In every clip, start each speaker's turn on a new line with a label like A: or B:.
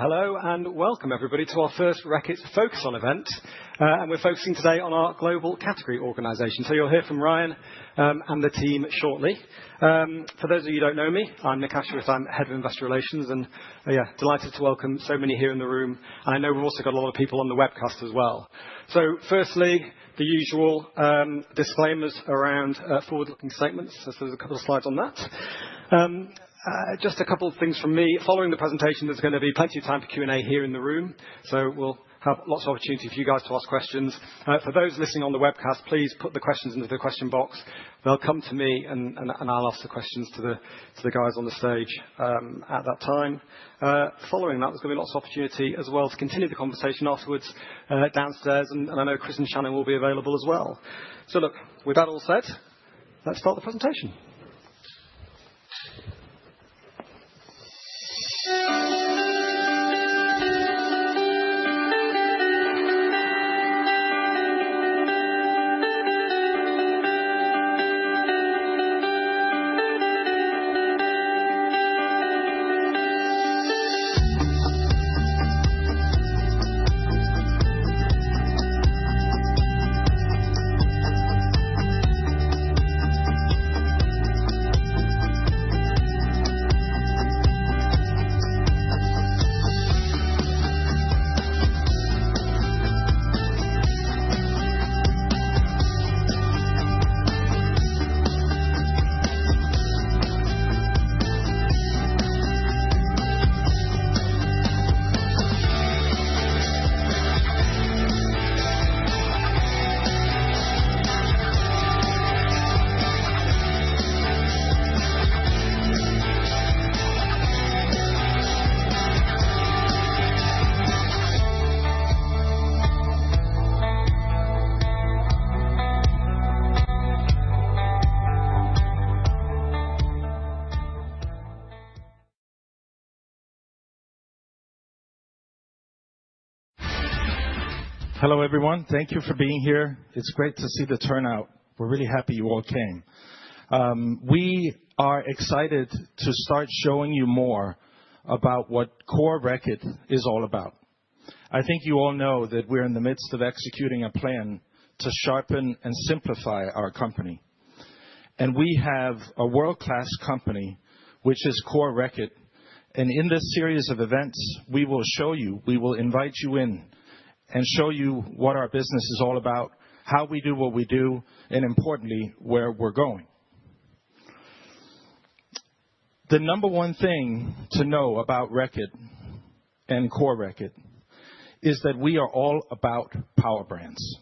A: Hello, and welcome, everybody, to our first Reckitt Focus On event and we're focusing today on our global category organization, so you'll hear from Ryan and the team shortly. For those of you who don't know me, I'm Nick Ashworth. I'm head of investor relations, and yeah, delighted to welcome so many here in the room, and I know we've also got a lot of people on the webcast as well, so firstly, the usual disclaimers around forward-looking statements, so there's a couple of slides on that. Just a couple of things from me. Following the presentation, there's going to be plenty of time for Q&A here in the room, so we'll have lots of opportunity for you guys to ask questions. For those listening on the webcast, please put the questions into the question box. They'll come to me, and I'll ask the questions to the guys on the stage at that time. Following that, there's going to be lots of opportunity as well to continue the conversation afterwards downstairs, and I know Kris and Shannon will be available as well. So look, with that all said, let's start the presentation.
B: Hello, everyone. Thank you for being here. It's great to see the turnout. We're really happy you all came. We are excited to start showing you more about what core Reckitt is all about. I think you all know that we're in the midst of executing a plan to sharpen and simplify our company, and we have a world-class company, which is Core Reckitt, and in this series of events, we will show you, we will invite you in, and show you what our business is all about, how we do what we do, and importantly, where we're going. The number one thing to know about Reckitt and Core Reckitt is that we are all about Power Brands.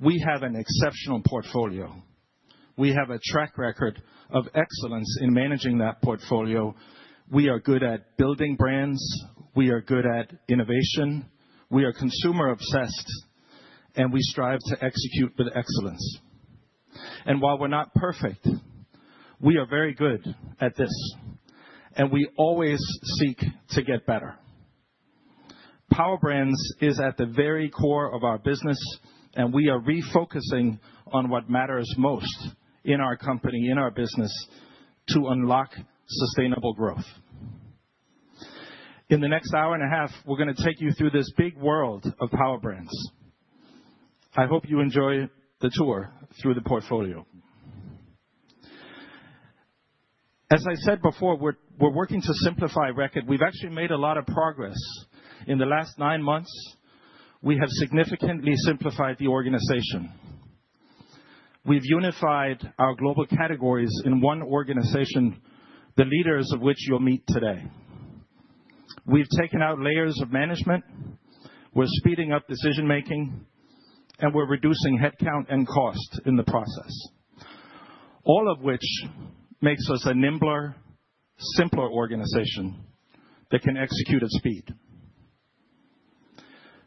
B: We have an exceptional portfolio. We have a track record of excellence in managing that portfolio. We are good at building brands. We are good at innovation. We are consumer-obsessed. We strive to execute with excellence. While we're not perfect, we are very good at this. We always seek to get better. Power Brands is at the very core of our business. We are refocusing on what matters most in our company, in our business, to unlock sustainable growth. In the next hour and a half, we're going to take you through this big world of Power Brands. I hope you enjoy the tour through the portfolio. As I said before, we're working to simplify Reckitt. We've actually made a lot of progress in the last nine months. We have significantly simplified the organization. We've unified our global categories in one organization, the leaders of which you'll meet today. We've taken out layers of management. We're speeding up decision-making. And we're reducing headcount and cost in the process, all of which makes us a nimbler, simpler organization that can execute at speed.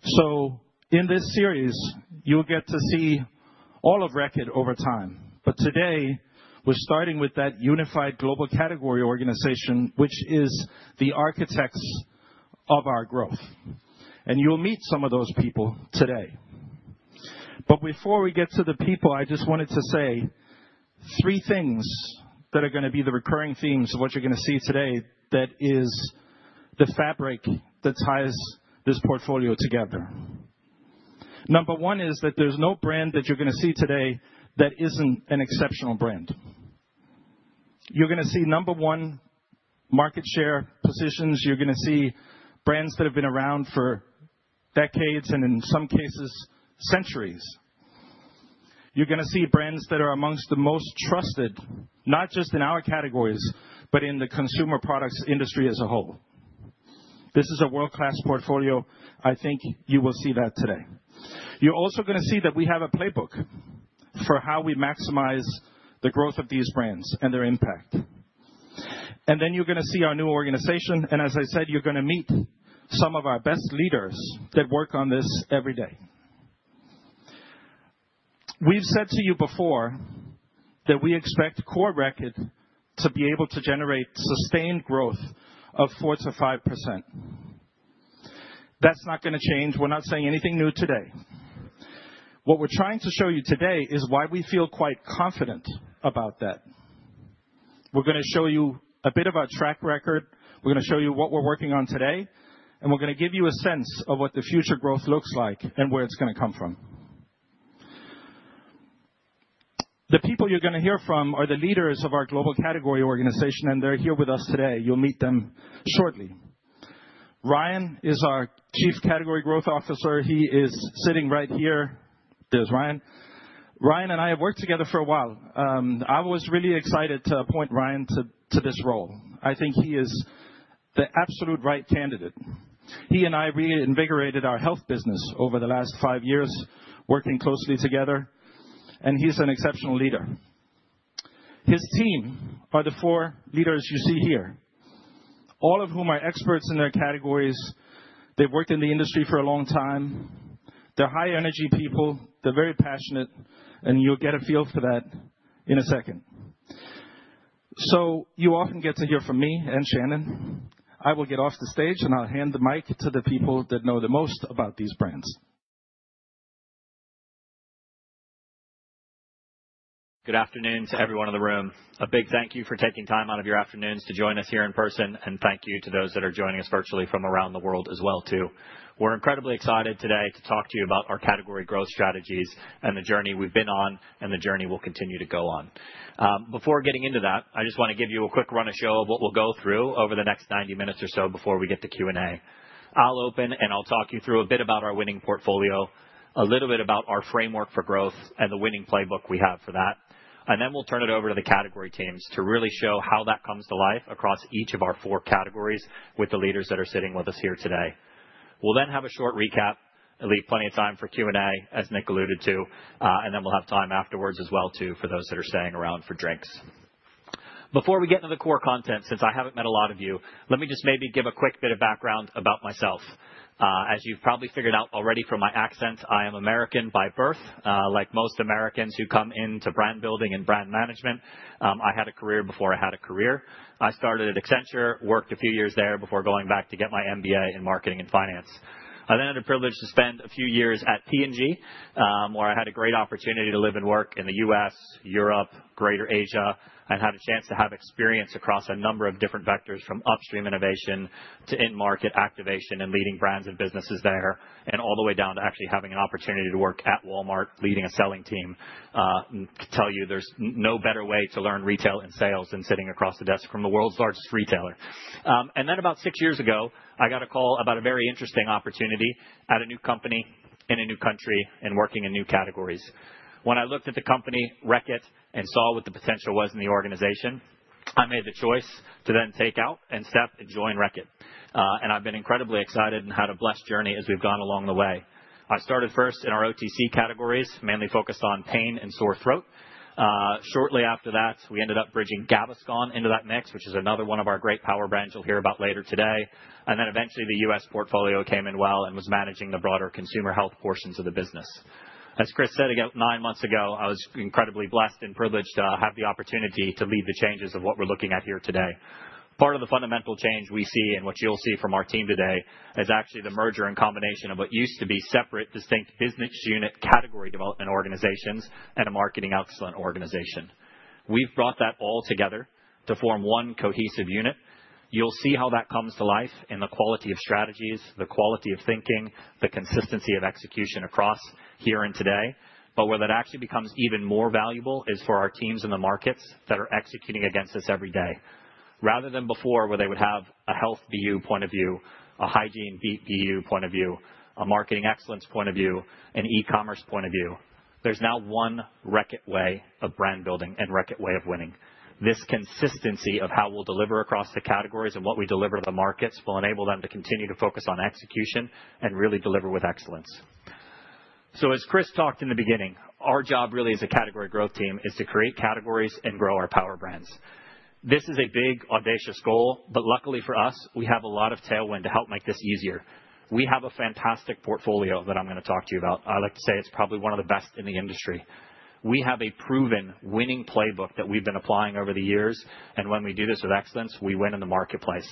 B: So in this series, you'll get to see all of Reckitt over time. But today, we're starting with that unified global category organization, which is the architects of our growth. And you'll meet some of those people today. But before we get to the people, I just wanted to say three things that are going to be the recurring themes of what you're going to see today that is the fabric that ties this portfolio together. Number one is that there's no brand that you're going to see today that isn't an exceptional brand. You're going to see number one market share positions. You're going to see brands that have been around for decades and, in some cases, centuries. You're going to see brands that are among the most trusted, not just in our categories, but in the consumer products industry as a whole. This is a world-class portfolio. I think you will see that today. You're also going to see that we have a playbook for how we maximize the growth of these brands and their impact. And then you're going to see our new organization. And as I said, you're going to meet some of our best leaders that work on this every day. We've said to you before that we expect Core Reckitt to be able to generate sustained growth of 4%-5%. That's not going to change. We're not saying anything new today. What we're trying to show you today is why we feel quite confident about that. We're going to show you a bit of our track record. We're going to show you what we're working on today. And we're going to give you a sense of what the future growth looks like and where it's going to come from. The people you're going to hear from are the leaders of our global category organization. And they're here with us today. You'll meet them shortly. Ryan is our Chief Category Growth Officer. He is sitting right here. There's Ryan. Ryan and I have worked together for a while. I was really excited to appoint Ryan to this role. I think he is the absolute right candidate. He and I reinvigorated our Health business over the last five years, working closely together. And he's an exceptional leader. His team are the four leaders you see here, all of whom are experts in their categories. They've worked in the industry for a long time. They're high-energy people. They're very passionate. And you'll get a feel for that in a second. So you often get to hear from me and Shannon. I will get off the stage, and I'll hand the mic to the people that know the most about these brands.
C: Good afternoon to everyone in the room. A big thank you for taking time out of your afternoons to join us here in person, and thank you to those that are joining us virtually from around the world as well, too. We're incredibly excited today to talk to you about our category growth strategies and the journey we've been on and the journey we'll continue to go on. Before getting into that, I just want to give you a quick run of show of what we'll go through over the next 90 minutes or so before we get to Q&A. I'll open, and I'll talk you through a bit about our winning portfolio, a little bit about our framework for growth, and the winning playbook we have for that. And then we'll turn it over to the category teams to really show how that comes to life across each of our four categories with the leaders that are sitting with us here today. We'll then have a short recap. I'll leave plenty of time for Q&A, as Nick alluded to. And then we'll have time afterwards as well, too, for those that are staying around for drinks. Before we get into the core content, since I haven't met a lot of you, let me just maybe give a quick bit of background about myself. As you've probably figured out already from my accent, I am American by birth, like most Americans who come into brand building and brand management. I had a career before I had a career. I started at Accenture, worked a few years there before going back to get my MBA in marketing and finance. I then had the privilege to spend a few years at P&G, where I had a great opportunity to live and work in the U.S., Europe, Greater Asia, and had a chance to have experience across a number of different vectors, from upstream innovation to in-market activation and leading brands and businesses there, and all the way down to actually having an opportunity to work at Walmart, leading a selling team. I can tell you there's no better way to learn retail and sales than sitting across the desk from the world's largest retailer, and then about six years ago, I got a call about a very interesting opportunity at a new company in a new country and working in new categories. When I looked at the company Reckitt and saw what the potential was in the organization, I made the choice to then take out and step and join Reckitt, and I've been incredibly excited and had a blessed journey as we've gone along the way. I started first in our OTC categories, mainly focused on pain and sore throat. Shortly after that, we ended up bridging Gaviscon into that mix, which is another one of our great Power Brands you'll hear about later today, and then eventually, the U.S. portfolio came in well and was managing the broader consumer health portions of the business. As Kris said about nine months ago, I was incredibly blessed and privileged to have the opportunity to lead the changes of what we're looking at here today. Part of the fundamental change we see and what you'll see from our team today is actually the merger and combination of what used to be separate, distinct business unit category development organizations and a Marketing Excellence organization. We've brought that all together to form one cohesive unit. You'll see how that comes to life in the quality of strategies, the quality of thinking, the consistency of execution across here and today. But where that actually becomes even more valuable is for our teams in the markets that are executing against us every day. Rather than before, where they would have a Health BU point of view, a Hygiene BU point of view, a Marketing Excellence point of view, an e-commerce point of view, there's now one Reckitt way of brand building and Reckitt way of winning. This consistency of how we'll deliver across the categories and what we deliver to the markets will enable them to continue to focus on execution and really deliver with excellence. So as Kris talked in the beginning, our job really as a category growth team is to create categories and grow our Power Brands. This is a big, audacious goal. But luckily for us, we have a lot of tailwind to help make this easier. We have a fantastic portfolio that I'm going to talk to you about. I like to say it's probably one of the best in the industry. We have a proven winning playbook that we've been applying over the years. And when we do this with excellence, we win in the marketplace.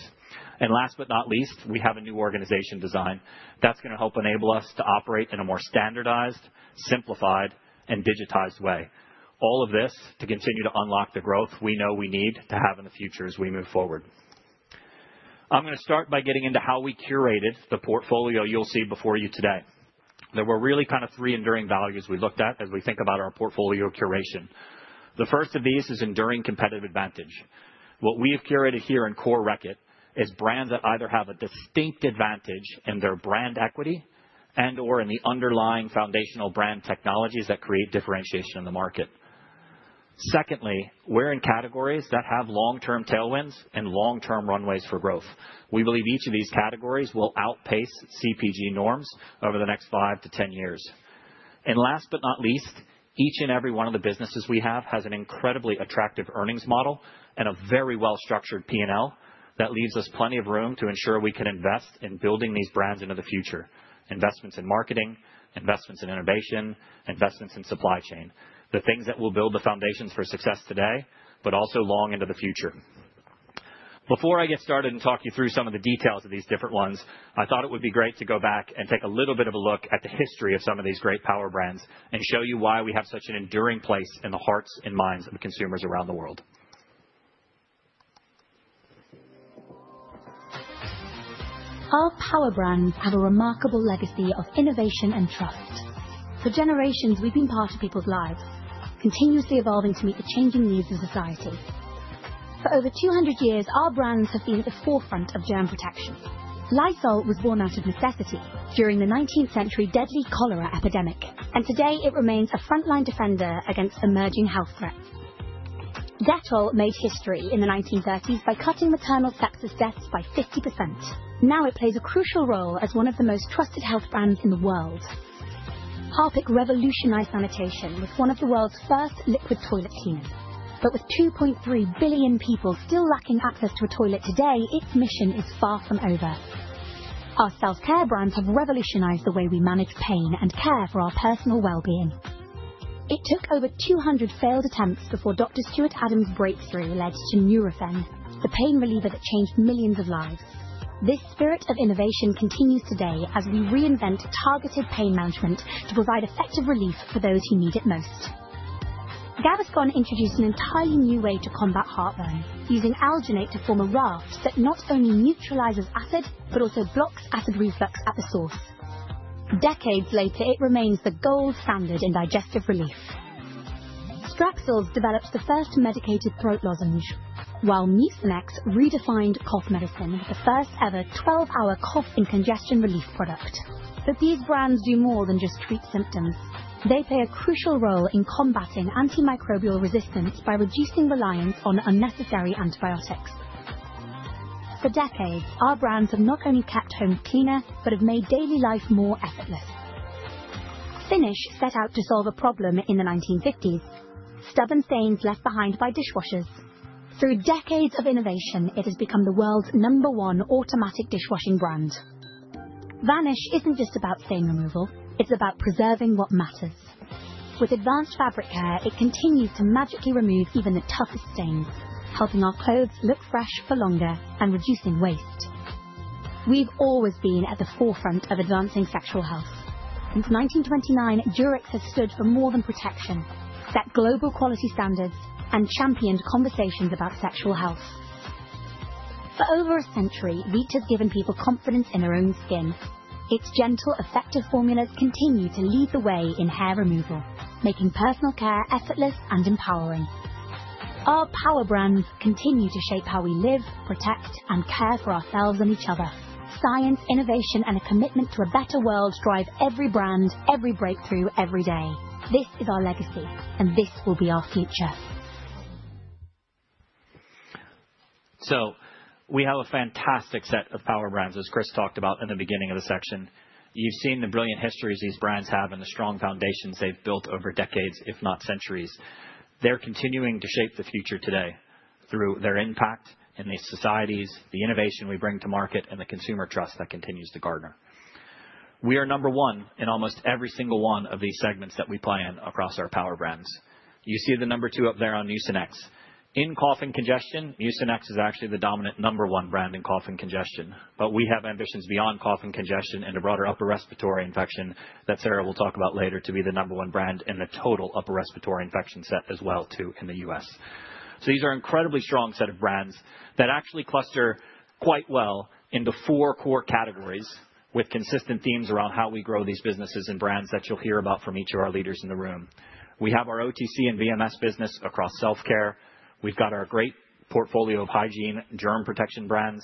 C: And last but not least, we have a new organization design that's going to help enable us to operate in a more standardized, simplified, and digitized way. All of this to continue to unlock the growth we know we need to have in the future as we move forward. I'm going to start by getting into how we curated the portfolio you'll see before you today. There were really kind of three enduring values we looked at as we think about our portfolio curation. The first of these is enduring competitive advantage. What we have curated here in Core Reckitt is brands that either have a distinct advantage in their brand equity and/or in the underlying foundational brand technologies that create differentiation in the market. Secondly, we're in categories that have long-term tailwinds and long-term runways for growth. We believe each of these categories will outpace CPG norms over the next five to 10 years, and last but not least, each and every one of the businesses we have has an incredibly attractive earnings model and a very well-structured P&L that leaves us plenty of room to ensure we can invest in building these brands into the future: investments in marketing, investments in innovation, investments in supply chain, the things that will build the foundations for success today, but also long into the future. Before I get started and talk you through some of the details of these different ones, I thought it would be great to go back and take a little bit of a look at the history of some of these great power brands and show you why we have such an enduring place in the hearts and minds of consumers around the world. Our power brands have a remarkable legacy of innovation and trust. For generations, we've been part of people's lives, continuously evolving to meet the changing needs of society. For over 200 years, our brands have been at the forefront of Germ Protection. Lysol was born out of necessity during the 19th-century deadly cholera epidemic. And today, it remains a frontline defender against emerging health threats. Dettol made history in the 1930s by cutting maternal sepsis deaths by 50%. Now, it plays a crucial role as one of the most trusted health brands in the world. Harpic revolutionized sanitation with one of the world's first liquid toilet cleaners. But with 2.3 billion people still lacking access to a toilet today, its mission is far from over. Our Self-Care brands have revolutionized the way we manage pain and care for our personal well-being. It took over 200 failed attempts before Dr. Stewart Adams' breakthrough led to Nurofen, the pain reliever that changed millions of lives. This spirit of innovation continues today as we reinvent targeted pain management to provide effective relief for those who need it most. Gaviscon introduced an entirely new way to combat heartburn, using alginate to form a raft that not only neutralizes acid but also blocks acid reflux at the source. Decades later, it remains the gold standard in digestive relief. Strepsils developed the first medicated throat lozenge, while Mucinex redefined cough medicine with the first ever 12-hour cough and congestion relief product. But these brands do more than just treat symptoms. They play a crucial role in combating antimicrobial resistance by reducing reliance on unnecessary antibiotics. For decades, our brands have not only kept homes cleaner but have made daily life more effortless. Finish set out to solve a problem in the 1950s: stubborn stains left behind by dishwashers. Through decades of innovation, it has become the world's number one automatic dishwashing brand. Vanish isn't just about stain removal. It's about preserving what matters. With advanced fabric care, it continues to magically remove even the toughest stains, helping our clothes look fresh for longer and reducing waste. We've always been at the forefront of advancing sexual health. Since 1929, Durex has stood for more than protection. Set global quality standards and championed conversations about sexual health. For over a century, Veet has given people confidence in their own skin. Its gentle, effective formulas continue to lead the way in hair removal, making personal care effortless and empowering. Our Power Brands continue to shape how we live, protect, and care for ourselves and each other. Science, innovation, and a commitment to a better world drive every brand, every breakthrough, every day. This is our legacy, and this will be our future. So we have a fantastic set of power brands, as Kris talked about in the beginning of the section. You've seen the brilliant histories these brands have and the strong foundations they've built over decades, if not centuries. They're continuing to shape the future today through their impact in these societies, the innovation we bring to market, and the consumer trust that continues to garner. We are number one in almost every single one of these segments that we play in across our power brands. You see the number two up there on Mucinex. In cough and congestion, Mucinex is actually the dominant number one brand in cough and congestion. But we have ambitions beyond cough and congestion and a broader upper respiratory infection that Serra will talk about later to be the number one brand in the total upper respiratory infection set as well, too, in the U.S. So these are an incredibly strong set of brands that actually cluster quite well into four core categories with consistent themes around how we grow these businesses and brands that you'll hear about from each of our leaders in the room. We have our OTC and VMS business across Self-Care. We've got our great portfolio of hygiene and Germ Protection brands.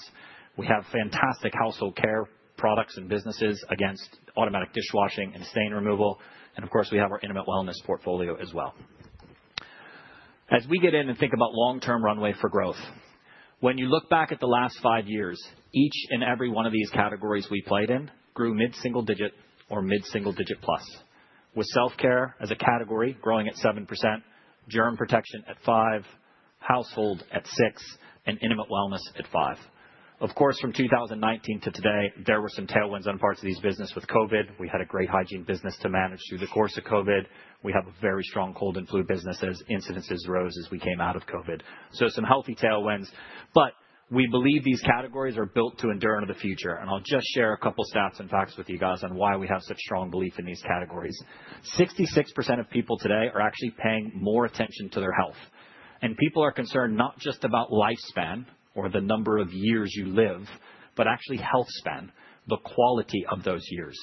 C: We have fantastic household care products and businesses against automatic dishwashing and stain removal. And of course, we have our Intimate Wellness portfolio as well. As we get in and think about long-term runway for growth, when you look back at the last five years, each and every one of these categories we played in grew mid-single digit or mid-single digit plus, with Self-Care as a category growing at 7%, Germ Protection at 5%, household at 6%, and Intimate Wellness at 5%. Of course, from 2019 to today, there were some tailwinds on parts of these businesses. With COVID, we had a great hygiene business to manage through the course of COVID. We have very strong cold and flu businesses as incidences rose as we came out of COVID. So some healthy tailwinds. But we believe these categories are built to endure into the future. And I'll just share a couple of stats and facts with you guys on why we have such strong belief in these categories. 66% of people today are actually paying more attention to their health. And people are concerned not just about lifespan or the number of years you live, but actually health span, the quality of those years.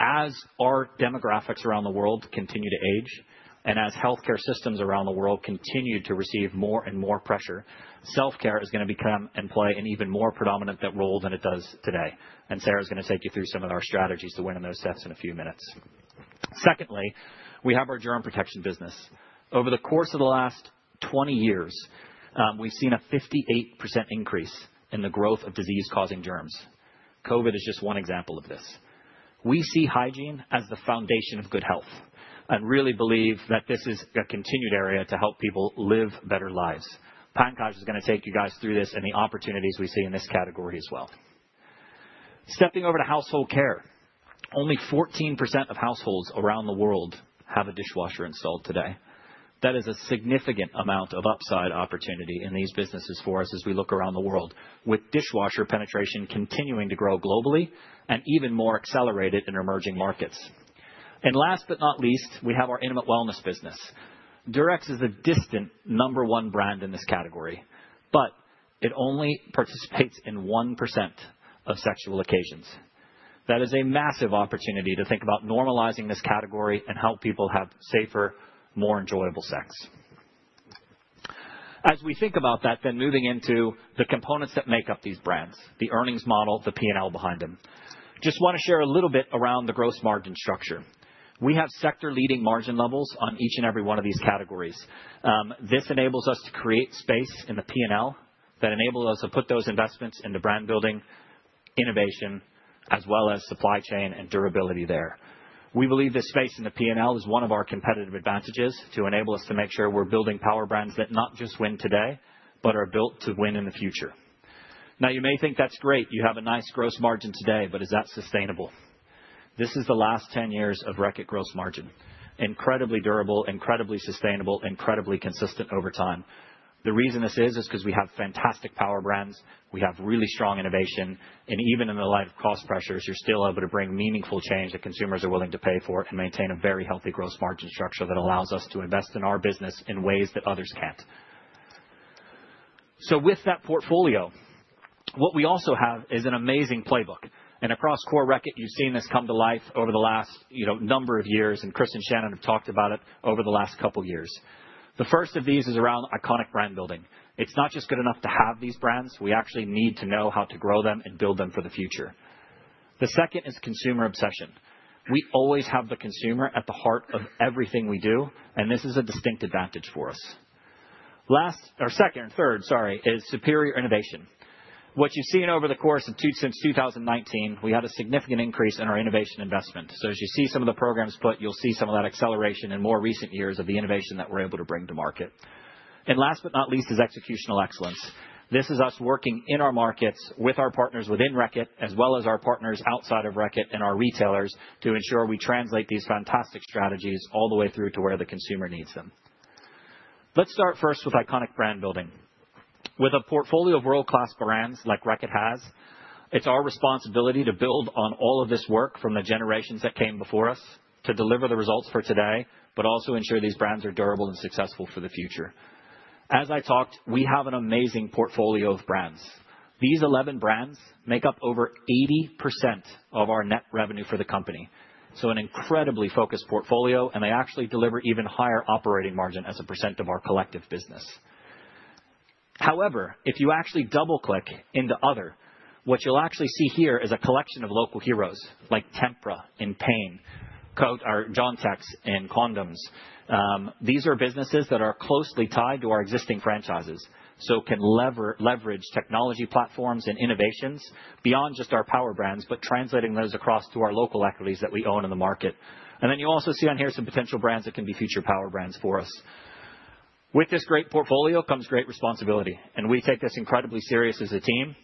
C: As our demographics around the world continue to age and as healthcare systems around the world continue to receive more and more pressure, Self-Care is going to become and play an even more predominant role than it does today. And Serra is going to take you through some of our strategies to win in those steps in a few minutes. Secondly, we have our Germ Protection business. Over the course of the last 20 years, we've seen a 58% increase in the growth of disease-causing germs. COVID is just one example of this. We see hygiene as the foundation of good health and really believe that this is a continued area to help people live better lives. Pankaj is going to take you guys through this and the opportunities we see in this category as well. Stepping over to Household Care, only 14% of households around the world have a dishwasher installed today. That is a significant amount of upside opportunity in these businesses for us as we look around the world, with dishwasher penetration continuing to grow globally and even more accelerated in Emerging markets. Last but not least, we have our Intimate Wellness business. Durex is a distant number one brand in this category, but it only participates in 1% of sexual occasions. That is a massive opportunity to think about normalizing this category and help people have safer, more enjoyable sex. As we think about that, then moving into the components that make up these brands: the earnings model, the P&L behind them. Just want to share a little bit around the gross margin structure. We have sector-leading margin levels on each and every one of these categories. This enables us to create space in the P&L that enables us to put those investments into brand building, innovation, as well as supply chain and durability there. We believe this space in the P&L is one of our competitive advantages to enable us to make sure we're building Power Brands that not just win today, but are built to win in the future. Now, you may think that's great. You have a nice gross margin today, but is that sustainable? This is the last 10 years of Reckitt gross margin: incredibly durable, incredibly sustainable, incredibly consistent over time. The reason this is because we have fantastic Power Brands. We have really strong innovation. And even in the light of cost pressures, you're still able to bring meaningful change that consumers are willing to pay for and maintain a very healthy gross margin structure that allows us to invest in our business in ways that others can't. So with that portfolio, what we also have is an amazing playbook. And across Core Reckitt, you've seen this come to life over the last number of years. And Kris and Shannon have talked about it over the last couple of years. The first of these is around iconic brand building. It's not just good enough to have these brands. We actually need to know how to grow them and build them for the future. The second is consumer obsession. We always have the consumer at the heart of everything we do, and this is a distinct advantage for us. Last, or second, third, sorry, is superior innovation. What you've seen over the course of since 2019, we had a significant increase in our innovation Investment. So as you see some of the programs put, you'll see some of that acceleration in more recent years of the innovation that we're able to bring to market. And last but not least is executional excellence. This is us working in our markets with our partners within Reckitt, as well as our partners outside of Reckitt and our retailers, to ensure we translate these fantastic strategies all the way through to where the consumer needs them. Let's start first with iconic brand building. With a portfolio of world-class brands like Reckitt has, it's our responsibility to build on all of this work from the generations that came before us to deliver the results for today, but also ensure these brands are durable and successful for the future. As I talked, we have an amazing portfolio of brands. These 11 brands make up over 80% of our net revenue for the company. So an incredibly focused portfolio, and they actually deliver even higher operating margin as a % of our collective business. However, if you actually double-click into Other, what you'll actually see here is a collection of local heroes like Tempra in pain, Kohinoor or Jontex in condoms. These are businesses that are closely tied to our existing franchises, so can leverage technology platforms and innovations beyond just our power brands, but translating those across to our local equities that we own in the market. And then you also see on here some potential brands that can be future power brands for us. With this great portfolio comes great responsibility, and we take this incredibly serious as a team.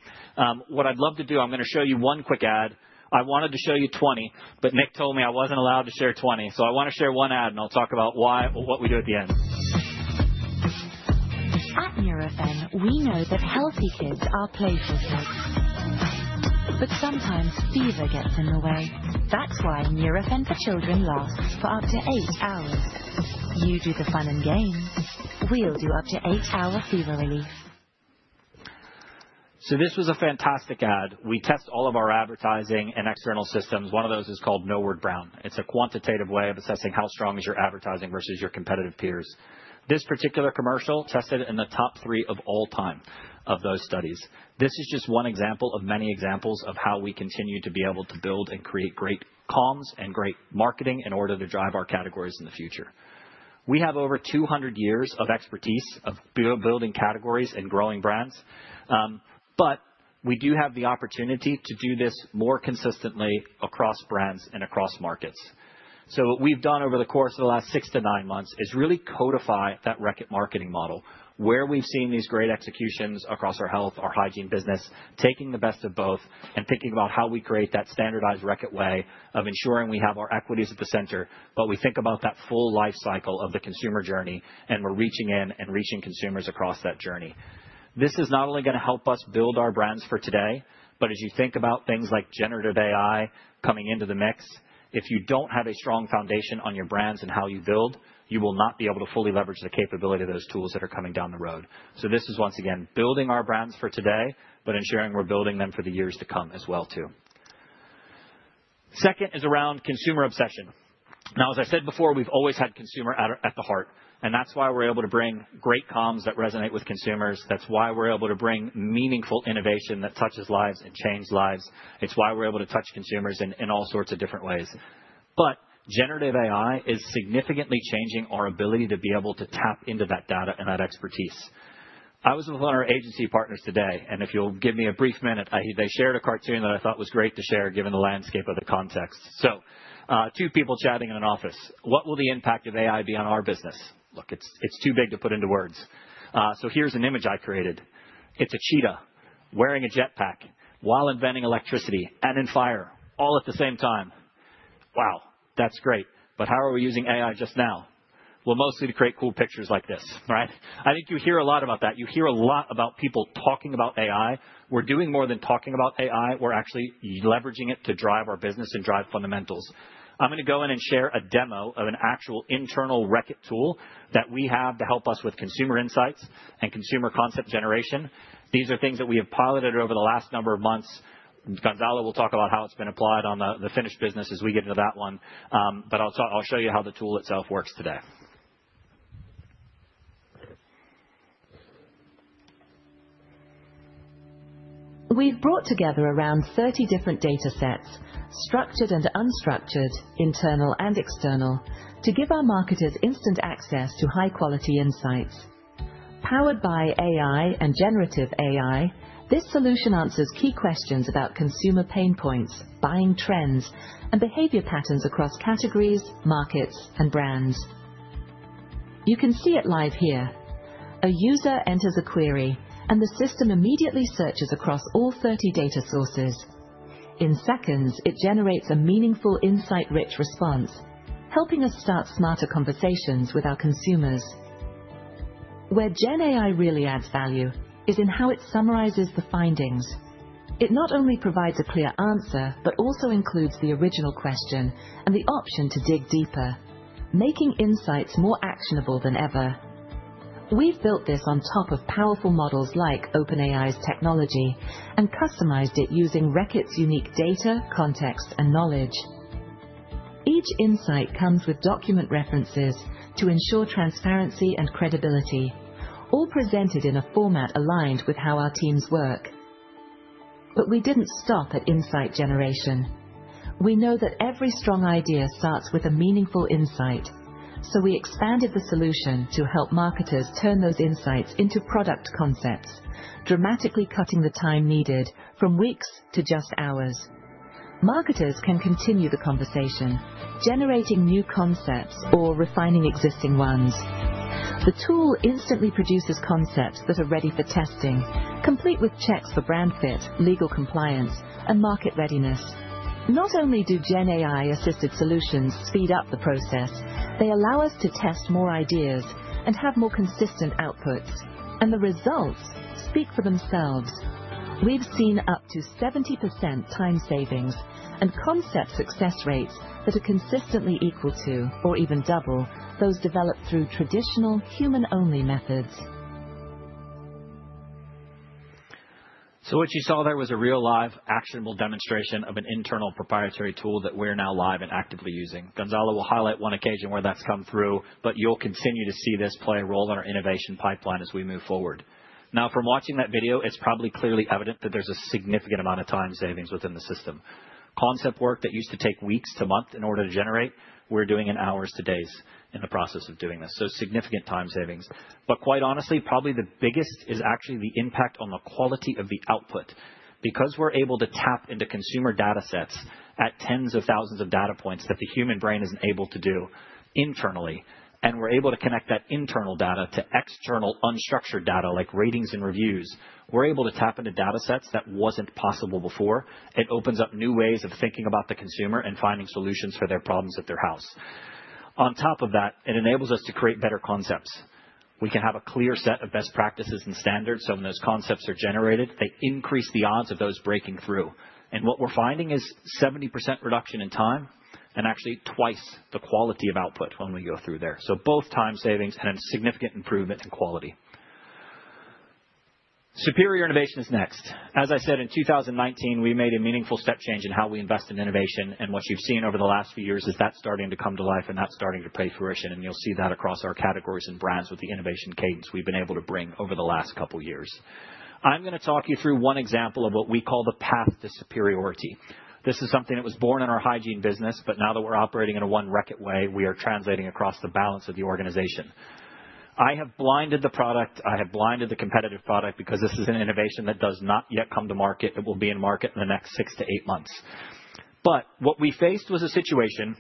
C: What I'd love to do, I'm going to show you one quick ad. I wanted to show you 20, but Nick told me I wasn't allowed to share 20. So I want to share one ad, and I'll talk about why or what we do at the end. At Nurofen, we know that healthy kids are playful kids. But sometimes fever gets in the way. That's why Nurofen for Children lasts for up to eight hours. You do the fun and games. We'll do up to eight-hour fever relief. So this was a fantastic ad. We test all of our advertising and external systems. One of those is called Millward Brown. It's a quantitative way of assessing how strong is your advertising versus your competitive peers. This particular commercial tested in the top three of all time of those studies. This is just one example of many examples of how we continue to be able to build and create great comms and great marketing in order to drive our categories in the future. We have over 200 years of expertise of building categories and growing brands. But we do have the opportunity to do this more consistently across brands and across markets. What we've done over the course of the last six to nine months is really codify that Reckitt marketing model, where we've seen these great executions across our health, our hygiene business, taking the best of both and thinking about how we create that standardized Reckitt way of ensuring we have our equities at the center. But we think about that full life cycle of the consumer journey, and we're reaching in and reaching consumers across that journey. This is not only going to help us build our brands for today, but as you think about things like generative AI coming into the mix, if you don't have a strong foundation on your brands and how you build, you will not be able to fully leverage the capability of those tools that are coming down the road. So this is once again building our brands for today, but ensuring we're building them for the years to come as well, too. Second is around consumer obsession. Now, as I said before, we've always had consumer at the heart, and that's why we're able to bring great comms that resonate with consumers. That's why we're able to bring meaningful innovation that touches lives and changes lives. It's why we're able to touch consumers in all sorts of different ways. But generative AI is significantly changing our ability to be able to tap into that data and that expertise. I was with one of our agency partners today, and if you'll give me a brief minute, they shared a cartoon that I thought was great to share given the landscape of the context. So two people chatting in an office. What will the impact of AI be on our business? Look, it's too big to put into words. So here's an image I created. It's a cheetah wearing a jet pack while inventing electricity and on fire all at the same time. Wow, that's great. But how are we using AI just now? Well, mostly to create cool pictures like this, right? I think you hear a lot about that. You hear a lot about people talking about AI. We're doing more than talking about AI. We're actually leveraging it to drive our business and drive fundamentals. I'm going to go in and share a demo of an actual internal Reckitt tool that we have to help us with consumer insights and consumer concept generation. These are things that we have piloted over the last number of months. Gonzalo will talk about how it's been applied on the Finish business as we get into that one. But I'll show you how the tool itself works today. We've brought together around 30 different data sets, structured and unstructured, internal and external, to give our marketers instant access to high-quality insights. Powered by AI and generative AI, this solution answers key questions about consumer pain points, buying trends, and behavior patterns across categories, markets, and brands. You can see it live here. A user enters a query, and the system immediately searches across all 30 data sources. In seconds, it generates a meaningful, insight-rich response, helping us start smarter conversations with our consumers. Where GenAI really adds value is in how it summarizes the findings. It not only provides a clear answer, but also includes the original question and the option to dig deeper, making insights more actionable than ever. We've built this on top of powerful models like OpenAI's technology and customized it using Reckitt's unique data, context, and knowledge. Each insight comes with document references to ensure transparency and credibility, all presented in a format aligned with how our teams work. But we didn't stop at insight generation. We know that every strong idea starts with a meaningful insight, so we expanded the solution to help marketers turn those insights into product concepts, dramatically cutting the time needed from weeks to just hours. Marketers can continue the conversation, generating new concepts or refining existing ones. The tool instantly produces concepts that are ready for testing, complete with checks for brand fit, legal compliance, and market readiness. Not only do GenAI-assisted solutions speed up the process, they allow us to test more ideas and have more consistent outputs. And the results speak for themselves. We've seen up to 70% time savings and concept success rates that are consistently equal to or even double those developed through traditional human-only methods. So what you saw there was a real-life, actionable demonstration of an internal proprietary tool that we're now live and actively using. Gonzalo will highlight one occasion where that's come through, but you'll continue to see this play a role in our innovation pipeline as we move forward. Now, from watching that video, it's probably clearly evident that there's a significant amount of time savings within the system. Concept work that used to take weeks to months in order to generate, we're doing in hours to days in the process of doing this. So significant time savings. But quite honestly, probably the biggest is actually the impact on the quality of the output. Because we're able to tap into consumer data sets at tens of thousands of data points that the human brain isn't able to do internally, and we're able to connect that internal data to external unstructured data like ratings and reviews, we're able to tap into data sets that weren't possible before. It opens up new ways of thinking about the consumer and finding solutions for their problems at their house. On top of that, it enables us to create better concepts. We can have a clear set of best practices and standards. So when those concepts are generated, they increase the odds of those breaking through. And what we're finding is 70% reduction in time and actually twice the quality of output when we go through there. So both time savings and a significant improvement in quality. Superior innovation is next. As I said, in 2019, we made a meaningful step change in how we invest in innovation. And what you've seen over the last few years is that starting to come to life and that starting to pay fruition. And you'll see that across our categories and brands with the innovation cadence we've been able to bring over the last couple of years. I'm going to talk you through one example of what we call the Path to Superiority. This is something that was born in our hygiene business, but now that we're operating in a one-Reckitt way, we are translating across the balance of the organization. I have blinded the product. I have blinded the competitive product because this is an innovation that does not yet come to market. It will be in market in the next six to eight months. But what we faced was a situation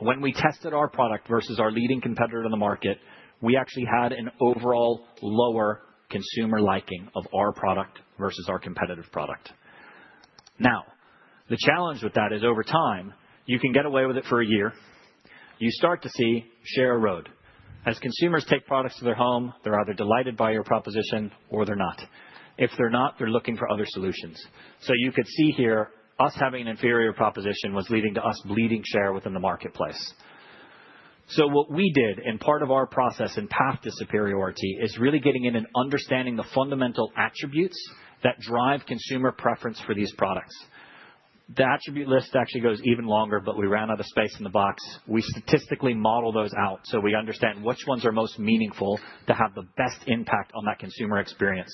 C: when we tested our product versus our leading competitor in the market, we actually had an overall lower consumer liking of our product versus our competitive product. Now, the challenge with that is over time, you can get away with it for a year. You start to see share erode. As consumers take products to their home, they're either delighted by your proposition or they're not. If they're not, they're looking for other solutions. So you could see here us having an inferior proposition was leading to us bleeding share within the marketplace. So what we did in part of our process and Path to Superiority is really getting in and understanding the fundamental attributes that drive consumer preference for these products. The attribute list actually goes even longer, but we ran out of space in the box. We statistically model those out so we understand which ones are most meaningful to have the best impact on that consumer experience.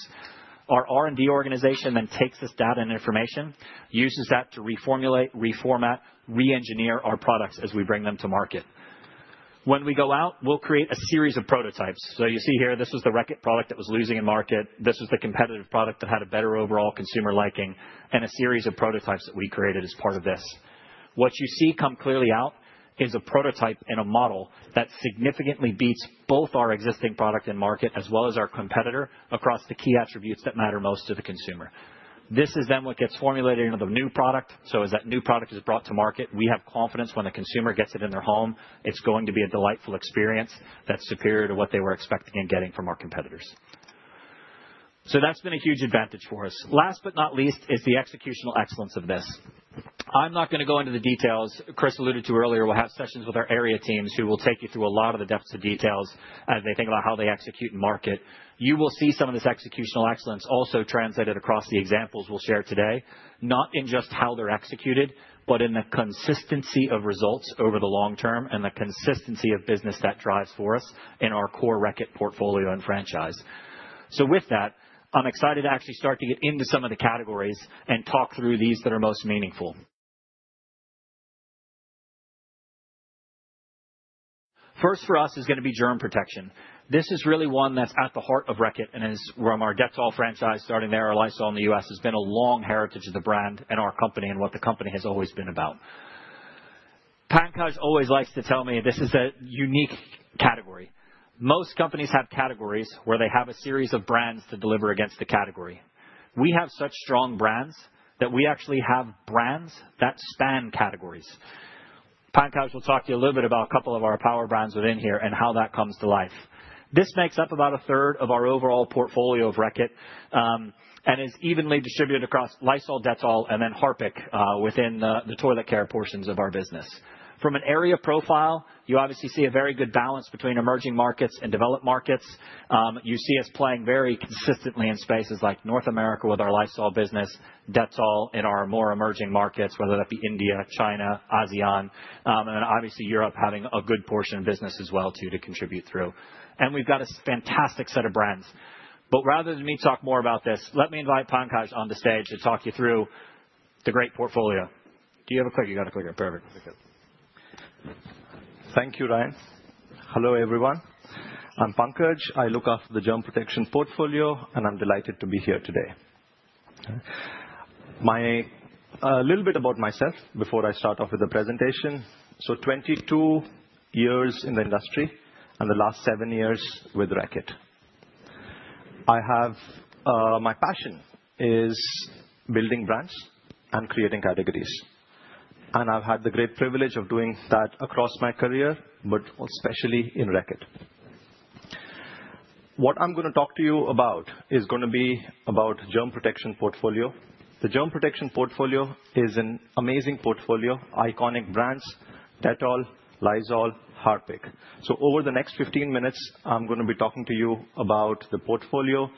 C: Our R&D organization then takes this data and information, uses that to reformulate, reformat, re-engineer our products as we bring them to market. When we go out, we'll create a series of prototypes. So you see here, this was the Reckitt product that was losing in market. This was the competitive product that had a better overall consumer liking and a series of prototypes that we created as part of this. What you see come clearly out is a prototype and a model that significantly beats both our existing product and market as well as our competitor across the key attributes that matter most to the consumer. This is then what gets formulated into the new product. So as that new product is brought to market, we have confidence when the consumer gets it in their home, it's going to be a delightful experience that's superior to what they were expecting and getting from our competitors. So that's been a huge advantage for us. Last but not least is the executional excellence of this. I'm not going to go into the details Kris alluded to earlier, we'll have sessions with our area teams who will take you through a lot of the depths of details as they think about how they execute and market. You will see some of this executional excellence also translated across the examples we'll share today, not in just how they're executed, but in the consistency of results over the long term and the consistency of business that drives for us in our Core Reckitt portfolio and franchise. So with that, I'm excited to actually start to get into some of the categories and talk through these that are most meaningful. First for us is going to be germ protection. This is really one that's at the heart of Reckitt and is from our Dettol franchise starting there. Our Lysol in the U.S. has been a long heritage of the brand and our company and what the company has always been about. Pankaj always likes to tell me this is a unique category. Most companies have categories where they have a series of brands to deliver against the category. We have such strong brands that we actually have brands that span categories. Pankaj will talk to you a little bit about a couple of our power brands within here and how that comes to life. This makes up about a third of our overall portfolio of Reckitt and is evenly distributed across Lysol, Dettol, and then Harpic within the toilet care portions of our business. From an area profile, you obviously see a very good balance between emerging markets and developed markets. You see us playing very consistently in spaces like North America with our Lysol business, Dettol in our more emerging markets, whether that be India, China, ASEAN, and then obviously Europe having a good portion of business as well too to contribute through. And we've got a fantastic set of brands. But rather than me talk more about this, let me invite Pankaj on the stage to talk you through the great portfolio. Do you have a clicker? You got a clicker. Perfect.
D: Thank you, Ryan. Hello, everyone. I'm Pankaj.I look after the germ protection portfolio, and I'm delighted to be here today. A little bit about myself before I start off with the presentation. So 22 years in the industry and the last seven years with Reckitt. My passion is building brands and creating categories. And I've had the great privilege of doing that across my career, but especially in Reckitt. What I'm going to talk to you about is going to be about germ protection portfolio. The germ protection portfolio is an amazing portfolio: iconic brands, Dettol, Lysol, Harpic. So over the next 15 minutes, I'm going to be talking to you about the portfolio,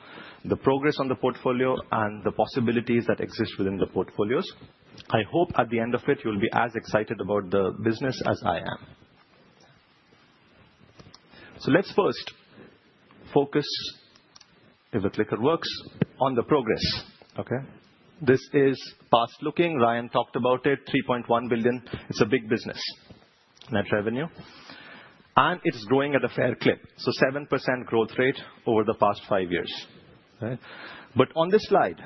D: the progress on the portfolio, and the possibilities that exist within the portfolios. I hope at the end of it, you'll be as excited about the business as I am. So let's first focus, if the clicker works, on the progress. This is past looking. Ryan talked about it: 3.1 billion. It's a big business net revenue, and it's growing at a fair clip. So 7% growth rate over the past five years. But on this slide,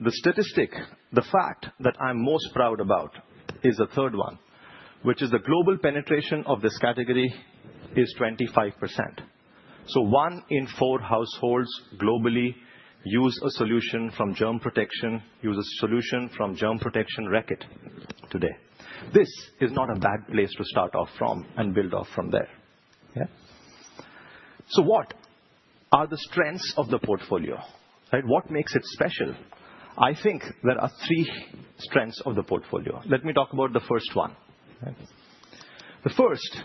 D: the statistic, the fact that I'm most proud about is the third one, which is the global penetration of this category is 25%. So one in four Households globally use a solution from germ protection, use a solution from germ protection Reckitt today. This is not a bad place to start off from and build off from there. So what are the strengths of the portfolio? What makes it special? I think there are three strengths of the portfolio. Let me talk about the first one. The first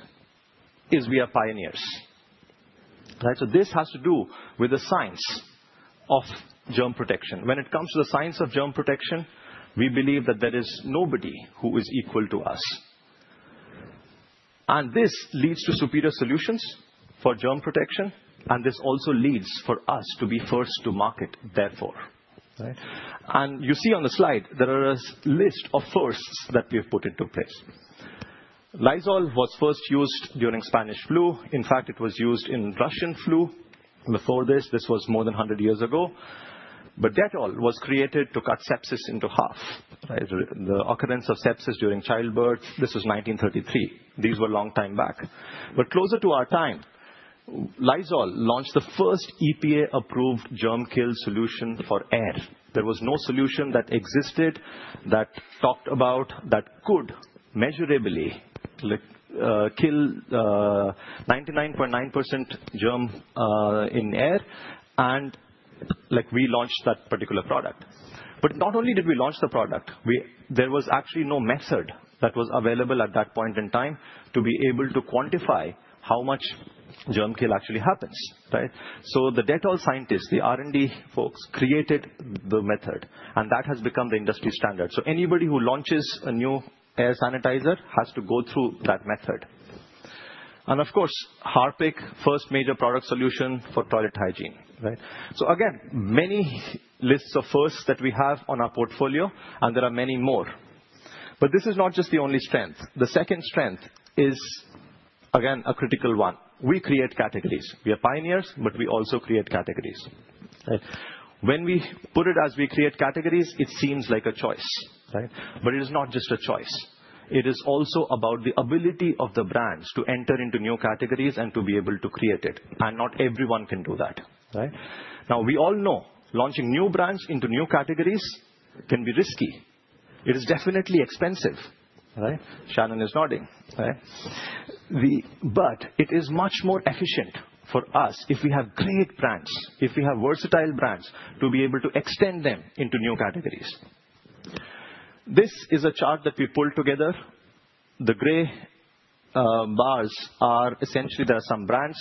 D: is we are pioneers. So this has to do with the science of germ protection. When it comes to the science of germ protection, we believe that there is nobody who is equal to us. And this leads to superior solutions for germ protection, and this also leads for us to be first to market, therefore. And you see on the slide, there are a list of firsts that we have put into place. Lysol was first used during Spanish flu. In fact, it was used in Russian flu before this. This was more than 100 years ago. But Dettol was created to cut sepsis in half. The occurrence of sepsis during childbirth, this was 1933. These were a long time back. But closer to our time, Lysol launched the first EPA-approved germ kill solution for air. There was no solution that existed that could measurably kill 99.9% of germs in air, and we launched that particular product. But not only did we launch the product, there was actually no method that was available at that point in time to be able to quantify how much germ kill actually happens. So the Dettol scientists, the R&D folks, created the method, and that has become the industry standard. So anybody who launches a new air sanitizer has to go through that method. And of course, Harpic, first major product solution for toilet hygiene. So again, many lists of firsts that we have on our portfolio, and there are many more. But this is not just the only strength. The second strength is, again, a critical one. We create categories. We are pioneers, but we also create categories. When we put it as we create categories, it seems like a choice. But it is not just a choice. It is also about the ability of the brands to enter into new categories and to be able to create it, and not everyone can do that. Now, we all know launching new brands into new categories can be risky. It is definitely expensive. Shannon is nodding, but it is much more efficient for us if we have great brands, if we have versatile brands, to be able to extend them into new categories. This is a chart that we pulled together. The gray bars are essentially there. There are some brands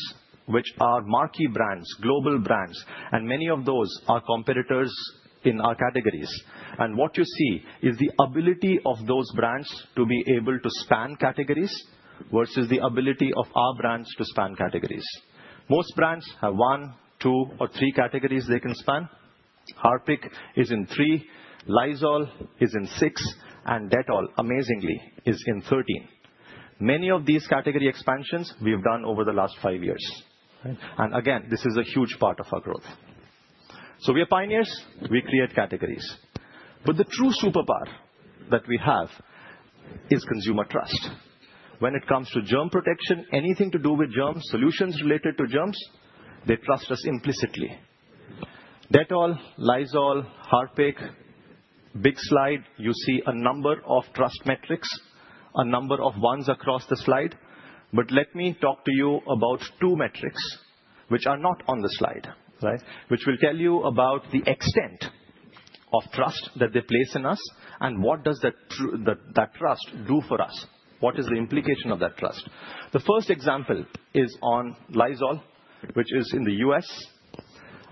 D: which are marquee brands, global brands, and many of those are competitors in our categories, and what you see is the ability of those brands to be able to span categories versus the ability of our brands to span categories. Most brands have one, two, or three categories they can span. Harpic is in three, Lysol is in six, and Dettol, amazingly, is in 13. Many of these category expansions we have done over the last five years, and again, this is a huge part of our growth, so we are pioneers. We create categories, but the true superpower that we have is consumer trust. When it comes to germ protection, anything to do with germs, solutions related to germs, they trust us implicitly. Dettol, Lysol, Harpic, big slide, you see a number of trust metrics, a number of ones across the slide. But let me talk to you about two metrics which are not on the slide, which will tell you about the extent of trust that they place in us and what does that trust do for us. What is the implication of that trust? The first example is on Lysol, which is in the U.S.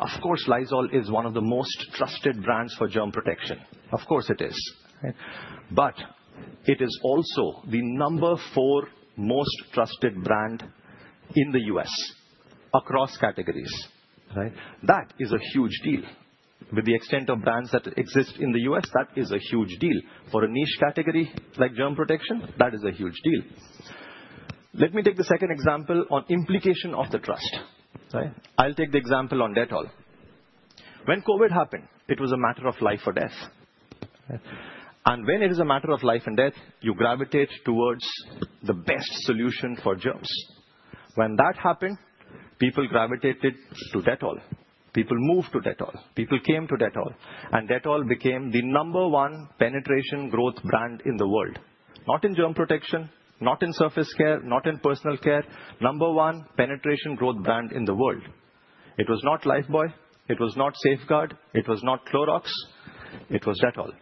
D: Of course, Lysol is one of the most trusted brands for germ protection. Of course, it is. But it is also the number four most trusted brand in the U.S. across categories. That is a huge deal. With the extent of brands that exist in the U.S., that is a huge deal. For a niche category like germ protection, that is a huge deal. Let me take the second example on implication of the trust. I'll take the example on Dettol. When COVID happened, it was a matter of life or death. And when it is a matter of life or death, you gravitate towards the best solution for germs. When that happened, people gravitated to Dettol. People moved to Dettol. People came to Dettol. And Dettol became the number one penetration growth brand in the world. Not in germ protection, not in surface care, not in personal care, number one penetration growth brand in the world. It was not Lifebuoy. It was not Safeguard. It was not Clorox. It was Dettol.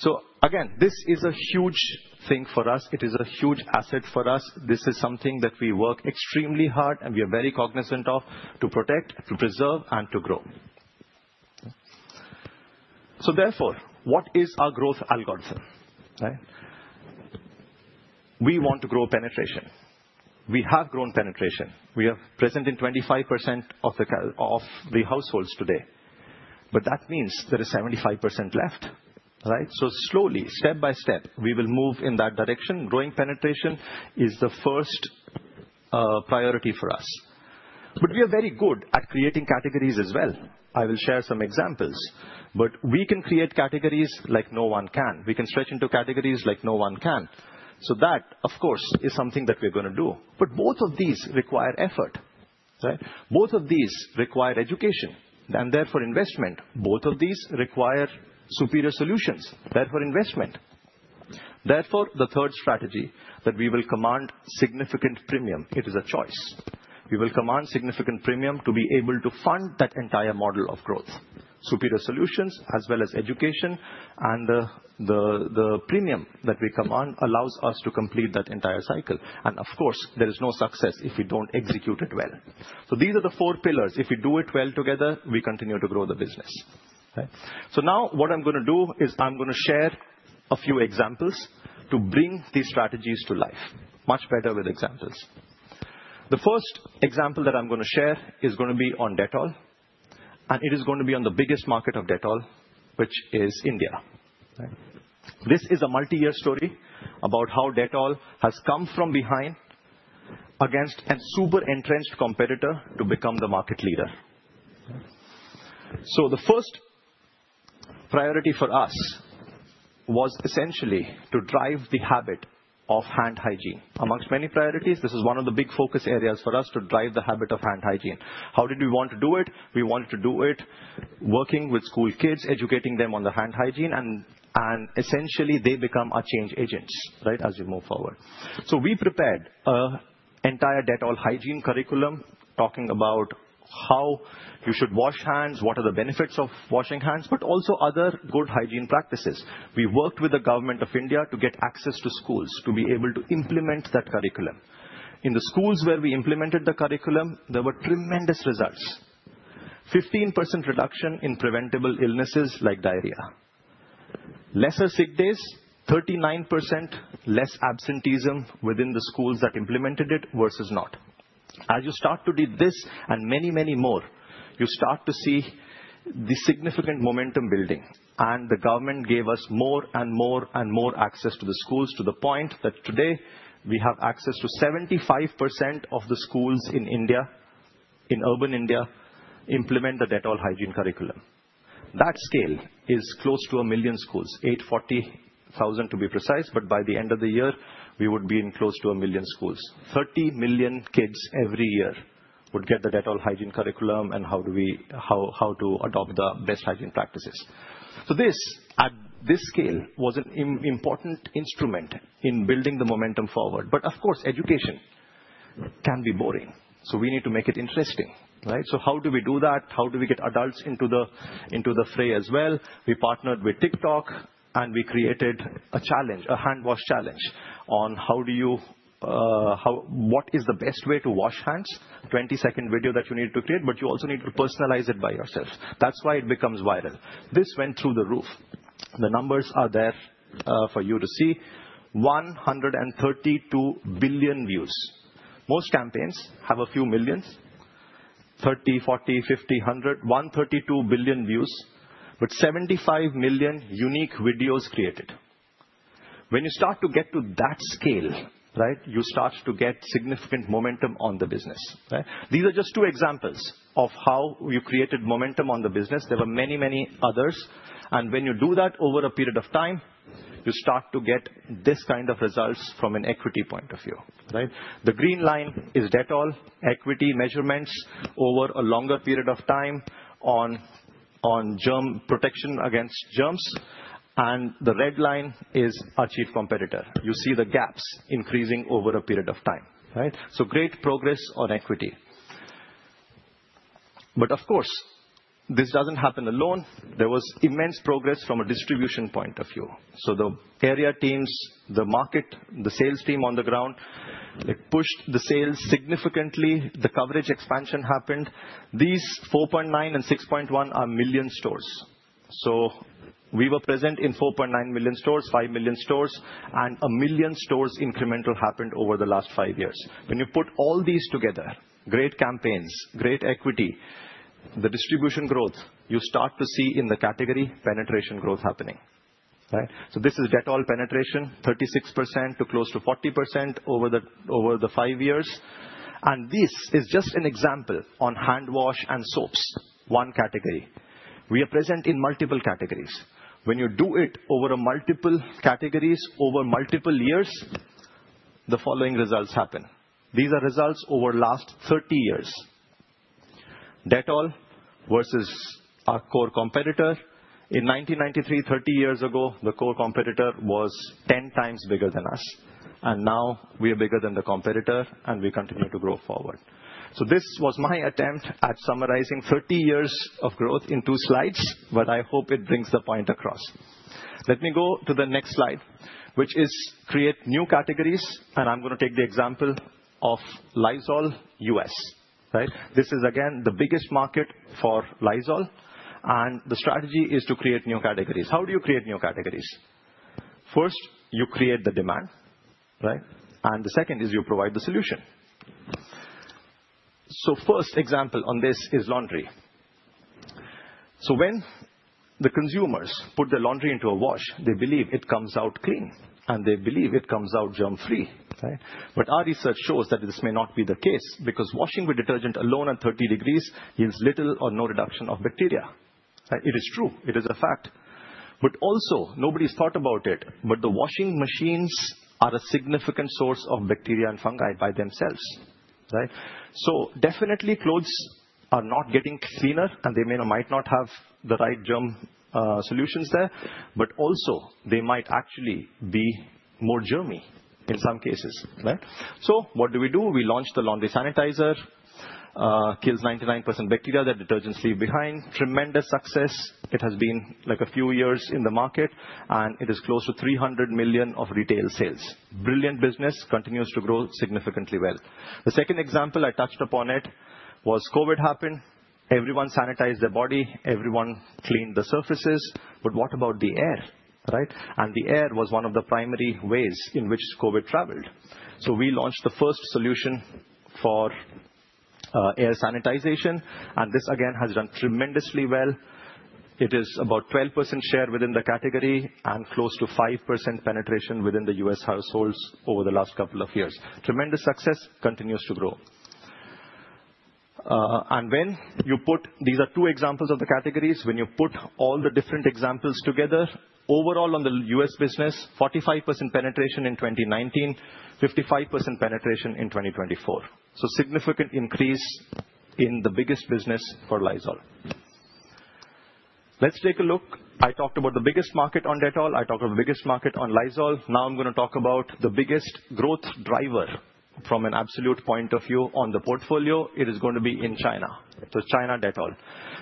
D: So again, this is a huge thing for us. It is a huge asset for us. This is something that we work extremely hard and we are very cognizant of to protect, to preserve, and to grow. So therefore, what is our growth algorithm? We want to grow penetration. We have grown penetration. We are present in 25% of the Households today. But that means there is 75% left. So slowly, step by step, we will move in that direction. Growing penetration is the first priority for us. But we are very good at creating categories as well. I will share some examples. But we can create categories like no one can. We can stretch into categories like no one can. So that, of course, is something that we're going to do. But both of these require effort. Both of these require education and therefore investment. Both of these require superior solutions, therefore investment. Therefore, the third strategy that we will command significant premium, it is a choice. We will command significant premium to be able to fund that entire model of growth. Superior solutions as well as education and the premium that we command allows us to complete that entire cycle. And of course, there is no success if we don't execute it well. So these are the four pillars. If we do it well together, we continue to grow the business. So now what I'm going to do is I'm going to share a few examples to bring these strategies to life, much better with examples. The first example that I'm going to share is going to be on Dettol, and it is going to be on the biggest market of Dettol, which is India. This is a multi-year story about how Dettol has come from behind against a super entrenched competitor to become the market leader. So the first priority for us was essentially to drive the habit of hand hygiene. Among many priorities, this is one of the big focus areas for us to drive the habit of hand hygiene. How did we want to do it? We wanted to do it working with school kids, educating them on the hand hygiene, and essentially they become our change agents as we move forward. So we prepared an entire Dettol Hygiene Curriculum talking about how you should wash hands, what are the benefits of washing hands, but also other good hygiene practices. We worked with the government of India to get access to schools to be able to implement that curriculum. In the schools where we implemented the curriculum, there were tremendous results. 15% reduction in preventable illnesses like diarrhea. Lesser sick days, 39% less absenteeism within the schools that implemented it versus not. As you start to read this and many, many more, you start to see the significant momentum building, and the government gave us more and more and more access to the schools to the point that today we have access to 75% of the schools in India, in urban India, implement the Dettol Hygiene Curriculum. That scale is close to a million schools, 840,000 to be precise, but by the end of the year, we would be in close to a million schools. 30 million kids every year would get the Dettol Hygiene Curriculum and how to adopt the best hygiene practices, so this at this scale was an important instrument in building the momentum forward, but of course, education can be boring, so we need to make it interesting. So how do we do that? How do we get adults into the fray as well? We partnered with TikTok and we created a challenge, a hand wash challenge on what is the best way to wash hands, 20-second video that you need to create, but you also need to personalize it by yourself. That's why it becomes viral. This went through the roof. The numbers are there for you to see: 132 billion views. Most campaigns have a few millions: 30, 40, 50, 100, 132 billion views, but 75 million unique videos created. When you start to get to that scale, you start to get significant momentum on the business. These are just two examples of how you created momentum on the business. There were many, many others, and when you do that over a period of time, you start to get this kind of results from an equity point of view. The green line is Dettol equity measurements over a longer period of time on germ protection against germs, and the red line is our chief competitor. You see the gaps increasing over a period of time, so great progress on equity, but of course, this doesn't happen alone. There was immense progress from a distribution point of view. So the area teams, the market, the sales team on the ground, they pushed the sales significantly. The coverage expansion happened. These 4.9 and 6.1 are million stores. So we were present in 4.9 million stores, 5 million stores, and a million stores incremental happened over the last five years. When you put all these together, great campaigns, great equity, the distribution growth, you start to see in the category penetration growth happening. So this is Dettol penetration, 36% to close to 40% over the five years. And this is just an example on hand wash and soaps, one category. We are present in multiple categories. When you do it over multiple categories over multiple years, the following results happen. These are results over the last 30 years. Dettol versus our core competitor. In 1993, 30 years ago, the core competitor was 10 times bigger than us. And now we are bigger than the competitor, and we continue to grow forward. This was my attempt at summarizing 30 years of growth in 2 slides, but I hope it brings the point across. Let me go to the next slide, which is create new categories, and I'm going to take the example of Lysol U.S. This is, again, the biggest market for Lysol, and the strategy is to create new categories. How do you create new categories? First, you create the demand, and the second is you provide the solution. So first example on this is laundry. So when the consumers put their laundry into a wash, they believe it comes out clean, and they believe it comes out germ-free. But our research shows that this may not be the case because washing with detergent alone at 30 degrees yields little or no reduction of bacteria. It is true. It is a fact. But also, nobody's thought about it, but the washing machines are a significant source of bacteria and fungi by themselves. So definitely clothes are not getting cleaner, and they may or may not have the right germ solutions there, but also they might actually be more germy in some cases. So what do we do? We launch the laundry sanitizer, kills 99% bacteria that detergents leave behind. Tremendous success. It has been like a few years in the market, and it is close to 300 million of retail sales. Brilliant business continues to grow significantly well. The second example I touched upon it was COVID happened. Everyone sanitized their body. Everyone cleaned the surfaces. But what about the air? And the air was one of the primary ways in which COVID traveled. So we launched the first solution for air sanitization, and this again has done tremendously well. It is about 12% share within the category and close to 5% penetration within the U.S. Households over the last couple of years. Tremendous success continues to grow. And when you put these, these are two examples of the categories. When you put all the different examples together, overall on the U.S. business, 45% penetration in 2019, 55% penetration in 2024. So significant increase in the biggest business for Lysol. Let's take a look. I talked about the biggest market on Dettol. I talked about the biggest market on Lysol. Now I'm going to talk about the biggest growth driver from an absolute point of view on the portfolio. It is going to be in China. So China Dettol.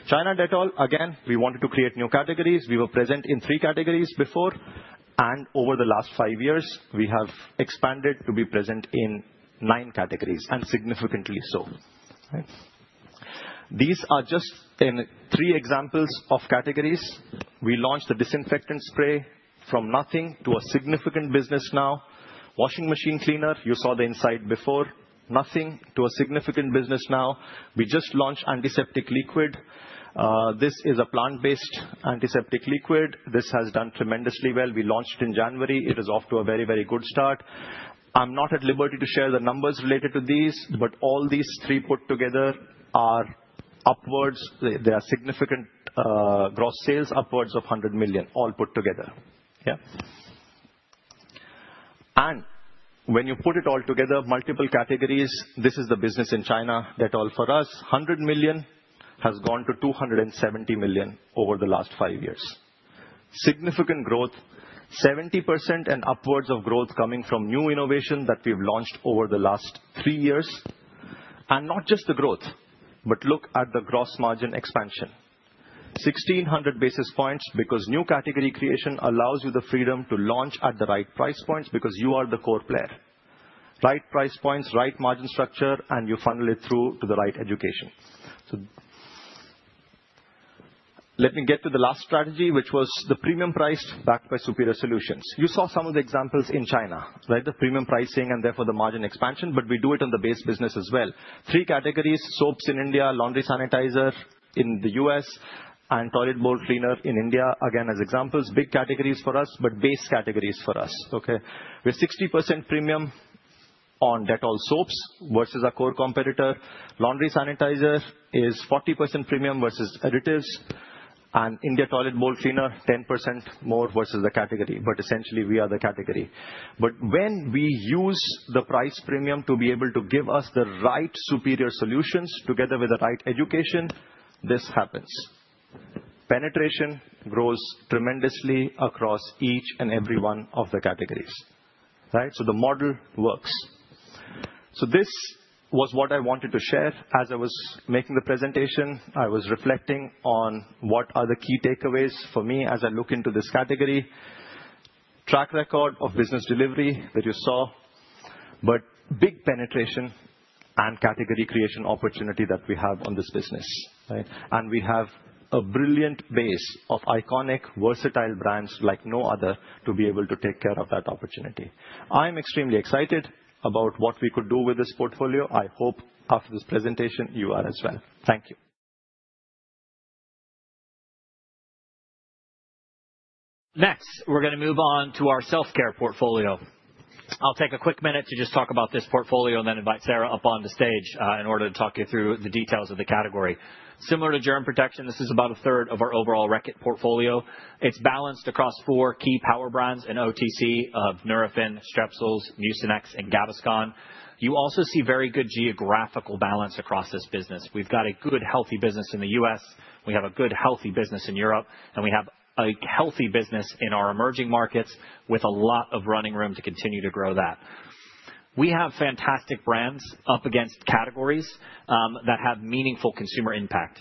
D: China Dettol, again, we wanted to create new categories. We were present in three categories before, and over the last five years, we have expanded to be present in nine categories and significantly so. These are just three examples of categories. We launched the disinfectant spray from nothing to a significant business now. Washing machine cleaner, you saw the inside before. Nothing to a significant business now. We just launched antiseptic liquid. This is a plant-based antiseptic liquid. This has done tremendously well. We launched it in January. It is off to a very, very good start. I'm not at liberty to share the numbers related to these, but all these three put together are upwards. There are significant gross sales upwards of 100 million, all put together. And when you put it all together, multiple categories, this is the business in China, Dettol for us. 100 million has gone to 270 million over the last five years. Significant growth, 70% and upwards of growth coming from new innovation that we've launched over the last three years, and not just the growth, but look at the gross margin expansion. 1600 basis points because new category creation allows you the freedom to launch at the right price points because you are the core player. Right price points, right margin structure, and you funnel it through to the right education. Let me get to the last strategy, which was the premium price backed by superior solutions. You saw some of the examples in China, the premium pricing and therefore the margin expansion, but we do it on the base business as well. Three categories: soaps in India, laundry sanitizer in the U.S., and toilet bowl cleaner in India. Again, as examples, big categories for us, but base categories for us. We're 60% premium on Dettol soaps versus our core competitor. Laundry sanitizer is 40% premium versus additives, and India toilet bowl cleaner 10% more versus the category. But essentially, we are the category. But when we use the price premium to be able to give us the right superior solutions together with the right education, this happens. Penetration grows tremendously across each and every one of the categories. So the model works. So this was what I wanted to share as I was making the presentation. I was reflecting on what are the key takeaways for me as I look into this category. Track record of business delivery that you saw, but big penetration and category creation opportunity that we have on this business. And we have a brilliant base of iconic versatile brands like no other to be able to take care of that opportunity. I'm extremely excited about what we could do with this portfolio. I hope after this presentation, you are as well. Thank you.
C: Next, we're going to move on to our Self-Care portfolio. I'll take a quick minute to just talk about this portfolio and then invite Serra up on the stage in order to talk you through the details of the category. Similar to germ protection, this is about a third of our overall Reckitt portfolio. It's balanced across four key power brands and OTC of Nurofen, Strepsils, Mucinex, and Gaviscon. You also see very good geographical balance across this business. We've got a good, healthy business in the US. We have a good, healthy business in Europe, and we have a healthy business in our emerging markets with a lot of running room to continue to grow that. We have fantastic brands up against categories that have meaningful consumer impact.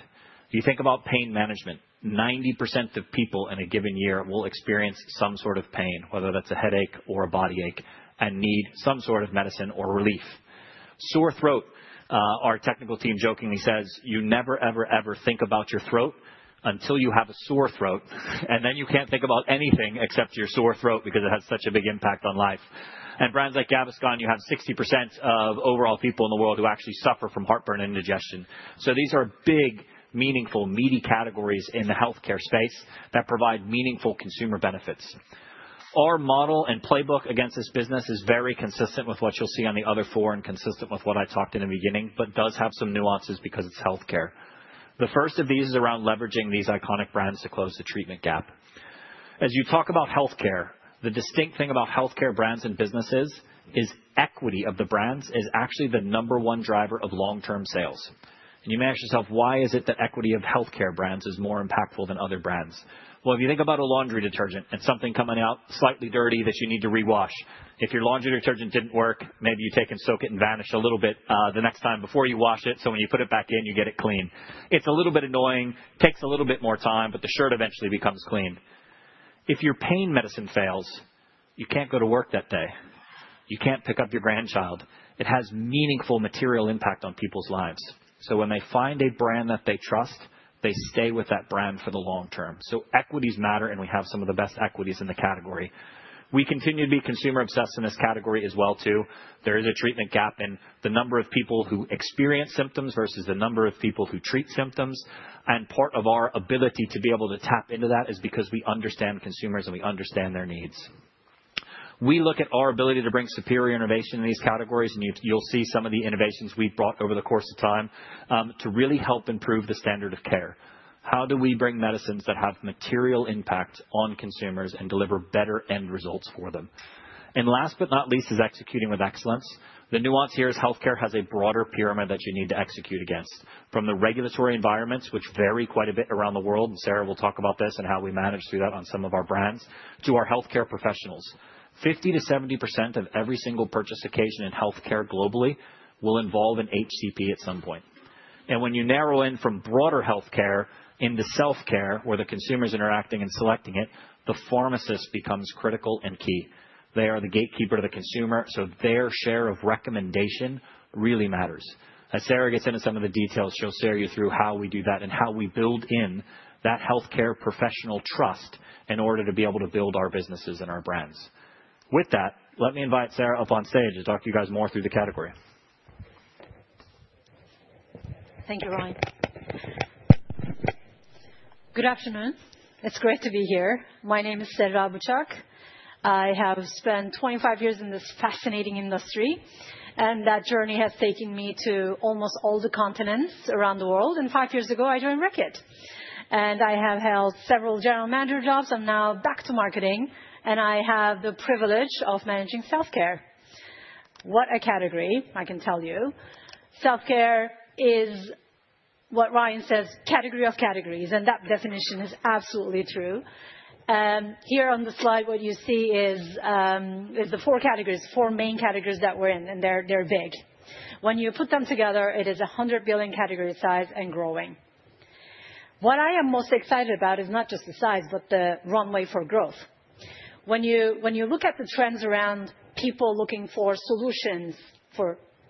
C: You think about pain management. 90% of people in a given year will experience some sort of pain, whether that's a headache or a body ache, and need some sort of medicine or relief. Sore throat, our technical team jokingly says, you never, ever, ever think about your throat until you have a sore throat, and then you can't think about anything except your sore throat because it has such a big impact on life, and brands like Gaviscon, you have 60% of overall people in the world who actually suffer from heartburn and indigestion, so these are big, meaningful, meaty categories in the healthcare space that provide meaningful consumer benefits. Our model and playbook against this business is very consistent with what you'll see on the other four and consistent with what I talked in the beginning, but does have some nuances because it's healthcare. The first of these is around leveraging these iconic brands to close the treatment gap. As you talk about healthcare, the distinct thing about healthcare brands and businesses is equity of the brands is actually the number one driver of long-term sales, and you may ask yourself, why is it that equity of healthcare brands is more impactful than other brands? Well, if you think about a laundry detergent and something coming out slightly dirty that you need to rewash, if your laundry detergent didn't work, maybe you take and soak it and Vanish a little bit the next time before you wash it, so when you put it back in, you get it clean. It's a little bit annoying, takes a little bit more time, but the shirt eventually becomes clean. If your pain medicine fails, you can't go to work that day. You can't pick up your grandchild. It has meaningful material impact on people's lives. So when they find a brand that they trust, they stay with that brand for the long term. So equities matter, and we have some of the best equities in the category. We continue to be consumer-obsessed in this category as well, too. There is a treatment gap in the number of people who experience symptoms versus the number of people who treat symptoms. And part of our ability to be able to tap into that is because we understand consumers and we understand their needs. We look at our ability to bring superior innovation in these categories, and you'll see some of the innovations we've brought over the course of time to really help improve the standard of care. How do we bring medicines that have material impact on consumers and deliver better end results for them? Last but not least is executing with excellence. The nuance here is healthcare has a broader pyramid that you need to execute against, from the regulatory environments, which vary quite a bit around the world, and Serra will talk about this and how we manage through that on some of our brands to our healthcare professionals. 50%-70% of every single purchase occasion in healthcare globally will involve an HCP at some point, and when you narrow in from broader healthcare into Self-Care where the consumer is interacting and selecting it, the pharmacist becomes critical and key. They are the gatekeeper to the consumer, so their share of recommendation really matters. As Serra gets into some of the details, she'll share you through how we do that and how we build in that healthcare professional trust in order to be able to build our businesses and our brands. With that, let me invite Serra up on stage to talk to you guys more through the category.
E: Thank you, Ryan. Good afternoon. It's great to be here. My name is Serra Bicak. I have spent 25 years in this fascinating industry, and that journey has taken me to almost all the continents around the world. And five years ago, I joined Reckitt. And I have held several general manager jobs. I'm now back to marketing, and I have the privilege of managing Self-Care. What a category, I can tell you. Self-care is, what Ryan says, category of categories, and that definition is absolutely true. Here on the slide, what you see is the four categories, four main categories that we're in, and they're big. When you put them together, it is a 100 billion category size and growing. What I am most excited about is not just the size, but the runway for growth. When you look at the trends around people looking for solutions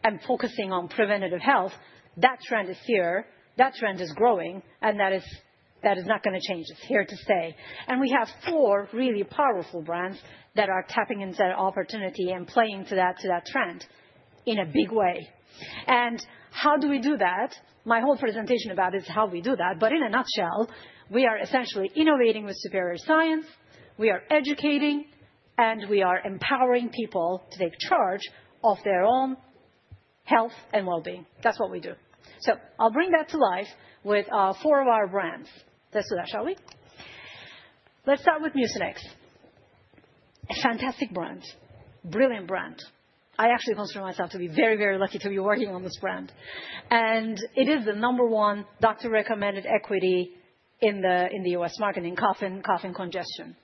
E: and focusing on preventative health, that trend is here. That trend is growing, and that is not going to change. It's here to stay. And we have four really powerful brands that are tapping into that opportunity and playing to that trend in a big way. And how do we do that? My whole presentation about it is how we do that, but in a nutshell, we are essentially innovating with superior science. We are educating, and we are empowering people to take charge of their own health and well-being. That's what we do. So I'll bring that to life with four of our brands. Let's do that, shall we? Let's start with Mucinex. A fantastic brand, brilliant brand. I actually consider myself to be very, very lucky to be working on this brand, and it is the number one doctor-recommended equity in the U.S. market in cough and congestion.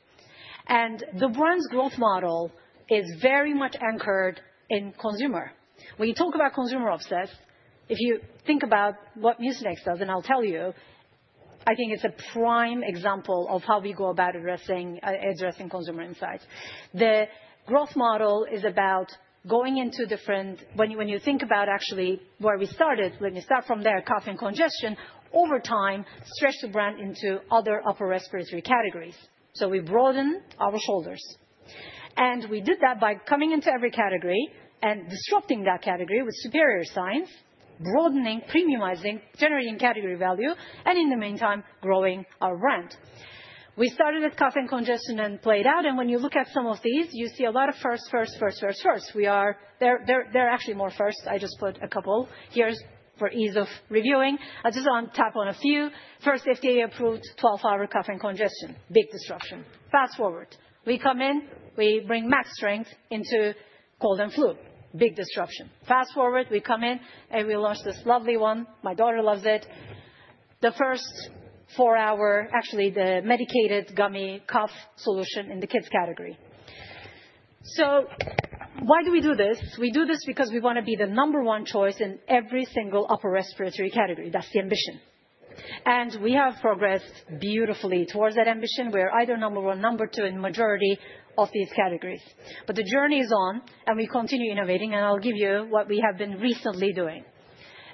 E: And the brand's growth model is very much anchored in consumer. When you talk about consumer obsessed, if you think about what Mucinex does, and I'll tell you, I think it's a prime example of how we go about addressing consumer insights. The growth model is about going into different, when you think about actually where we started, let me start from there, cough and congestion, over time, stretch the brand into other upper respiratory categories. So we broaden our shoulders, and we did that by coming into every category and disrupting that category with superior science, broadening, premiumizing, generating category value, and in the meantime, growing our brand. We started as cough and congestion and played out, and when you look at some of these, you see a lot of first, first, first, first, first. They're actually more first. I just put a couple here for ease of reviewing. I'll just tap on a few. First, FDA approved 12-hour cough and congestion. Big disruption. Fast forward. We come in, we bring max strength into cold and flu. Big disruption. Fast forward, we come in and we launch this lovely one. My daughter loves it. The first four-hour, actually the medicated gummy cough solution in the kids category. So why do we do this? We do this because we want to be the number one choice in every single upper respiratory category. That's the ambition. And we have progressed beautifully towards that ambition. We are either number one, number two in majority of these categories. But the journey is on, and we continue innovating, and I'll give you what we have been recently doing.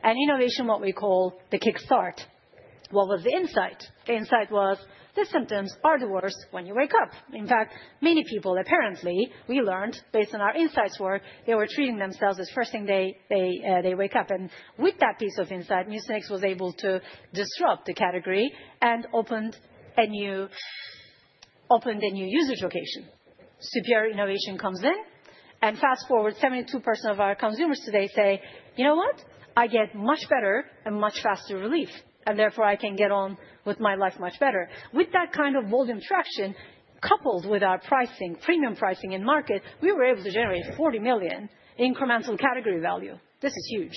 E: And innovation, what we call the kickstart. What was the insight? The insight was the symptoms are the worst when you wake up. In fact, many people, apparently, we learned based on our insights work, they were treating themselves as first thing they wake up. And with that piece of insight, Mucinex was able to disrupt the category and opened a new usage location. Superior innovation comes in, and fast forward, 72% of our consumers today say, you know what? I get much better and much faster relief, and therefore I can get on with my life much better. With that kind of volume traction, coupled with our pricing, premium pricing in market, we were able to generate 40 million incremental category value. This is huge.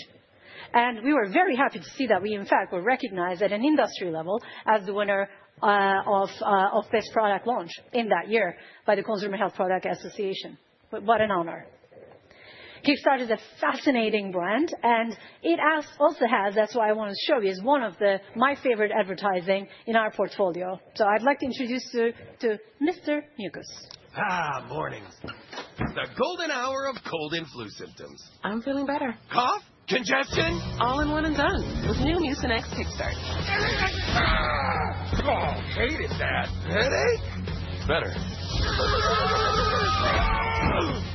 E: We were very happy to see that we, in fact, were recognized at an industry level as the winner of this product launch in that year by the Consumer Healthcare Products Association. What an honor. Kickstart is a fascinating brand, and it also has, that's why I want to show you, is one of my favorite advertising in our portfolio. So I'd like to introduce to Mr. Mucus. Morning. The golden hour of cold and flu symptoms. I'm feeling better. Cough, congestion, all in one and done with new Mucinex Kickstart. I hated that. Headache? Better. Fever, body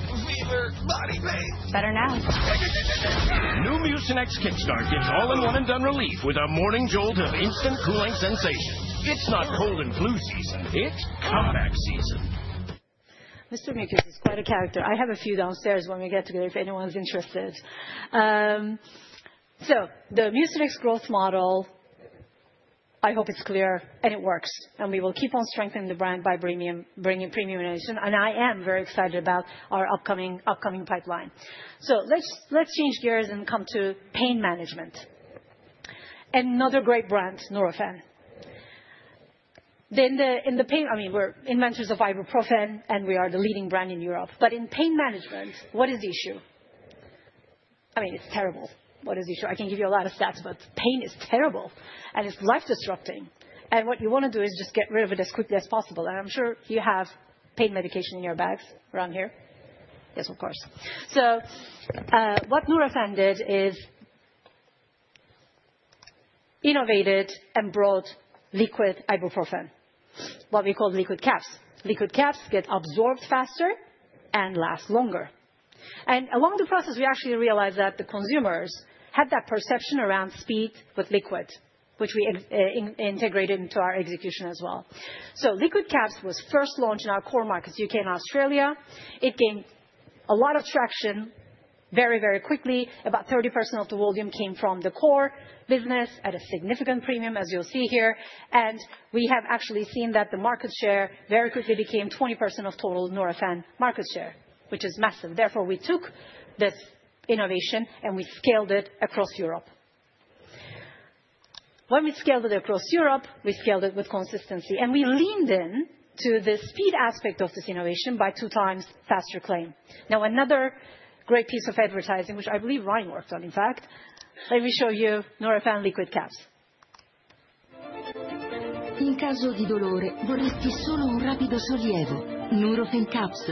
E: pain. Better now. New Mucinex Kickstart gives all in one and done relief with a morning jolt of instant cooling sensation. It's not cold and flu season. It's comeback season. Mr. Mucus is quite a character. I have a few downstairs when we get together if anyone's interested. So the Mucinex growth model, I hope it's clear, and it works. And we will keep on strengthening the brand by bringing premium innovation. And I am very excited about our upcoming pipeline. So let's change gears and come to pain management. Another great brand, Nurofen. In the pain, I mean, we're inventors of ibuprofen, and we are the leading brand in Europe. But in pain management, what is the issue? I mean, it's terrible. What is the issue? I can give you a lot of stats, but pain is terrible, and it's life-destructing. And what you want to do is just get rid of it as quickly as possible. And I'm sure you have pain medication in your bags around here. Yes, of course. So what Nurofen did is innovated and brought liquid ibuprofen, what we call liquid caps. Liquid caps get absorbed faster and last longer. Along the process, we actually realized that the consumers had that perception around speed with liquid, which we integrated into our execution as well. Liquid caps was first launched in our core markets, UK and Australia. It gained a lot of traction very, very quickly. About 30% of the volume came from the core business at a significant premium, as you'll see here. We have actually seen that the market share very quickly became 20% of total Nurofen market share, which is massive. Therefore, we took this innovation and we scaled it across Europe. When we scaled it across Europe, we scaled it with consistency. We leaned in to the speed aspect of this innovation by two times faster claim. Now, another great piece of advertising, which I believe Ryan worked on, in fact, let me show you Nurofen Liquid Caps. In caso di dolore, vorresti solo un rapido sollievo. Nurofen Caps,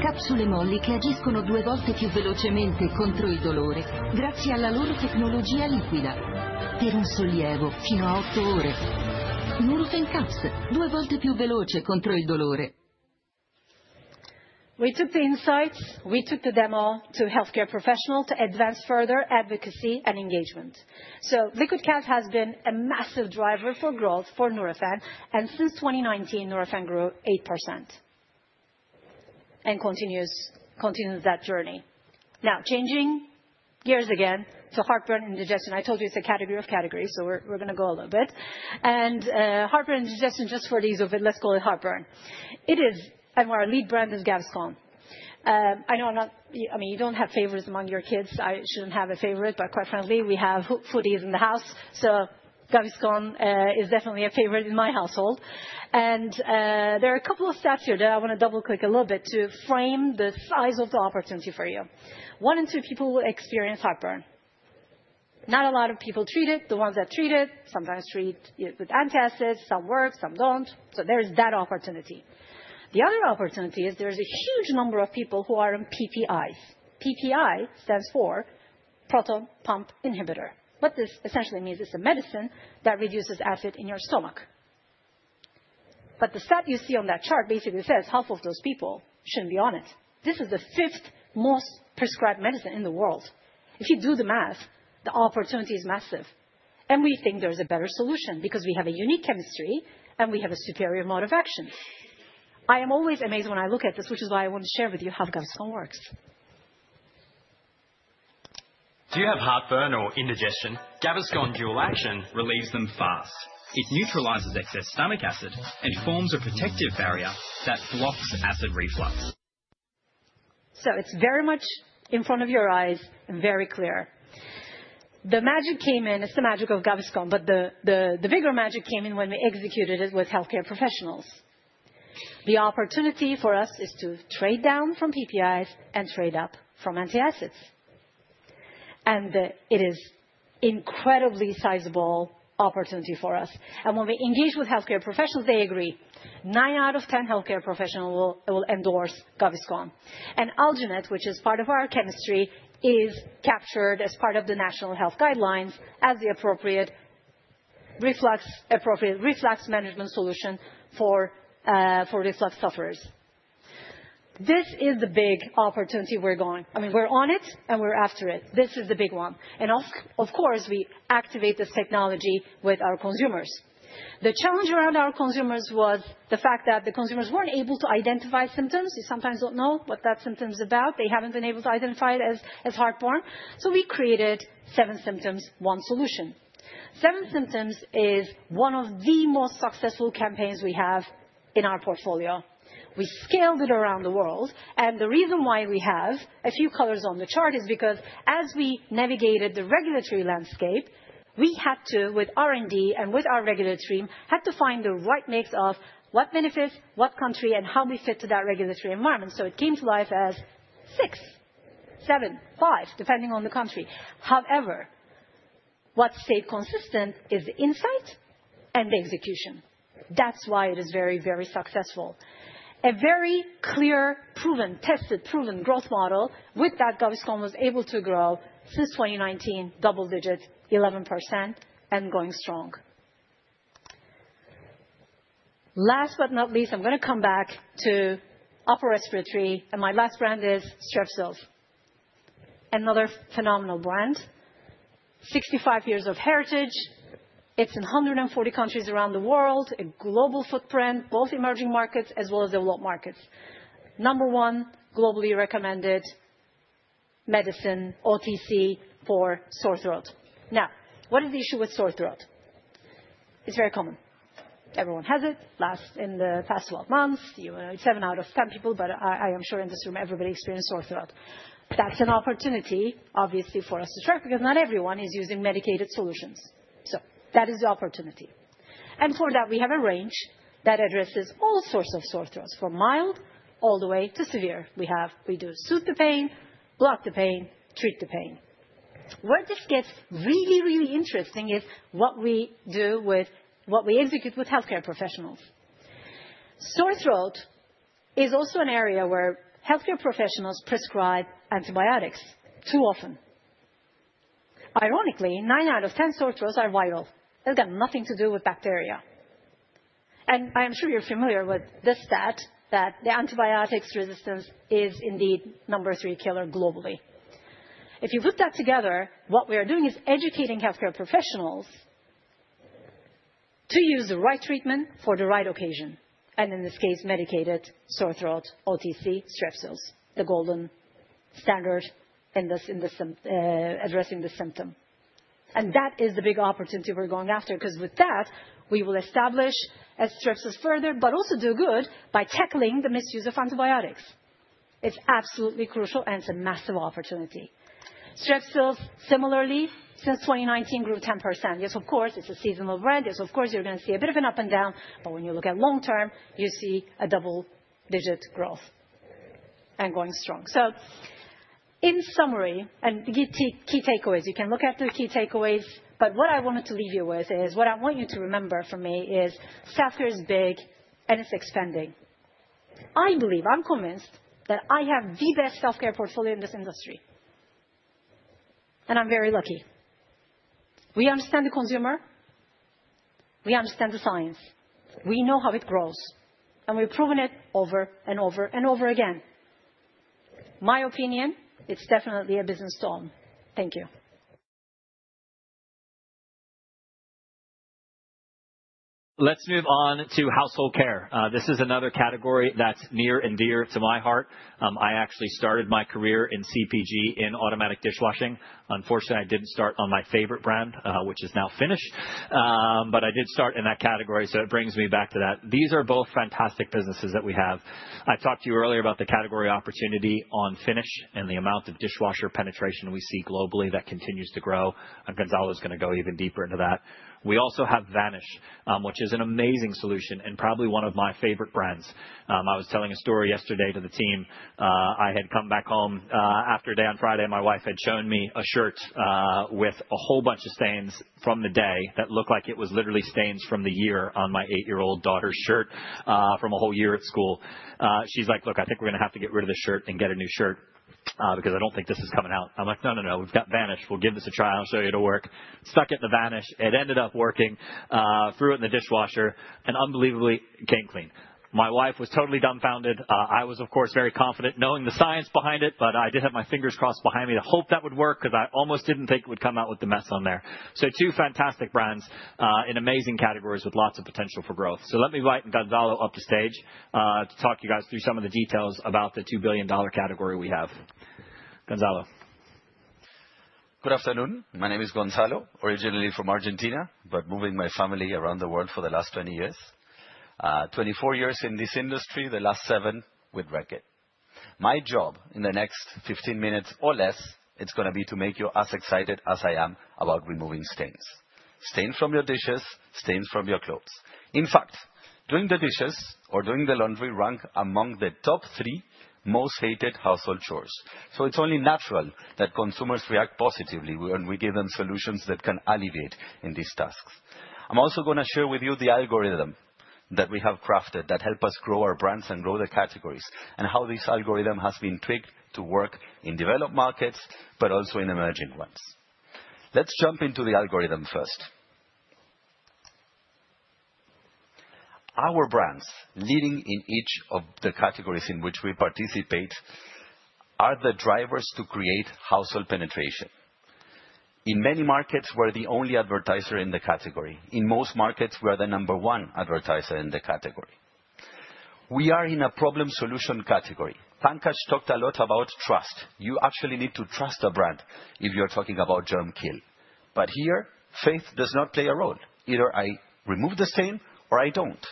E: capsule molli che agiscono due volte più velocemente contro il dolore, grazie alla loro tecnologia liquida. Per un sollievo fino a 8 ore. Nurofen Caps, due volte più veloce contro il dolore. We took the insights, we took the demo to healthcare professionals to advance further advocacy and engagement. So liquid caps has been a massive driver for growth for Nurofen. And since 2019, Nurofen grew 8% and continues that journey. Now, changing gears again to heartburn and digestion. I told you it's a category of categories, so we're going to go a little bit. And heartburn and digestion, just for the ease of it, let's call it heartburn. It is, and our lead brand is Gaviscon. I know I'm not, I mean, you don't have favorites among your kids. I shouldn't have a favorite, but quite frankly, we have foodies in the house. So Gaviscon is definitely a favorite in my Household. And there are a couple of stats here that I want to double-click a little bit to frame the size of the opportunity for you. One in two people experience heartburn. Not a lot of people treat it. The ones that treat it sometimes treat it with antacids. Some work, some don't. So there is that opportunity. The other opportunity is there is a huge number of people who are on PPIs. PPI stands for proton pump inhibitor. What this essentially means is a medicine that reduces acid in your stomach. But the stat you see on that chart basically says half of those people shouldn't be on it. This is the fifth most prescribed medicine in the world. If you do the math, the opportunity is massive, and we think there is a better solution because we have a unique chemistry and we have a superior mode of action. I am always amazed when I look at this, which is why I want to share with you how Gaviscon works. Do you have heartburn or indigestion? Gaviscon Dual Action relieves them fast. It neutralizes excess stomach acid and forms a protective barrier that blocks acid reflux, so it's very much in front of your eyes and very clear. The magic came in, it's the magic of Gaviscon, but the bigger magic came in when we executed it with healthcare professionals. The opportunity for us is to trade down from PPIs and trade up from antacids, and it is an incredibly sizable opportunity for us, and when we engage with healthcare professionals, they agree. Nine out of ten healthcare professionals will endorse Gaviscon. And alginate, which is part of our chemistry, is captured as part of the national health guidelines as the appropriate reflux management solution for reflux sufferers. This is the big opportunity we're going. I mean, we're on it and we're after it. This is the big one. And of course, we activate this technology with our consumers. The challenge around our consumers was the fact that the consumers weren't able to identify symptoms. You sometimes don't know what that symptom is about. They haven't been able to identify it as heartburn. So we created Seven Symptoms, One Solution. Seven Symptoms is one of the most successful campaigns we have in our portfolio. We scaled it around the world. The reason why we have a few colors on the chart is because as we navigated the regulatory landscape, we had to, with R&D and with our regulatory team, had to find the right mix of what benefits, what country, and how we fit to that regulatory environment. It came to life as six, seven, five, depending on the country. However, what stayed consistent is the insight and the execution. That's why it is very, very successful. A very clear, proven, tested, proven growth model with that Gaviscon was able to grow since 2019, double-digit 11% and going strong. Last but not least, I'm going to come back to upper respiratory, and my last brand is Strepsils. Another phenomenal brand. 65 years of heritage. It's in 140 countries around the world, a global footprint, both emerging markets as well as developed markets. Number one globally recommended medicine, OTC for sore throat. Now, what is the issue with sore throat? It's very common. Everyone has it. In the last 12 months, seven out of 10 people, but I am sure in this room, everybody experienced sore throat. That's an opportunity, obviously, for us to strike because not everyone is using medicated solutions. So that is the opportunity. And for that, we have a range that addresses all sorts of sore throats, from mild all the way to severe. We do soothe the pain, block the pain, treat the pain. Where this gets really, really interesting is what we do with what we execute with healthcare professionals. Sore throat is also an area where healthcare professionals prescribe antibiotics too often. Ironically, nine out of 10 sore throats are viral. They've got nothing to do with bacteria. I am sure you're familiar with this stat, that the antibiotics resistance is indeed number three killer globally. If you put that together, what we are doing is educating healthcare professionals to use the right treatment for the right occasion. In this case, medicated sore throat, OTC, Strepsils, the gold standard in addressing the symptom. That is the big opportunity we're going after because with that, we will establish as Strepsils further, but also do good by tackling the misuse of antibiotics. It's absolutely crucial and it's a massive opportunity. Strepsils, similarly, since 2019, grew 10%. Yes, of course, it's a seasonal brand. Yes, of course, you're going to see a bit of an up and down, but when you look at long term, you see a double-digit growth and going strong. So, in summary, and key takeaways, you can look at the key takeaways, but what I wanted to leave you with is what I want you to remember from me is Self-Care is big and it's expanding. I believe. I'm convinced that I have the best Self-Care portfolio in this industry. And I'm very lucky. We understand the consumer. We understand the science. We know how it grows. And we've proven it over and over and over again. My opinion, it's definitely a business to own. Thank you.
C: Let's move on to Household Care. This is another category that's near and dear to my heart. I actually started my career in CPG in automatic dishwashing. Unfortunately, I didn't start on my favorite brand, which is now Finish, but I did start in that category, so it brings me back to that. These are both fantastic businesses that we have. I talked to you earlier about the category opportunity on Finish and the amount of dishwasher penetration we see globally that continues to grow. Gonzalo is going to go even deeper into that. We also have Vanish, which is an amazing solution and probably one of my favorite brands. I was telling a story yesterday to the team. I had come back home after a day on Friday. My wife had shown me a shirt with a whole bunch of stains from the day that looked like it was literally stains from the year on my eight-year-old daughter's shirt from a whole year at school. She's like, "Look, I think we're going to have to get rid of this shirt and get a new shirt because I don't think this is coming out." I'm like, "No, no, no. We've got Vanish. We'll give this a try. I'll show you how it'll work." Stuck it in the Vanish. It ended up working. Threw it in the dishwasher and unbelievably came clean. My wife was totally dumbfounded. I was, of course, very confident knowing the science behind it, but I did have my fingers crossed behind me to hope that would work because I almost didn't think it would come out with the mess on there. So two fantastic brands in amazing categories with lots of potential for growth. So let me invite Gonzalo up to stage to talk to you guys through some of the details about the $2 billion category we have. Gonzalo.
F: Good afternoon. My name is Gonzalo, originally from Argentina, but moving my family around the world for the last 20 years. 24 years in this industry, the last seven with Reckitt. My job in the next 15 minutes or less, it's going to be to make you as excited as I am about removing stains. Stains from your dishes, stains from your clothes. In fact, doing the dishes or doing the laundry rank among the top three most hated Household chores. So it's only natural that consumers react positively when we give them solutions that can alleviate these tasks. I'm also going to share with you the algorithm that we have crafted that helps us grow our brands and grow the categories and how this algorithm has been tricked to work in developed markets, but also in emerging ones. Let's jump into the algorithm first. Our brands, leading in each of the categories in which we participate, are the drivers to create Household penetration. In many markets, we're the only advertiser in the category. In most markets, we are the number one advertiser in the category. We are in a problem-solution category. Pankaj talked a lot about trust. You actually need to trust a brand if you're talking about germ kill. But here, faith does not play a role. Either I remove the stain or I don't.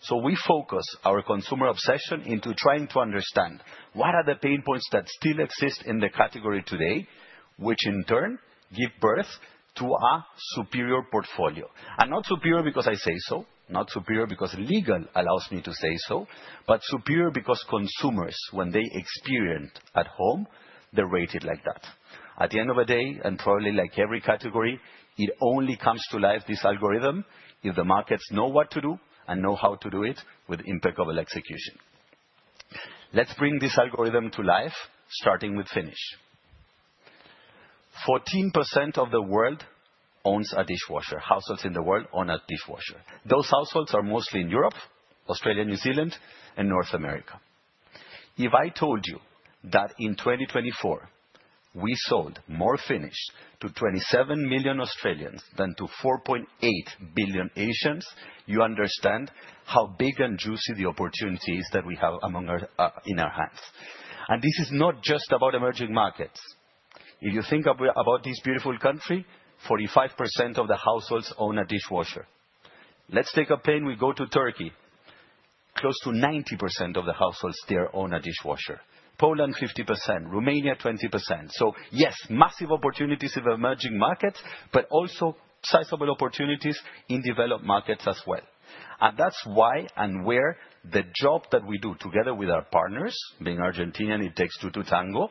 F: So we focus our consumer obsession into trying to understand what are the pain points that still exist in the category today, which in turn give birth to a superior portfolio, and not superior because I say so, not superior because legal allows me to say so, but superior because consumers, when they experience at home, they rate it like that. At the end of the day, and probably like every category, it only comes to life, this algorithm, if the markets know what to do and know how to do it with impeccable execution. Let's bring this algorithm to life, starting with Finish. 14% of the world owns a dishwasher. Those Households are mostly in Europe, Australia, New Zealand, and North America. If I told you that in 2024, we sold more Finish to 27 million Australians than to 4.8 billion Asians, you understand how big and juicy the opportunity is that we have in our hands. And this is not just about emerging markets. If you think about this beautiful country, 45% of the Households own a dishwasher. Let's take Spain; we go to Turkey. Close to 90% of the Households there own a dishwasher. Poland, 50%. Romania, 20%. So yes, massive opportunities in emerging markets, but also sizable opportunities in developed markets as well. And that's why and where the job that we do together with our partners, being Argentine, it takes two to tango,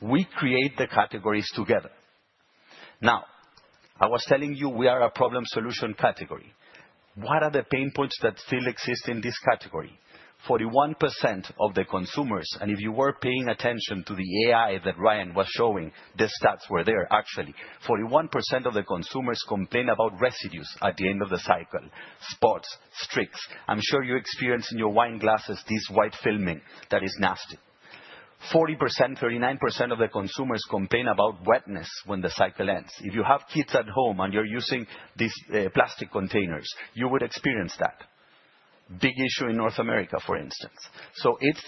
F: we create the categories together. Now, I was telling you we are a problem-solution category. What are the pain points that still exist in this category? 41% of the consumers, and if you were paying attention to the AI that Ryan was showing, the stats were there, actually. 41% of the consumers complain about residues at the end of the cycle. Spots, streaks. I'm sure you experience in your wine glasses this white filming that is nasty. 40%, 39% of the consumers complain about wetness when the cycle ends. If you have kids at home and you're using these plastic containers, you would experience that. Big issue in North America, for instance. So it's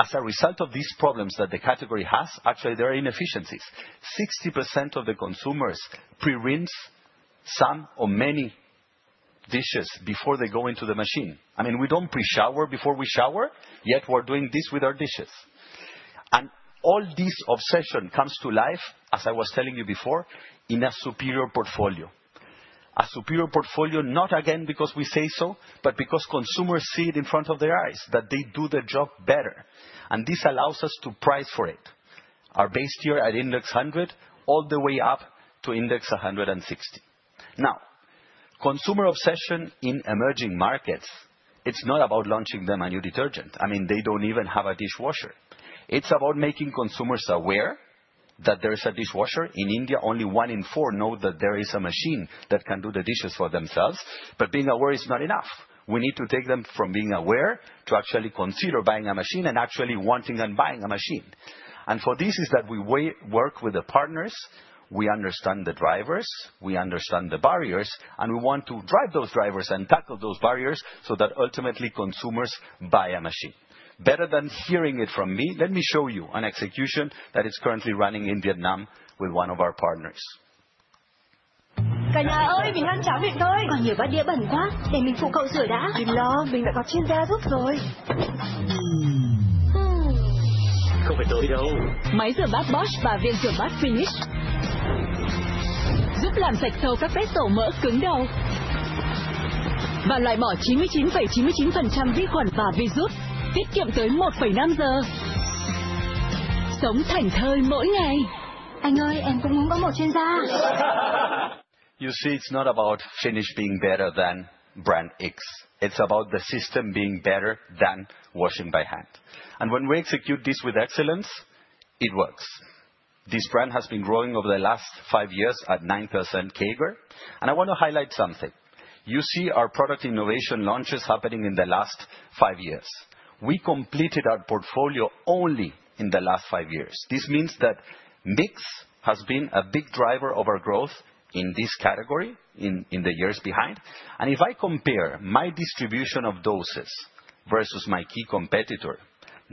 F: as a result of these problems that the category has, actually, there are inefficiencies. 60% of the consumers pre-rinse some or many dishes before they go into the machine. I mean, we don't pre-shower before we shower, yet we're doing this with our dishes, and all this obsession comes to life, as I was telling you before, in a superior portfolio. A superior portfolio, not again because we say so, but because consumers see it in front of their eyes that they do their job better, and this allows us to price for it. Our base tier at Index 100, all the way up to Index 160. Now, consumer obsession in emerging markets, it's not about launching them a new detergent. I mean, they don't even have a dishwasher. It's about making consumers aware that there is a dishwasher. In India, only one in four know that there is a machine that can do the dishes for themselves, but being aware is not enough. We need to take them from being aware to actually consider buying a machine and actually wanting and buying a machine, and for this, it's that we work with the partners, we understand the drivers, we understand the barriers, and we want to drive those drivers and tackle those barriers so that ultimately consumers buy a machine. Better than hearing it from me, let me show you an execution that is currently running in Vietnam with one of our partners. Cả nhà ơi, mình ăn cháo Việt thôi! Còn nhiều bát đĩa bẩn quá, để mình phụ cậu rửa đã. Đừng lo, mình đã có chuyên gia giúp rồi. Không phải tôi đâu. Máy rửa bát Bosch và viên rửa bát Finish giúp làm sạch sâu các vết dầu mỡ cứng đầu và loại bỏ 99.99% vi khuẩn và virus, tiết kiệm tới 1.5 giờ. Sống thảnh thơi mỗi ngày. Anh ơi, em cũng muốn có một chuyên gia. You see, it's not about Finish being better than brand X. It's about the system being better than washing by hand. And when we execute this with excellence, it works. This brand has been growing over the last five years at 9% CAGR. And I want to highlight something. You see our product innovation launches happening in the last five years. We completed our portfolio only in the last five years. This means that mix has been a big driver of our growth in this category in the years behind. And if I compare my distribution of doses versus my key competitor,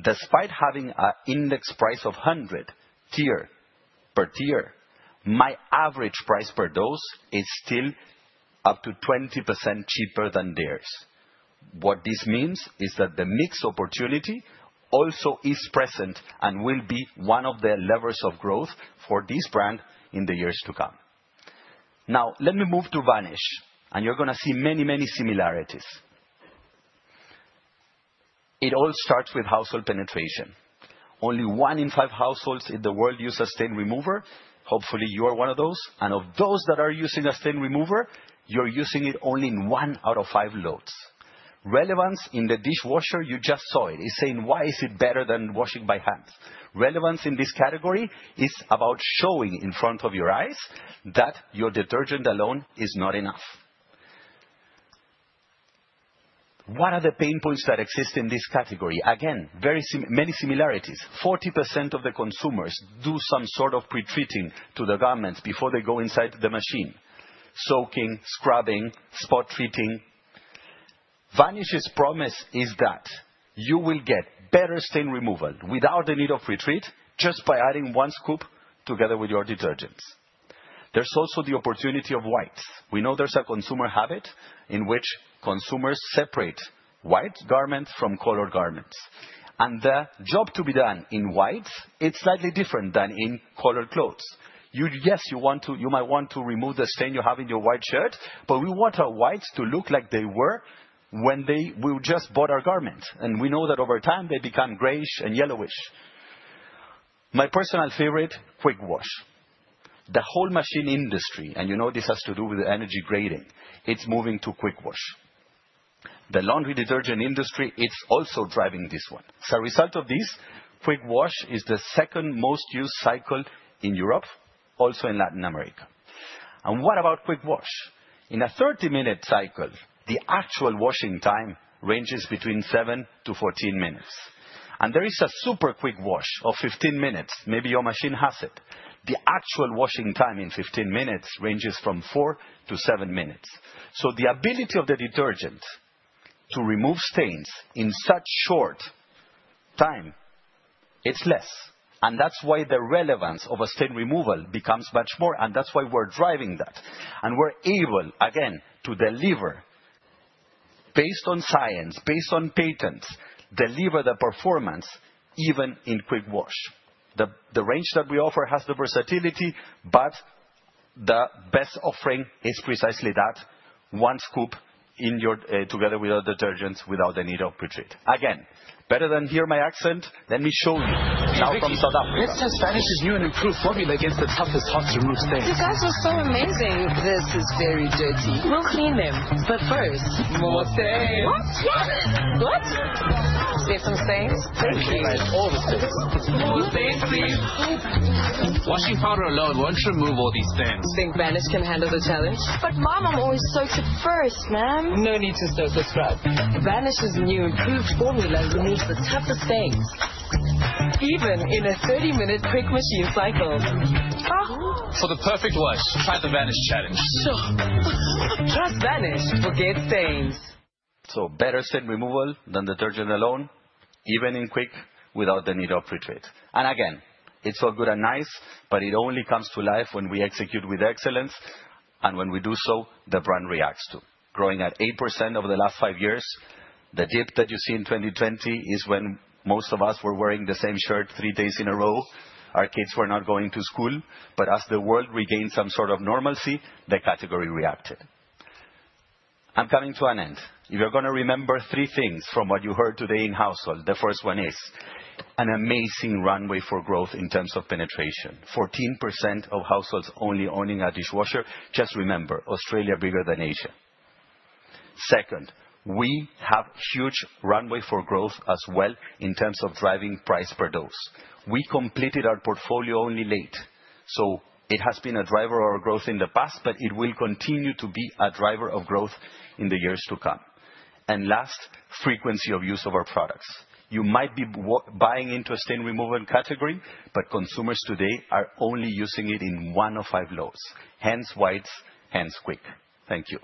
F: despite having an Index price of 100 tier per tier, my average price per dose is still up to 20% cheaper than theirs. What this means is that the mix opportunity also is present and will be one of the levers of growth for this brand in the years to come. Now, let me move to Vanish, and you're going to see many, many similarities. It all starts with Household penetration. Only one in five Households in the world uses a stain remover. Hopefully, you are one of those, and of those that are using a stain remover, you're using it only in one out of five loads. Relevance in the dishwasher, you just saw it. It's saying, why is it better than washing by hand? Relevance in this category is about showing in front of your eyes that your detergent alone is not enough. What are the pain points that exist in this category? Again, very many similarities. 40% of the consumers do some sort of pre-treating to the garments before they go inside the machine. Soaking, scrubbing, spot treating. Vanish's promise is that you will get better stain removal without the need of pre-treat just by adding one scoop together with your detergents. There's also the opportunity of whites. We know there's a consumer habit in which consumers separate white garments from colored garments. And the job to be done in whites, it's slightly different than in colored clothes. Yes, you might want to remove the stain you have in your white shirt, but we want our whites to look like they were when we just bought our garments. And we know that over time, they become grayish and yellowish. My personal favorite, quick wash. The whole machine industry, and you know this has to do with the energy grading, it's moving to quick wash. The laundry detergent industry, it's also driving this one. As a result of this, quick wash is the second most used cycle in Europe, also in Latin America. And what about quick wash? In a 30-minute cycle, the actual washing time ranges between seven to 14 minutes. And there is a super quick wash of 15 minutes. Maybe your machine has it. The actual washing time in 15 minutes ranges from four to seven minutes. So the ability of the detergent to remove stains in such short time, it's less. And that's why the relevance of a stain removal becomes much more. And that's why we're driving that. And we're able, again, to deliver based on science, based on patents, deliver the performance even in quick wash. The range that we offer has the versatility, but the best offering is precisely that, one scoop together with our detergents without the need of pre-treat. Again, better than hearing my accent, let me show you. Now from South Africa. Let's test Vanish's new and improved formula against the toughest hard-to-remove stains. You guys are so amazing. This is very dirty. We'll clean them. But first. More stains. What? Yeah. What? Have some stains? Thank you. I'll collect all the stains. More stains, please. Washing powder alone won't remove all these stains. Think Vanish can handle the challenge? But Mom, I'm always soaked at first, ma'am. No need to soak or scrub. Vanish's new improved formula removes the toughest stains, even in a 30-minute quick machine cycle. For the perfect wash, try the Vanish challenge. Sure. Trust Vanish to get stains. Better stain removal than detergent alone, even in quick, without the need of pre-treat. And again, it's all good and nice, but it only comes to life when we execute with excellence. And when we do so, the brand reacts too. Growing at 8% over the last five years, the dip that you see in 2020 is when most of us were wearing the same shirt three days in a row. Our kids were not going to school. But as the world regained some sort of normalcy, the category reacted. I'm coming to an end. If you're going to remember three things from what you heard today in Household, the first one is an amazing runway for growth in terms of penetration. 14% of Households only owning a dishwasher. Just remember, Australia is bigger than Asia. Second, we have a huge runway for growth as well in terms of driving price per dose. We completed our portfolio only lately. So it has been a driver of our growth in the past, but it will continue to be a driver of growth in the years to come. And last, frequency of use of our products. You might be buying into a stain removal category, but consumers today are only using it in one of five loads. Hence whites, hence quick. Thank you.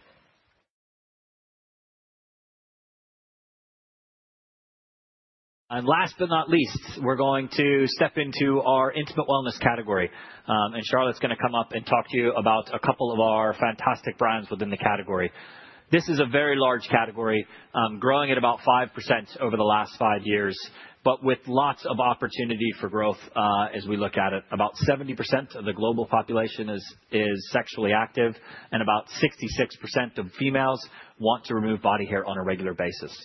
C: And last but not least, we're going to step into our Intimate Wellness category. And Charlotte's going to come up and talk to you about a couple of our fantastic brands within the category. This is a very large category, growing at about 5% over the last five years, but with lots of opportunity for growth as we look at it. About 70% of the global population is sexually active, and about 66% of females want to remove body hair on a regular basis.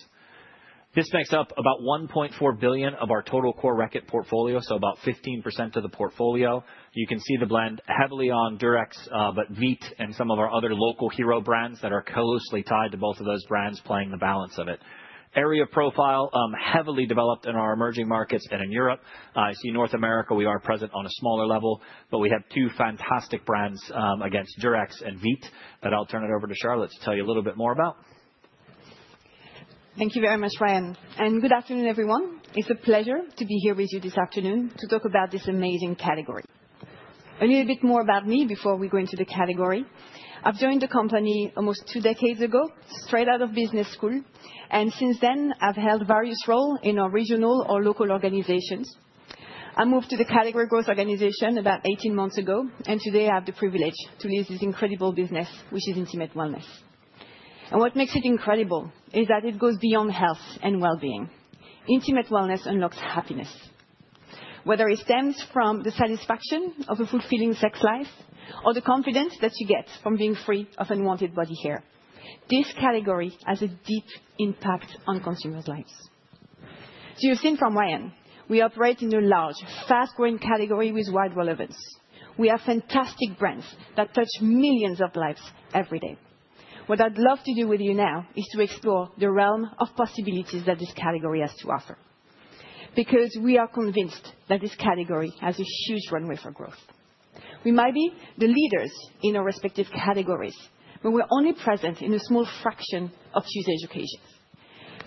C: This makes up about 1.4 billion of our total Core Reckitt portfolio, so about 15% of the portfolio. You can see the blend heavily on Durex, but Veet and some of our other local hero brands that are closely tied to both of those brands playing the balance of it. Our profile heavily developed in our emerging markets and in Europe. In North America, we are present on a smaller level, but we have two fantastic brands against Durex and Veet that I'll turn it over to Charlotte to tell you a little bit more about.
G: Thank you very much, Ryan, and good afternoon, everyone. It's a pleasure to be here with you this afternoon to talk about this amazing category. A little bit more about me before we go into the category. I've joined the company almost two decades ago, straight out of business school, and since then, I've held various roles in our regional or local organizations. I moved to the category growth organization about 18 months ago, and today, I have the privilege to lead this incredible business, which is Intimate Wellness. And what makes it incredible is that it goes beyond health and well-being. Intimate Wellness unlocks happiness, whether it stems from the satisfaction of a fulfilling sex life or the confidence that you get from being free of unwanted body hair. This category has a deep impact on consumers' lives, so you've seen from Ryan, we operate in a large, fast-growing category with wide relevance. We have fantastic brands that touch millions of lives every day. What I'd love to do with you now is to explore the realm of possibilities that this category has to offer, because we are convinced that this category has a huge runway for growth. We might be the leaders in our respective categories, but we're only present in a small fraction of these occasions.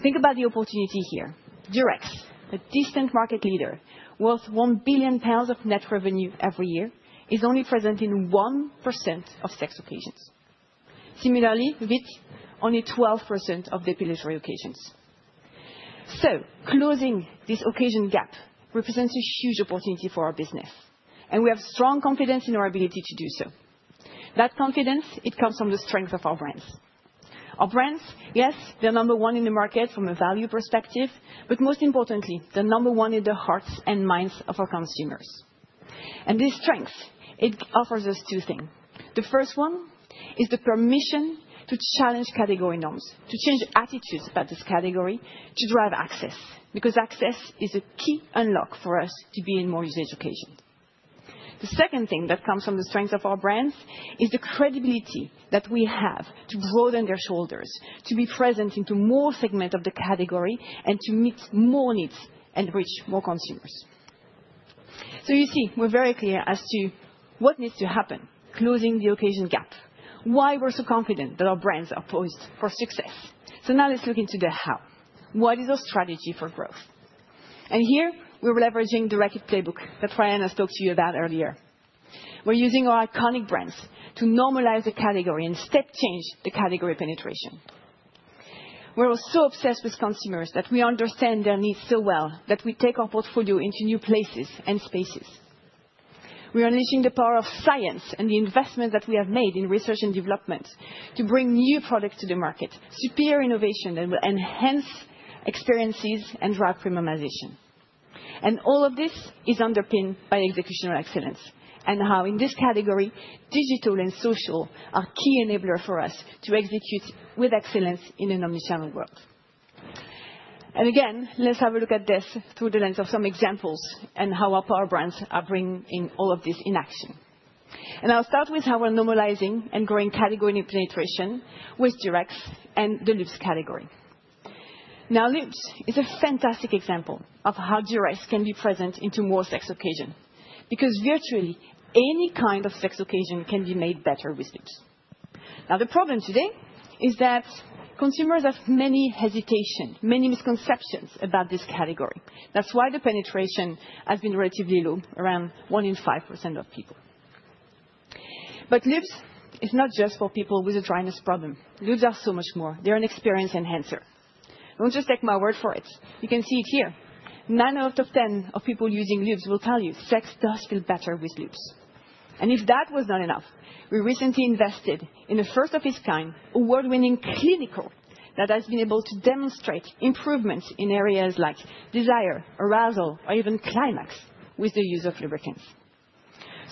G: Think about the opportunity here. Durex, a distant market leader worth 1 billion pounds of net revenue every year, is only present in 1% of sex occasions. Similarly, Veet, only 12% of the hair removal occasions. So closing this occasion gap represents a huge opportunity for our business, and we have strong confidence in our ability to do so. That confidence, it comes from the strength of our brands. Our brands, yes, they're number one in the market from a value perspective, but most importantly, they're number one in the hearts and minds of our consumers. This strength, it offers us two things. The first one is the permission to challenge category norms, to change attitudes about this category, to drive access, because access is a key unlock for us to be in more user education. The second thing that comes from the strength of our brands is the credibility that we have to broaden their shoulders, to be present in more segments of the category, and to meet more needs and reach more consumers. You see, we're very clear as to what needs to happen, closing the occasion gap. Why we're so confident that our brands are poised for success. Now let's look into the how. What is our strategy for growth? Here, we're leveraging the Reckitt playbook that Ryan has talked to you about earlier. We're using our iconic brands to normalize the category and step change the category penetration. We're so obsessed with consumers that we understand their needs so well that we take our portfolio into new places and spaces. We are unleashing the power of science and the investment that we have made in research and development to bring new products to the market, superior innovation that will enhance experiences and drive premiumization. And all of this is underpinned by executional excellence and how, in this category, digital and social are key enablers for us to execute with excellence in an omnichannel world. And again, let's have a look at this through the lens of some examples and how our Power Brands are bringing all of this in action. And I'll start with how we're normalizing and growing category penetration with Durex and the Lubricants category. Now, lubes is a fantastic example of how Durex can be present in more sex occasions, because virtually any kind of sex occasion can be made better with lubes. Now, the problem today is that consumers have many hesitations, many misconceptions about this category. That's why the penetration has been relatively low, around 1 in 5% of people. But lubes is not just for people with a dryness problem. lubes are so much more. They're an experience enhancer. Don't just take my word for it. You can see it here. Nine out of ten of people using lubes will tell you sex does feel better with lubes. And if that was not enough, we recently invested in a first of its kind, award-winning clinical that has been able to demonstrate improvements in areas like desire, arousal, or even climax with the use of lubricants.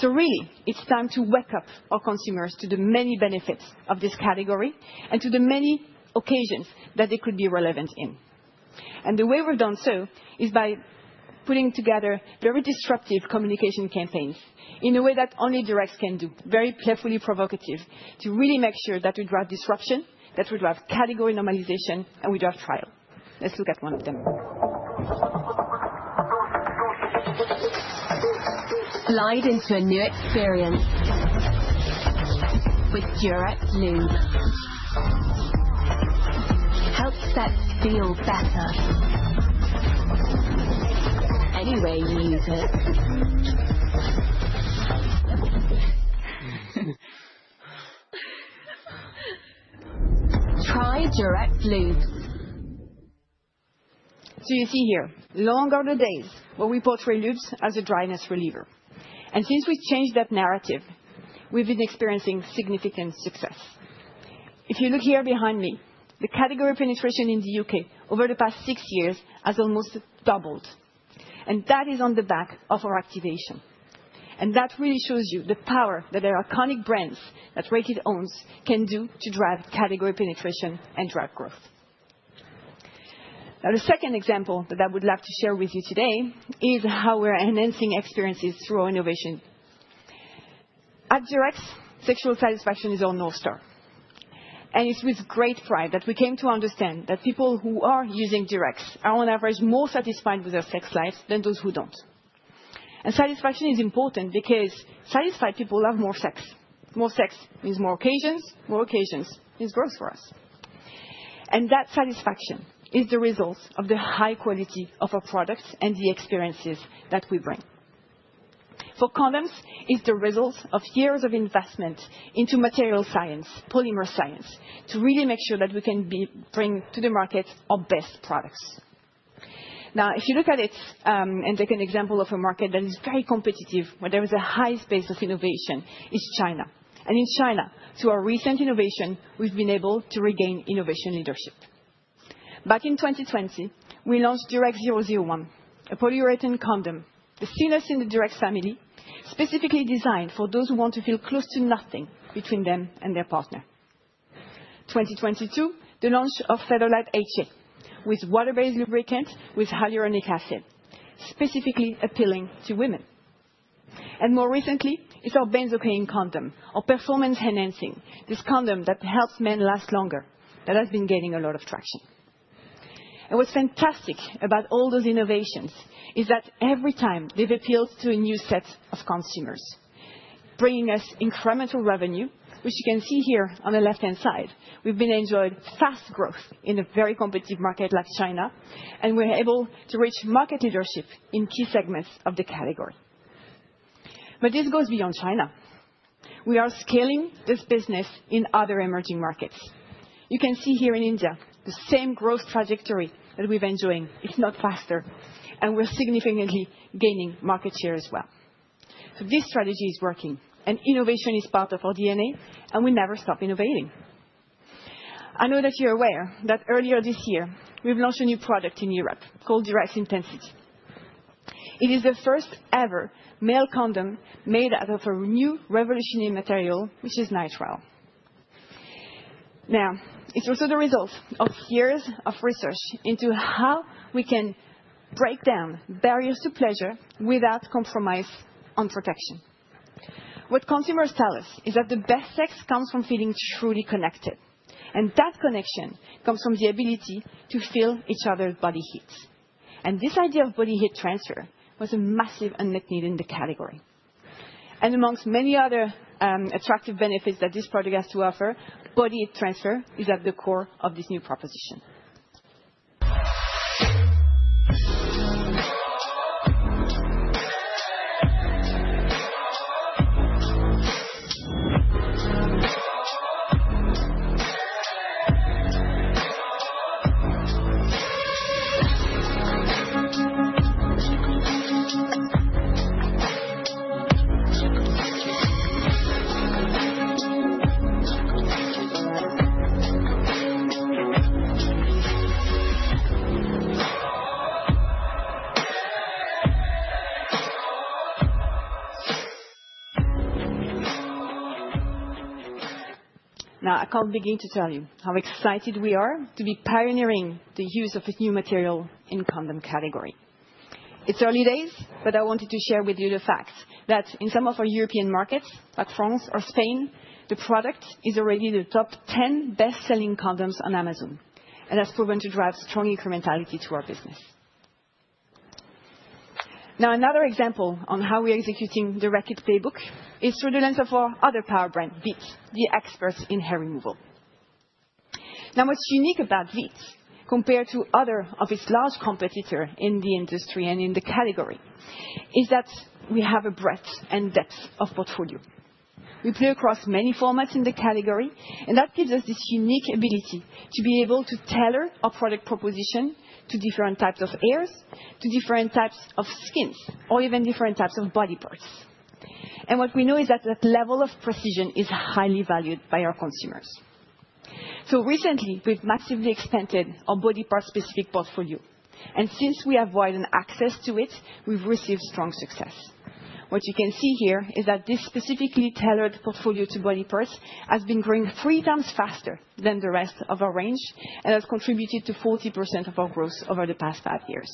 G: Really, it's time to wake up our consumers to the many benefits of this category and to the many occasions that they could be relevant in. And the way we've done so is by putting together very disruptive communication campaigns in a way that only Durex can do, very playfully provocative, to really make sure that we drive disruption, that we drive category normalization, and we drive trial. Let's look at one of them. Glide into a new experience with Durex lubes. Help sex feel better any way you use it. Try Durex lubes. You see here, long are the days when we portray lubes as a dryness reliever. And since we've changed that narrative, we've been experiencing significant success. If you look here behind me, the category penetration in the U.K. over the past six years has almost doubled. That is on the back of our activation. That really shows you the power that our iconic brands that Reckitt owns can do to drive category penetration and drive growth. Now, the second example that I would love to share with you today is how we're enhancing experiences through our innovation. At Durex, sexual satisfaction is our North Star. It's with great pride that we came to understand that people who are using Durex are, on average, more satisfied with their sex lives than those who don't. Satisfaction is important because satisfied people love more sex. More sex means more occasions. More occasions means growth for us. That satisfaction is the result of the high quality of our products and the experiences that we bring. For condoms, it's the result of years of investment into material science, polymer science, to really make sure that we can bring to the market our best products. Now, if you look at it and take an example of a market that is very competitive, where there is a high space of innovation, it's China. And in China, through our recent innovation, we've been able to regain innovation leadership. Back in 2020, we launched Durex 001, a polyurethane condom, the thinnest in the Durex family, specifically designed for those who want to feel close to nothing between them and their partner. In 2022, the launch of Fetherlite HA, with water-based lubricant with hyaluronic acid, specifically appealing to women. And more recently, it's our benzocaine condom, our performance-enhancing, this condom that helps men last longer, that has been gaining a lot of traction. And what's fantastic about all those innovations is that every time they've appealed to a new set of consumers, bringing us incremental revenue, which you can see here on the left-hand side. We've been enjoying fast growth in a very competitive market like China, and we're able to reach market leadership in key segments of the category. But this goes beyond China. We are scaling this business in other emerging markets. You can see here in India, the same growth trajectory that we've been enjoying. It's not faster, and we're significantly gaining market share as well. So this strategy is working, and innovation is part of our DNA, and we never stop innovating. I know that you're aware that earlier this year, we've launched a new product in Europe called Durex Intensity. It is the first-ever male condom made out of a new revolutionary material, which is nitrile. Now, it's also the result of years of research into how we can break down barriers to pleasure without compromise on protection. What consumers tell us is that the best sex comes from feeling truly connected. And that connection comes from the ability to feel each other's body heat. And this idea of body heat transfer was a massive unmet need in the category. And amongst many other attractive benefits that this product has to offer, body heat transfer is at the core of this new proposition. Now, I can't begin to tell you how excited we are to be pioneering the use of this new material in the condom category. It's early days, but I wanted to share with you the fact that in some of our European markets, like France or Spain, the product is already in the top 10 best-selling condoms on Amazon and has proven to drive strong incrementality to our business. Now, another example on how we're executing the Reckitt playbook is through the lens of our other Powerbrand, Veet, the experts in hair removal. Now, what's unique about Veet, compared to other of its large competitors in the industry and in the category, is that we have a breadth and depth of portfolio. We play across many formats in the category, and that gives us this unique ability to be able to tailor our product proposition to different types of hairs, to different types of skins, or even different types of body parts. What we know is that that level of precision is highly valued by our consumers. So recently, we've massively expanded our body part-specific portfolio. Since we have widened access to it, we've received strong success. What you can see here is that this specifically tailored portfolio to body parts has been growing three times faster than the rest of our range and has contributed to 40% of our growth over the past five years.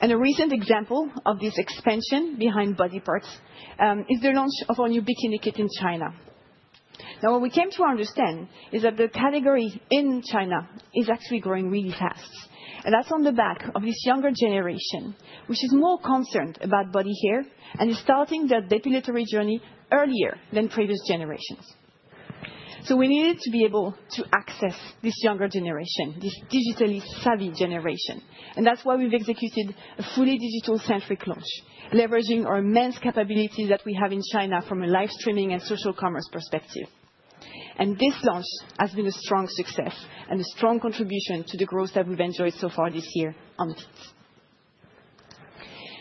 G: A recent example of this expansion behind body parts is the launch of our new bikini kit in China. Now, what we came to understand is that the category in China is actually growing really fast. That's on the back of this younger generation, which is more concerned about body hair and is starting their depilatory journey earlier than previous generations. We needed to be able to access this younger generation, this digitally savvy generation. That's why we've executed a fully digital-centric launch, leveraging our immense capabilities that we have in China from a live streaming and social commerce perspective. This launch has been a strong success and a strong contribution to the growth that we've enjoyed so far this year on Veet.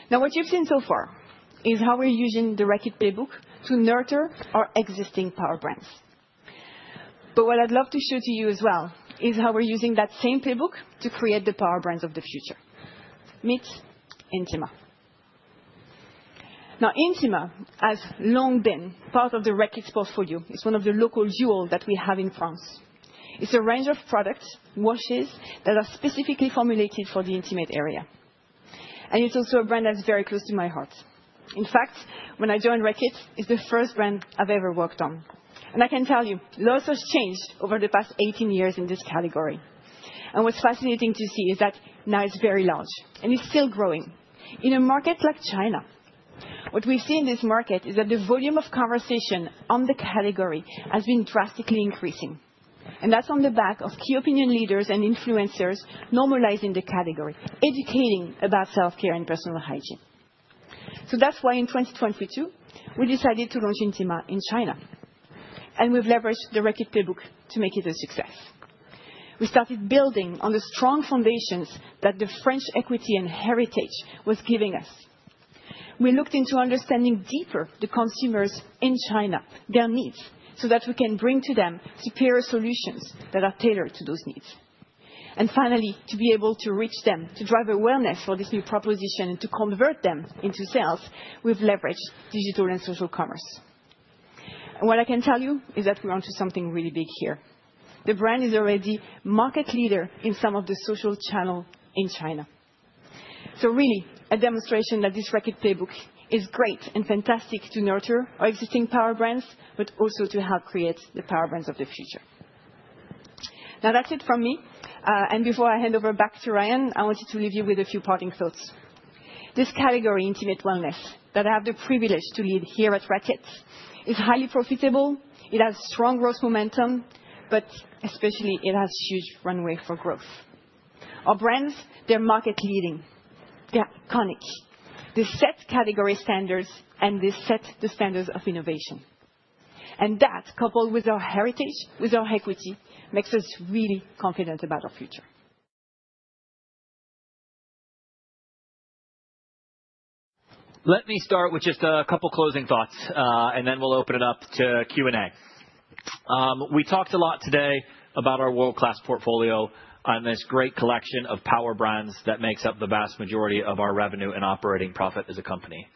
G: Now, what you've seen so far is how we're using the Reckitt playbook to nurture our existing power brands. What I'd love to show to you as well is how we're using that same playbook to create the power brands of the future: Meet Intima. Now, Intima has long been part of the Reckitt portfolio. It's one of the local jewels that we have in France. It's a range of products, washes that are specifically formulated for the intimate area. It's also a brand that's very close to my heart. In fact, when I joined Reckitt, it's the first brand I've ever worked on. I can tell you, lots has changed over the past 18 years in this category. What's fascinating to see is that now it's very large, and it's still growing. In a market like China, what we've seen in this market is that the volume of conversation on the category has been drastically increasing. That's on the back of key opinion leaders and influencers normalizing the category, educating about Self-Care and personal hygiene. That's why in 2022, we decided to launch Intima in China. We've leveraged the Reckitt playbook to make it a success. We started building on the strong foundations that the French equity and heritage was giving us. We looked into understanding deeper the consumers in China, their needs, so that we can bring to them superior solutions that are tailored to those needs. And finally, to be able to reach them, to drive awareness for this new proposition, and to convert them into sales, we've leveraged digital and social commerce. And what I can tell you is that we're onto something really big here. The brand is already a market leader in some of the social channels in China. So really, a demonstration that this Reckitt playbook is great and fantastic to nurture our existing power brands, but also to help create the power brands of the future. Now, that's it from me. And before I hand over back to Ryan, I wanted to leave you with a few parting thoughts. This category, Intimate Wellness, that I have the privilege to lead here at Reckitt, is highly profitable. It has strong growth momentum, but especially, it has a huge runway for growth. Our brands, they're market-leading. They're iconic. They set category standards, and they set the standards of innovation. And that, coupled with our heritage, with our equity, makes us really confident about our future.
C: Let me start with just a couple of closing thoughts, and then we'll open it up to Q&A. We talked a lot today about our world-class portfolio and this great collection of Power Brands that makes up the vast majority of our revenue and operating profit as a company.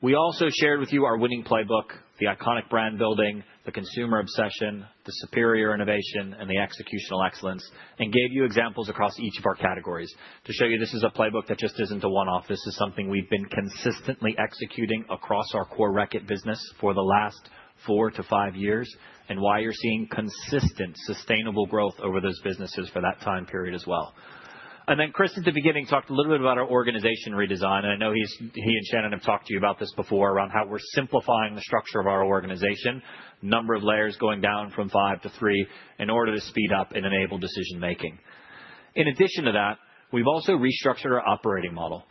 C: We also shared with you our winning playbook, the iconic brand building, the consumer obsession, the superior innovation, and the executional excellence, and gave you examples across each of our categories to show you this is a playbook that just isn't a one-off. This is something we've been consistently executing across our Core Reckitt business for the last four to five years and why you're seeing consistent sustainable growth over those businesses for that time period as well, and then Kris, at the beginning, talked a little bit about our organization redesign. I know he and Shannon have talked to you about this before around how we're simplifying the structure of our organization, number of layers going down from five to three in order to speed up and enable decision-making. In addition to that, we've also restructured our operating model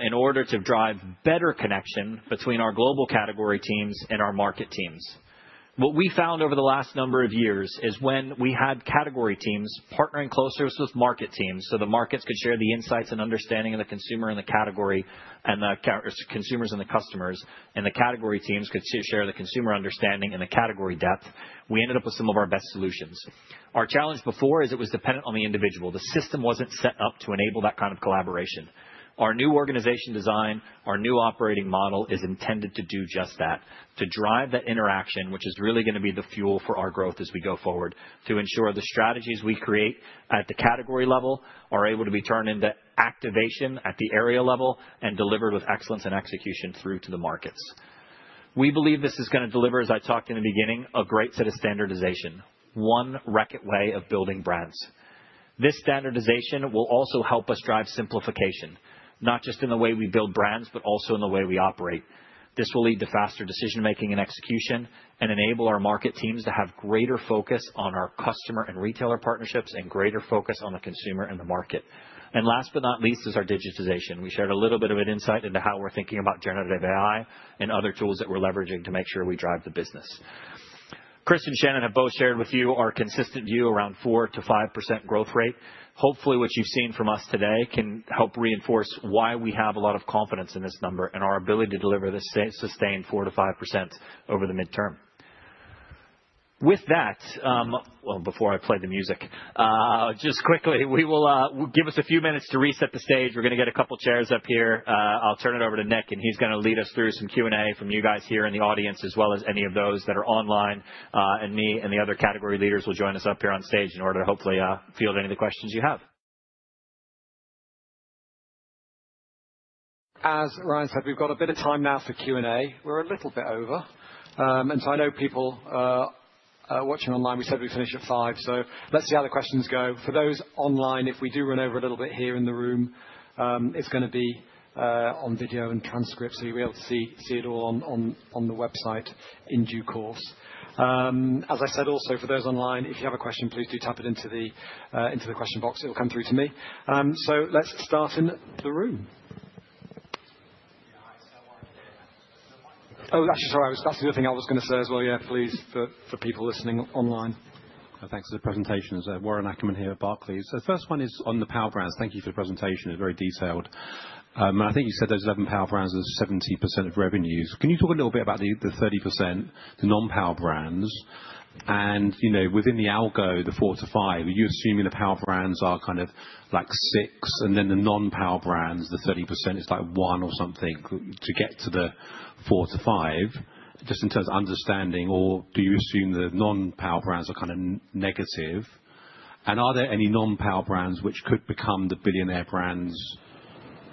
C: in order to drive better connection between our global category teams and our market teams. What we found over the last number of years is when we had category teams partnering closer with market teams so the markets could share the insights and understanding of the consumer and the category and the consumers and the customers, and the category teams could share the consumer understanding and the category depth, we ended up with some of our best solutions. Our challenge before is it was dependent on the individual. The system wasn't set up to enable that kind of collaboration. Our new organization design, our new operating model is intended to do just that, to drive that interaction, which is really going to be the fuel for our growth as we go forward, to ensure the strategies we create at the category level are able to be turned into activation at the area level and delivered with excellence and execution through to the markets. We believe this is going to deliver, as I talked in the beginning, a great set of standardization, one right way of building brands. This standardization will also help us drive simplification, not just in the way we build brands, but also in the way we operate. This will lead to faster decision-making and execution and enable our market teams to have greater focus on our customer and retailer partnerships and greater focus on the consumer and the market. And last but not least is our digitization. We shared a little bit of an insight into how we're thinking about generative AI and other tools that we're leveraging to make sure we drive the business. Kris and Shannon have both shared with you our consistent view around 4%-5% growth rate. Hopefully, what you've seen from us today can help reinforce why we have a lot of confidence in this number and our ability to deliver this sustained 4%-5% over the midterm. With that, well, before I play the music, just quickly, we will give us a few minutes to reset the stage. We're going to get a couple of chairs up here. I'll turn it over to Nick, and he's going to lead us through some Q&A from you guys here in the audience, as well as any of those that are online. And me and the other category leaders will join us up here on stage in order to hopefully field any of the questions you have.
A: As Ryan said, we've got a bit of time now for Q&A. We're a little bit over. And so I know people watching online, we said we'd finish at five, so let's see how the questions go. For those online, if we do run over a little bit here in the room, it's going to be on video and transcript, so you'll be able to see it all on the website in due course. As I said, also for those online, if you have a question, please do tap it into the question box. It'll come through to me. So let's start in the room. Oh, actually, sorry, that's the other thing I was going to say as well, yeah, please, for people listening online.
H: Thanks for the presentation. Warren Ackerman here at Barclays. So the first one is on the Power Brands. Thank you for the presentation. It's very detailed. And I think you said those 11 Power Brands are 70% of revenues. Can you talk a little bit about the 30%, the non-Power Brands? And within the algo, the four-to-five, are you assuming the Power Brands are kind of like six, and then the non-Power Brands, the 30%, it's like one or something to get to the four-to-five just in terms of understanding, or do you assume the non-Power Brands are kind of negative? And are there any non-Power Brands which could become the billionaire brands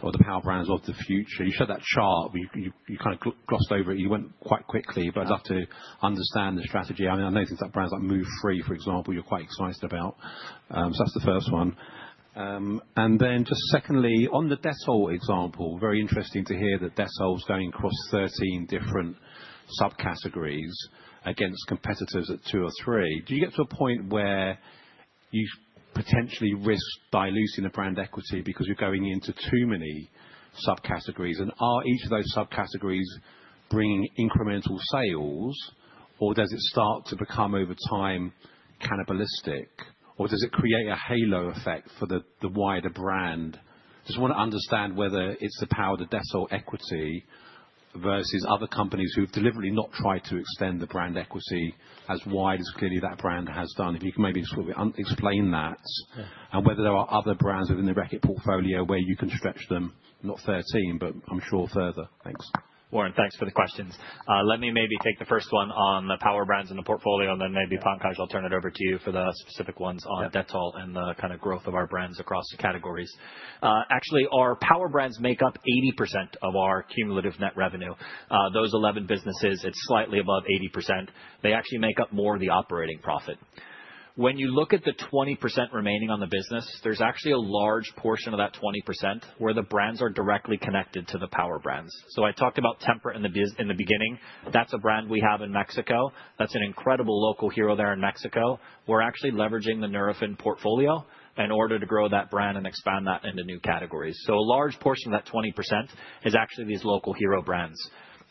H: or the Power Brands of the future? You showed that chart. You kind of glossed over it. You went quite quickly, but I'd love to understand the strategy. I know things like brands like Move Free, for example, you're quite excited about. So that's the first one. And then just secondly, on the Dettol example, very interesting to hear that Dettol's going across 13 different subcategories against competitors at two or three. Do you get to a point where you potentially risk diluting the brand equity because you're going into too many subcategories? And are each of those subcategories bringing incremental sales, or does it start to become over time cannibalistic, or does it create a halo effect for the wider brand? Just want to understand whether it's the power of Dettol equity versus other companies who've deliberately not tried to extend the brand equity as wide as clearly that brand has done. If you can maybe explain that, and whether there are other brands within the Reckitt portfolio where you can stretch them, not 13, but I'm sure further. Thanks.
C: Warren, thanks for the questions. Let me maybe take the first one on the power brands in the portfolio, and then maybe Pankaj, I'll turn it over to you for the specific ones on Dettol and the kind of growth of our brands across the categories. Actually, our power brands make up 80% of our cumulative net revenue. Those 11 businesses, it's slightly above 80%. They actually make up more of the operating profit. When you look at the 20% remaining on the business, there's actually a large portion of that 20% where the brands are directly connected to the power brands. So I talked about Tempra in the beginning. That's a brand we have in Mexico. That's an incredible local hero there in Mexico. We're actually leveraging the Nurofen portfolio in order to grow that brand and expand that into new categories. So a large portion of that 20% is actually these local hero brands.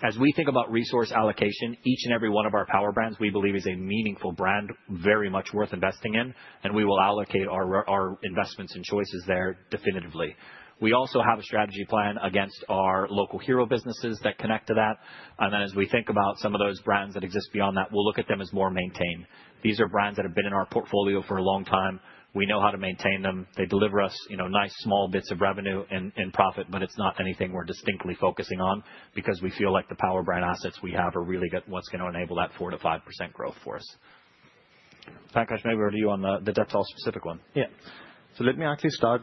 C: As we think about resource allocation, each and every one of our power brands we believe is a meaningful brand, very much worth investing in, and we will allocate our investments and choices there definitively. We also have a strategy plan against our local hero businesses that connect to that. And then as we think about some of those brands that exist beyond that, we'll look at them as more maintained. These are brands that have been in our portfolio for a long time. We know how to maintain them. They deliver us nice small bits of revenue and profit, but it's not anything we're distinctly focusing on because we feel like the power brand assets we have are really what's going to enable that 4% to 5% growth for us. Pankaj, maybe over to you on the Dettol specific one.
D: Yeah. So let me actually start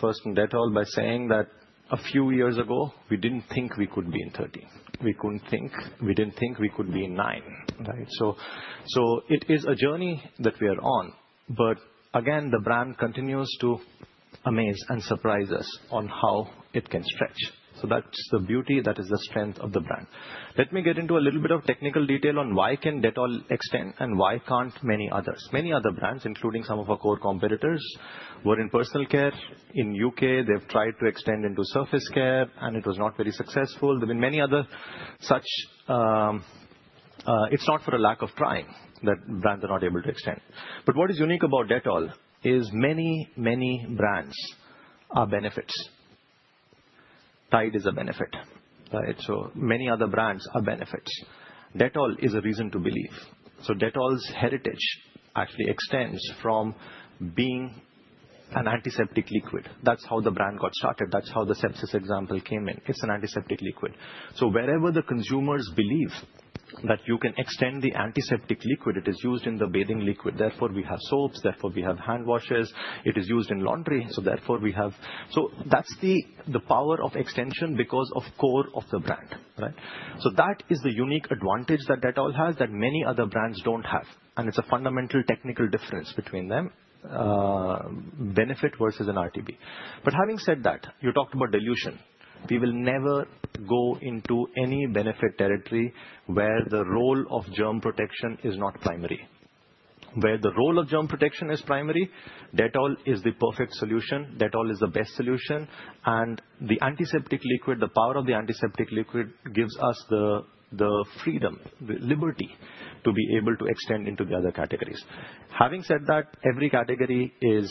D: first in Dettol by saying that a few years ago, we didn't think we could be in 13. We didn't think we could be in nine. So it is a journey that we are on, but again, the brand continues to amaze and surprise us on how it can stretch. So that's the beauty. That is the strength of the brand. Let me get into a little bit of technical detail on why Dettol can extend and why many others can't. Many other brands, including some of our core competitors, were in personal care. In the U.K., they've tried to extend into surface care, and it was not very successful. There have been many other such. It's not for a lack of trying that brands are not able to extend. But what is unique about Dettol is many, many brands are benefits. Tide is a benefit. So many other brands are benefits. Dettol is a reason to believe. So Dettol's heritage actually extends from being an antiseptic liquid. That's how the brand got started. That's how the sepsis example came in. It's an antiseptic liquid. So wherever the consumers believe that you can extend the antiseptic liquid, it is used in the bathing liquid. Therefore, we have soaps. Therefore, we have hand washers. It is used in laundry. So therefore, we have. So that's the power of extension because of the core of the brand. So that is the unique advantage that Dettol has that many other brands don't have. And it's a fundamental technical difference between them, benefit versus an RTB. But having said that, you talked about dilution. We will never go into any benefit territory where the role of germ protection is not primary. Where the role of germ protection is primary, Dettol is the perfect solution. Dettol is the best solution. And the antiseptic liquid, the power of the antiseptic liquid gives us the freedom, the liberty to be able to extend into the other categories. Having said that, every category is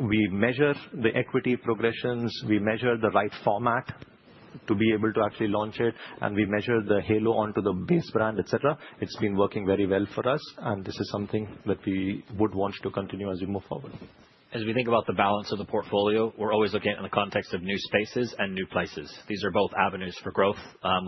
D: we measure the equity progressions. We measure the right format to be able to actually launch it, and we measure the halo onto the base brand, etc.It's been working very well for us, and this is something that we would want to continue as we move forward.
C: As we think about the balance of the portfolio, we're always looking at it in the context of new spaces and new places. These are both avenues for growth.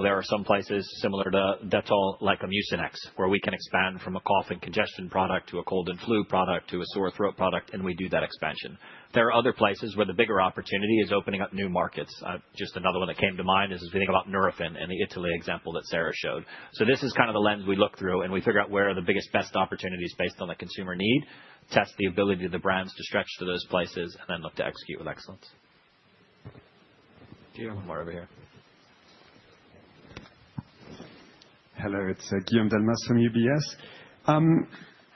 C: There are some places similar to Dettol, like a Mucinex, where we can expand from a cough and congestion product to a cold and flu product to a sore throat product, and we do that expansion. There are other places where the bigger opportunity is opening up new markets. Just another one that came to mind is if we think about Nurofen and the Italy example that Serra showed. This is kind of the lens we look through, and we figure out where are the biggest, best opportunities based on the consumer need, test the ability of the brands to stretch to those places, and then look to execute with excellence. Guillaume over here.
I: Hello. It's Guillaume Delmas from UBS.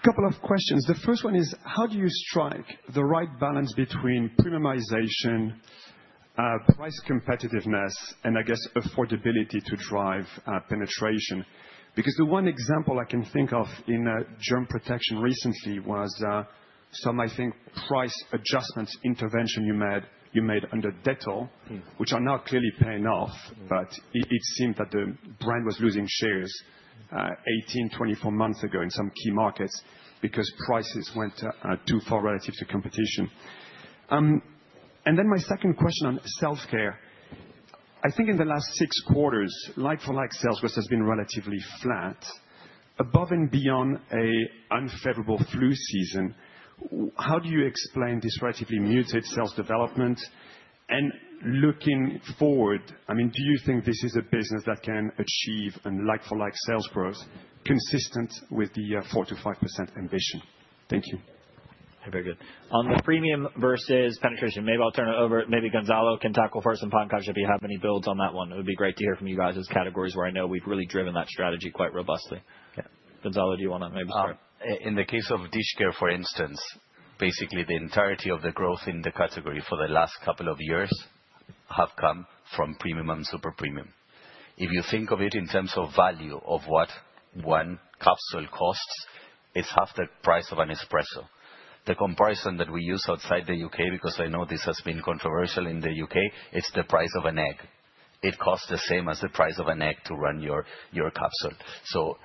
I: A couple of questions. The first one is, how do you strike the right balance between premiumization, price competitiveness, and I guess affordability to drive penetration? Because the one example I can think of in germ protection recently was some, I think, price adjustment intervention you made under Dettol, which are now clearly paying off, but it seemed that the brand was losing shares 18, 24 months ago in some key markets because prices went too far relative to competition. And then my second question on Self-Care. I think in the last six quarters, like-for-like sales growth has been relatively flat above and beyond an unfavorable flu season. How do you explain this relatively muted sales development? And looking forward, I mean, do you think this is a business that can achieve like-for-like sales growth consistent with the 4%-5% ambition? Thank you.
C: Very good. On the premium versus penetration, maybe I'll turn it over. Maybe Gonzalo can tackle first, and Pankaj, if you have any builds on that one. It would be great to hear from you guys as categories where I know we've really driven that strategy quite robustly. Yeah. Gonzalo, do you want to maybe start?
F: In the case of Dish Care, for instance, basically the entirety of the growth in the category for the last couple of years has come from premium and super premium. If you think of it in terms of value of what one capsule costs, it's half the price of an espresso. The comparison that we use outside the U.K., because I know this has been controversial in the U.K., it's the price of an egg. It costs the same as the price of an egg to run your capsule. So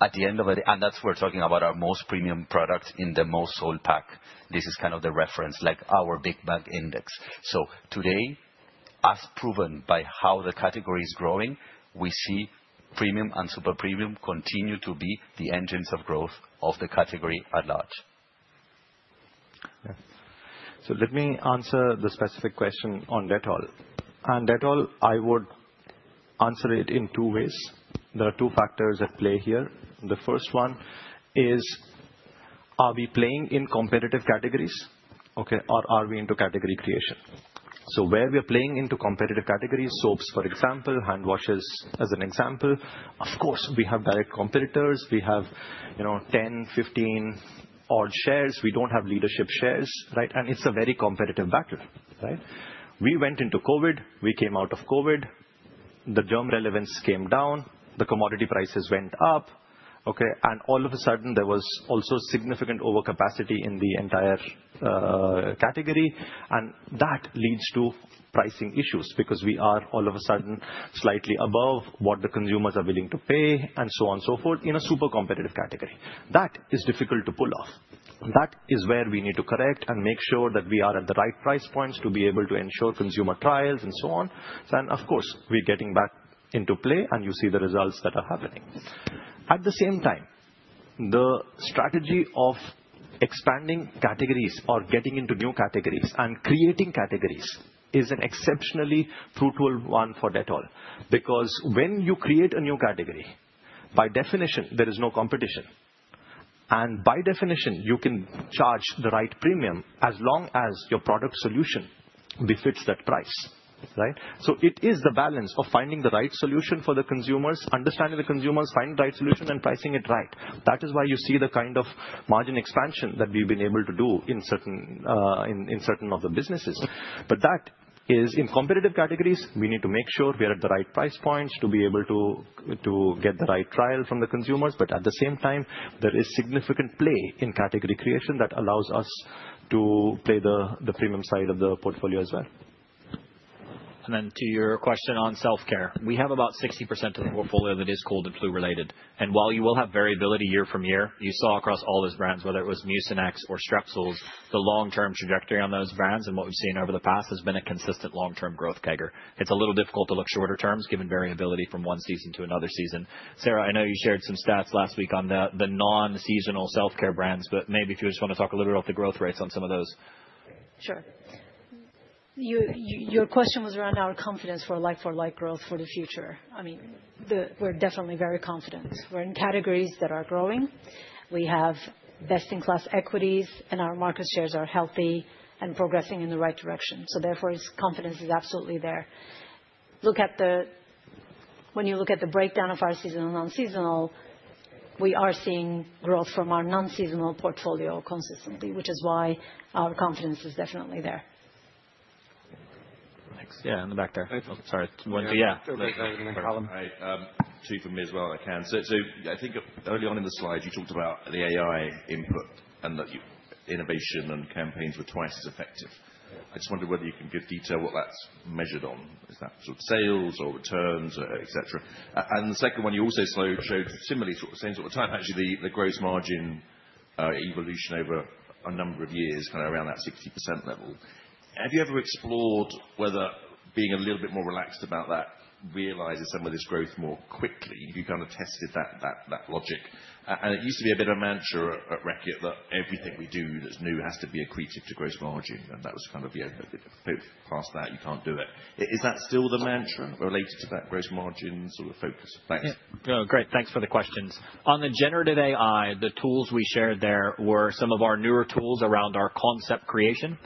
F: at the end of it, and that's where we're talking about our most premium product in the most sold pack. This is kind of the reference, like our Big Mac Index. So today, as proven by how the category is growing, we see premium and super premium continue to be the engines of growth of the category at large. So let me answer the specific question on Dettol.
D: On Dettol, I would answer it in two ways. There are two factors at play here. The first one is, are we playing in competitive categories, or are we into category creation? So where we are playing into competitive categories, soaps, for example, hand washers as an example, of course, we have direct competitors. We have 10, 15 odd shares. We don't have leadership shares, right? And it's a very competitive battle, right? We went into COVID. We came out of COVID. The germ relevance came down. The commodity prices went up. And all of a sudden, there was also significant overcapacity in the entire category. And that leads to pricing issues because we are all of a sudden slightly above what the consumers are willing to pay and so on and so forth in a super competitive category. That is difficult to pull off. That is where we need to correct and make sure that we are at the right price points to be able to ensure consumer trials and so on. And of course, we're getting back into play, and you see the results that are happening. At the same time, the strategy of expanding categories or getting into new categories and creating categories is an exceptionally fruitful one for Dettol because when you create a new category, by definition, there is no competition. And by definition, you can charge the right premium as long as your product solution befits that price, right? So it is the balance of finding the right solution for the consumers, understanding the consumers, finding the right solution, and pricing it right. That is why you see the kind of margin expansion that we've been able to do in certain of the businesses. But that is in competitive categories. We need to make sure we're at the right price points to be able to get the right trial from the consumers. But at the same time, there is significant play in category creation that allows us to play the premium side of the portfolio as well.
C: And then to your question on Self-Care, we have about 60% of the portfolio that is cold and flu-related. And while you will have variability year to year, you saw across all those brands, whether it was Mucinex or Strepsils, the long-term trajectory on those brands and what we've seen over the past has been a consistent long-term growth CAGR. It's a little difficult to look shorter terms given variability from one season to another season. Serra, I know you shared some stats last week on the non-seasonal Self-Care brands, but maybe if you just want to talk a little bit about the growth rates on some of those?
E: Sure. Your question was around our confidence for like-for-like growth for the future. I mean, we're definitely very confident. We're in categories that are growing. We have best-in-class equities, and our market shares are healthy and progressing in the right direction. So therefore, confidence is absolutely there. When you look at the breakdown of our seasonal and non-seasonal, we are seeing growth from our non-seasonal portfolio consistently, which is why our confidence is definitely there. Thanks. Yeah, in the back there. Sorry. Yeah. Can I ask one as well if I can. So I think early on in the slides, you talked about the AI input and that innovation and campaigns were twice as effective. I just wondered whether you can give detail what that's measured on. Is that sort of sales or returns, etc.? And the second one, you also showed similarly, same sort of time, actually, the gross margin evolution over a number of years, kind of around that 60% level. Have you ever explored whether being a little bit more relaxed about that realizes some of this growth more quickly if you kind of tested that logic? And it used to be a bit of a mantra at Reckitt that everything we do that's new has to be accretive to gross margin. And that was kind of the end of it. Past that, you can't do it. Is that still the mantra related to that gross margin sort of focus? Thanks.
C: Great. Thanks for the questions. On the generative AI, the tools we shared there were some of our newer tools around our concept creation.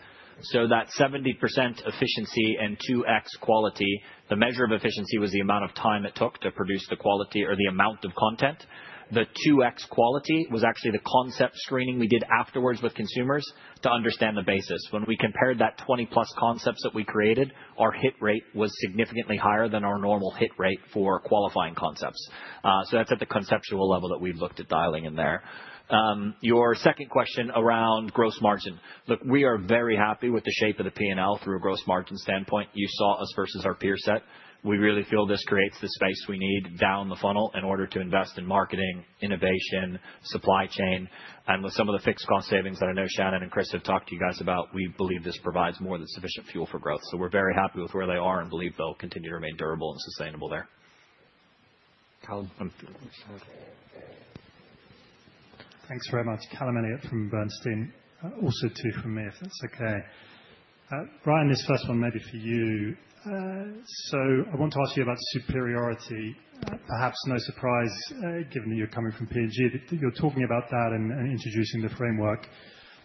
C: So that 70% efficiency and 2X quality, the measure of efficiency was the amount of time it took to produce the quality or the amount of content. The 2X quality was actually the concept screening we did afterwards with consumers to understand the basis. When we compared that 20-plus concepts that we created, our hit rate was significantly higher than our normal hit rate for qualifying concepts. So that's at the conceptual level that we've looked at dialing in there. Your second question around gross margin. Look, we are very happy with the shape of the P&L through a gross margin standpoint. You saw us versus our peer set. We really feel this creates the space we need down the funnel in order to invest in marketing, innovation, supply chain. With some of the fixed cost savings that I know Shannon and Kris have talked to you guys about, we believe this provides more than sufficient fuel for growth. So we're very happy with where they are and believe they'll continue to remain durable and sustainable there.
J: Thanks very much. Callum Elliott from Bernstein. Also, two from me, if that's okay. Ryan, this first one maybe for you. So I want to ask you about superiority. Perhaps no surprise, given that you're coming from P&G, that you're talking about that and introducing the framework.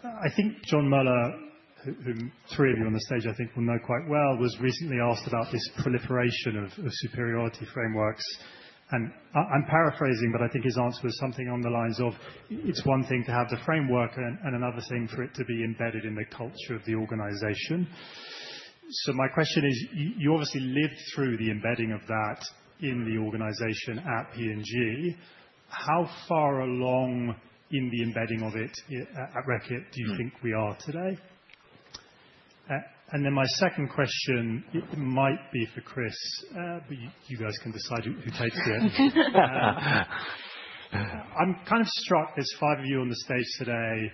J: I think Jon Moeller, whom three of you on the stage, I think, will know quite well, was recently asked about this proliferation of superiority frameworks. And I'm paraphrasing, but I think his answer was something along the lines of, it's one thing to have the framework and another thing for it to be embedded in the culture of the organization. So my question is, you obviously lived through the embedding of that in the organization at P&G. How far along in the embedding of it at Reckitt do you think we are today? And then my second question might be for Kris, but you guys can decide who takes it. I'm kind of struck there's five of you on the stage today.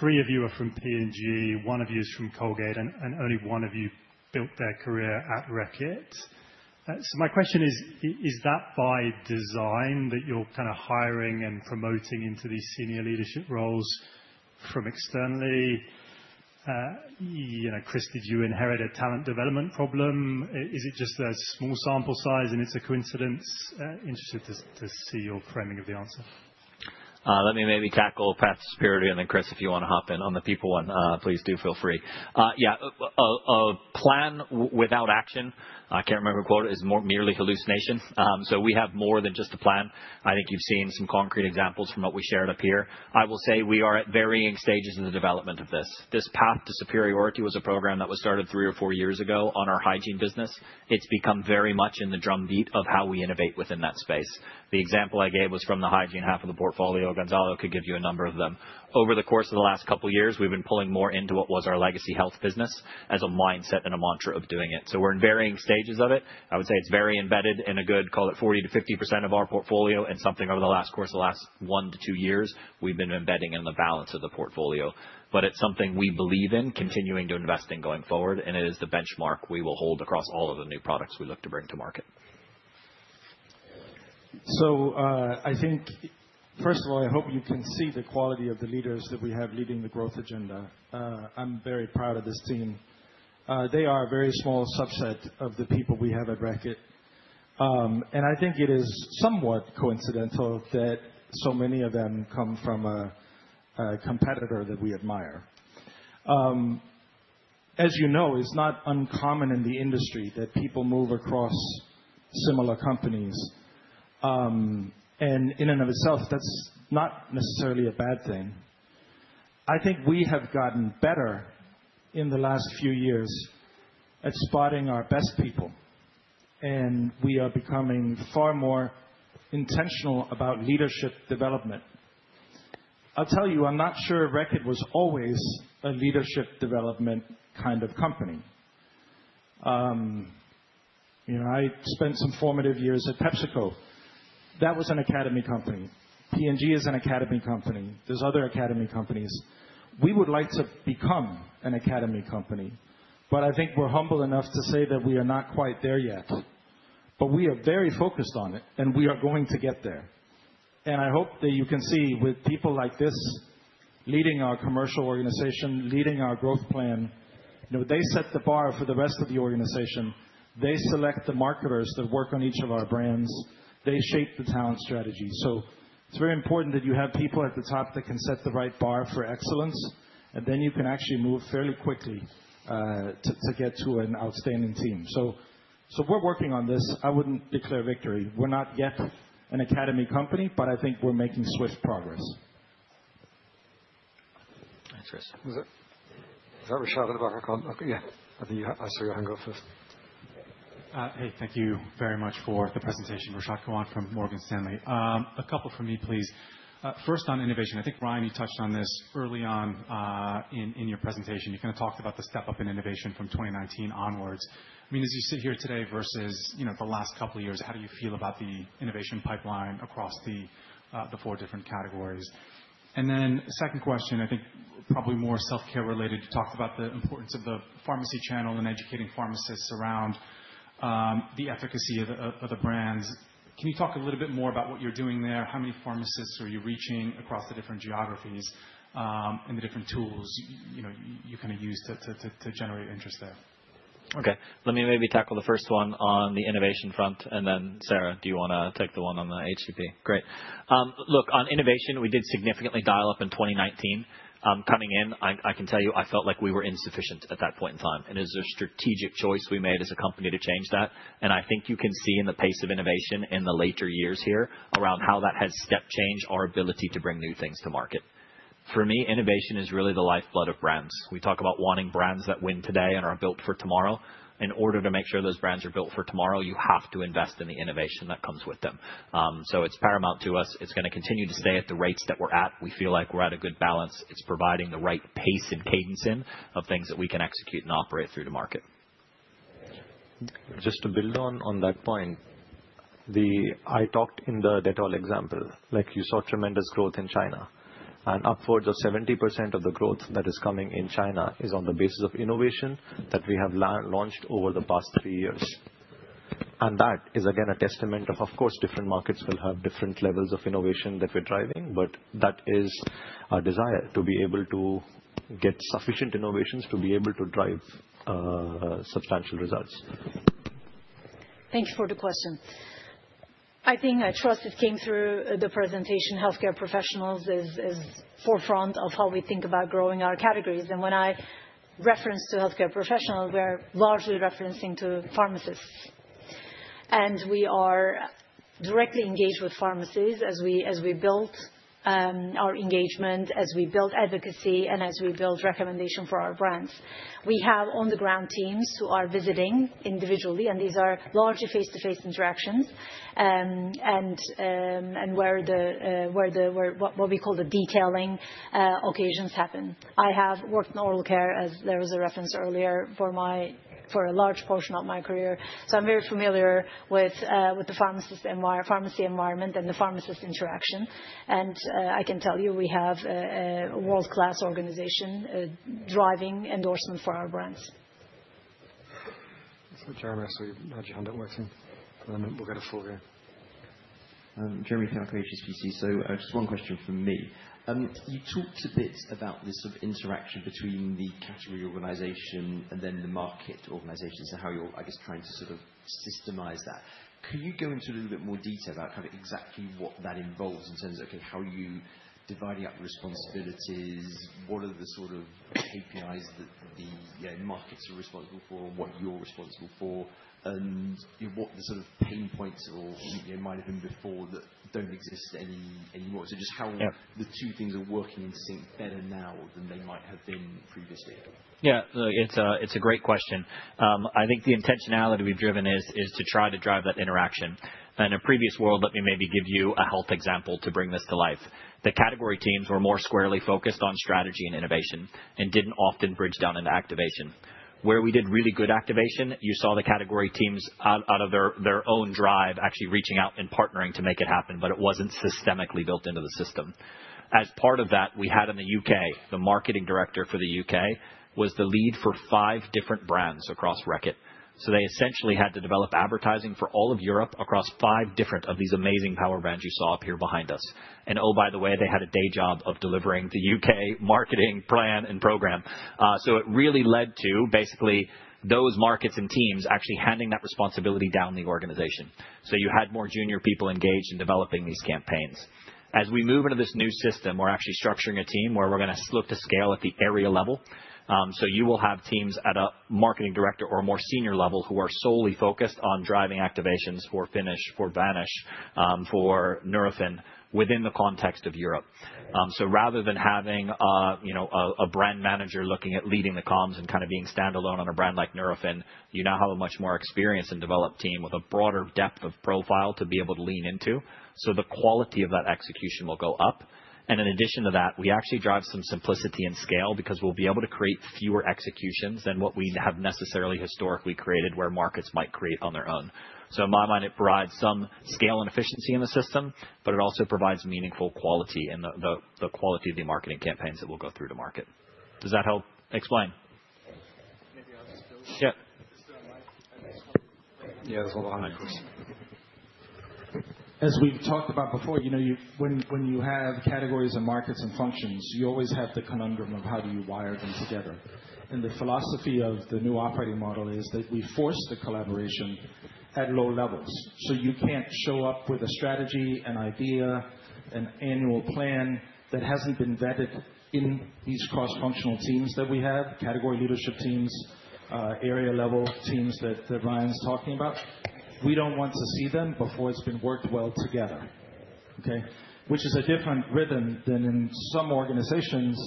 J: Three of you are from P&G. One of you is from Colgate, and only one of you built their career at Reckitt. So my question is, is that by design that you're kind of hiring and promoting into these senior leadership roles from externally? Kris, did you inherit a talent development problem? Is it just a small sample size and it's a coincidence? Interested to see your framing of the answer.
C: Let me maybe tackle perhaps superiority, and then, Kris, if you want to hop in on the people one, please do feel free. Yeah. A plan without action, I can't remember the quote, is merely hallucination. So we have more than just a plan. I think you've seen some concrete examples from what we shared up here. I will say we are at varying stages of the development of this. This path to superiority was a program that was started three or four years ago on our hygiene business. It's become very much in the drumbeat of how we innovate within that space. The example I gave was from the hygiene half of the portfolio. Gonzalo could give you a number of them. Over the course of the last couple of years, we've been pulling more into what was our legacy health business as a mindset and a mantra of doing it. So we're in varying stages of it. I would say it's very embedded in a good, call it 40%-50% of our portfolio. And something over the last course of the last one to two years, we've been embedding in the balance of the portfolio. But it's something we believe in continuing to invest in going forward, and it is the benchmark we will hold across all of the new products we look to bring to market.
B: So I think, first of all, I hope you can see the quality of the leaders that we have leading the growth agenda. I'm very proud of this team. They are a very small subset of the people we have at Reckitt. I think it is somewhat coincidental that so many of them come from a competitor that we admire. As you know, it's not uncommon in the industry that people move across similar companies. In and of itself, that's not necessarily a bad thing. I think we have gotten better in the last few years at spotting our best people, and we are becoming far more intentional about leadership development. I'll tell you, I'm not sure Reckitt was always a leadership development kind of company. I spent some formative years at PepsiCo. That was an academy company. P&G is an academy company. There's other academy companies. We would like to become an academy company, but I think we're humble enough to say that we are not quite there yet. We are very focused on it, and we are going to get there. I hope that you can see with people like this leading our commercial organization, leading our growth plan, they set the bar for the rest of the organization. They select the marketers that work on each of our brands. They shape the talent strategy. So it's very important that you have people at the top that can set the right bar for excellence, and then you can actually move fairly quickly to get to an outstanding team. So we're working on this. I wouldn't declare victory. We're not yet an academy company, but I think we're making swift progress.
J: Thanks, Kris.
A: Is that Rashad at the back? Yeah. I saw your hand go first.
K: Hey, thank you very much for the presentation, Rashad Kawan from Morgan Stanley. A couple from me, please. First on innovation. I think, Ryan, you touched on this early on in your presentation. You kind of talked about the step-up in innovation from 2019 onwards. I mean, as you sit here today versus the last couple of years, how do you feel about the innovation pipeline across the four different categories? And then second question, I think probably more Self-Care related. You talked about the importance of the pharmacy channel and educating pharmacists around the efficacy of the brands. Can you talk a little bit more about what you're doing there? How many pharmacists are you reaching across the different geographies and the different tools you kind of use to generate interest there?
C: Okay. Let me maybe tackle the first one on the innovation front. And then, Serra, do you want to take the one on the HCP? Great. Look, on innovation, we did significantly dial up in 2019. Coming in, I can tell you I felt like we were insufficient at that point in time. And it was a strategic choice we made as a company to change that. And I think you can see in the pace of innovation in the later years here around how that has step-changed our ability to bring new things to market. For me, innovation is really the lifeblood of brands. We talk about wanting brands that win today and are built for tomorrow. In order to make sure those brands are built for tomorrow, you have to invest in the innovation that comes with them. So it's paramount to us. It's going to continue to stay at the rates that we're at. We feel like we're at a good balance. It's providing the right pace and cadence in of things that we can execute and operate through to market.
D: Just to build on that point, I talked in the Dettol example. You saw tremendous growth in China, and upwards of 70% of the growth that is coming in China is on the basis of innovation that we have launched over the past three years. That is, again, a testament of course different markets will have different levels of innovation that we're driving. But that is our desire to be able to get sufficient innovations to be able to drive substantial results.
E: Thank you for the question. I think I trust it came through the presentation. Healthcare professionals is forefront of how we think about growing our categories. When I reference to healthcare professionals, we're largely referencing to pharmacists. We are directly engaged with pharmacies as we build our engagement, as we build advocacy, and as we build recommendation for our brands. We have on-the-ground teams who are visiting individually, and these are largely face-to-face interactions and where what we call the detailing occasions happen. I have worked in oral care, as there was a reference earlier, for a large portion of my career. I'm very familiar with the pharmacy environment and the pharmacist interaction. I can tell you we have a world-class organization driving endorsement for our brands.
A: Thanks for the chairman. We've had your hand up, Wesley. Then we'll get a full go.
L: Jeremy Fialko, HSBC. Just one question from me. You talked a bit about this sort of interaction between the category organization and then the market organization. How you're, I guess, trying to sort of systemize that. Can you go into a little bit more detail about kind of exactly what that involves in terms of, okay, how are you dividing up the responsibilities? What are the sort of KPIs that the markets are responsible for and what you're responsible for? And what the sort of pain points might have been before that don't exist anymore? So just how the two things are working in sync better now than they might have been previously.
C: Yeah. It's a great question. I think the intentionality we've driven is to try to drive that interaction. In a previous world, let me maybe give you a health example to bring this to life. The category teams were more squarely focused on strategy and innovation and didn't often bridge down into activation. Where we did really good activation, you saw the category teams out of their own drive actually reaching out and partnering to make it happen, but it wasn't systematically built into the system. As part of that, we had in the U.K., the marketing director for the U.K. was the lead for five different brands across Reckitt. So they essentially had to develop advertising for all of Europe across five different of these amazing power brands you saw up here behind us. And oh, by the way, they had a day job of delivering the U.K. marketing plan and program. So it really led to basically those markets and teams actually handing that responsibility down the organization. So you had more junior people engaged in developing these campaigns. As we move into this new system, we're actually structuring a team where we're going to look to scale at the area level. So you will have teams at a marketing director or more senior level who are solely focused on driving activations for Finish, for Vanish, for Nurofen within the context of Europe. So rather than having a brand manager looking at leading the comms and kind of being standalone on a brand like Nurofen, you now have a much more experienced and developed team with a broader depth of profile to be able to lean into. So the quality of that execution will go up. And in addition to that, we actually drive some simplicity and scale because we'll be able to create fewer executions than what we have necessarily historically created where markets might create on their own. So in my mind, it provides some scale and efficiency in the system, but it also provides meaningful quality in the quality of the marketing campaigns that will go through to market. Does that help explain?
A: Yeah. Yeah, there's a lot behind me, of course.
B: As we've talked about before, when you have categories and markets and functions, you always have the conundrum of how do you wire them together. And the philosophy of the new operating model is that we force the collaboration at low levels. So you can't show up with a strategy, an idea, an annual plan that hasn't been vetted in these cross-functional teams that we have, category leadership teams, area-level teams that Ryan's talking about. We don't want to see them before it's been worked well together, okay? Which is a different rhythm than in some organizations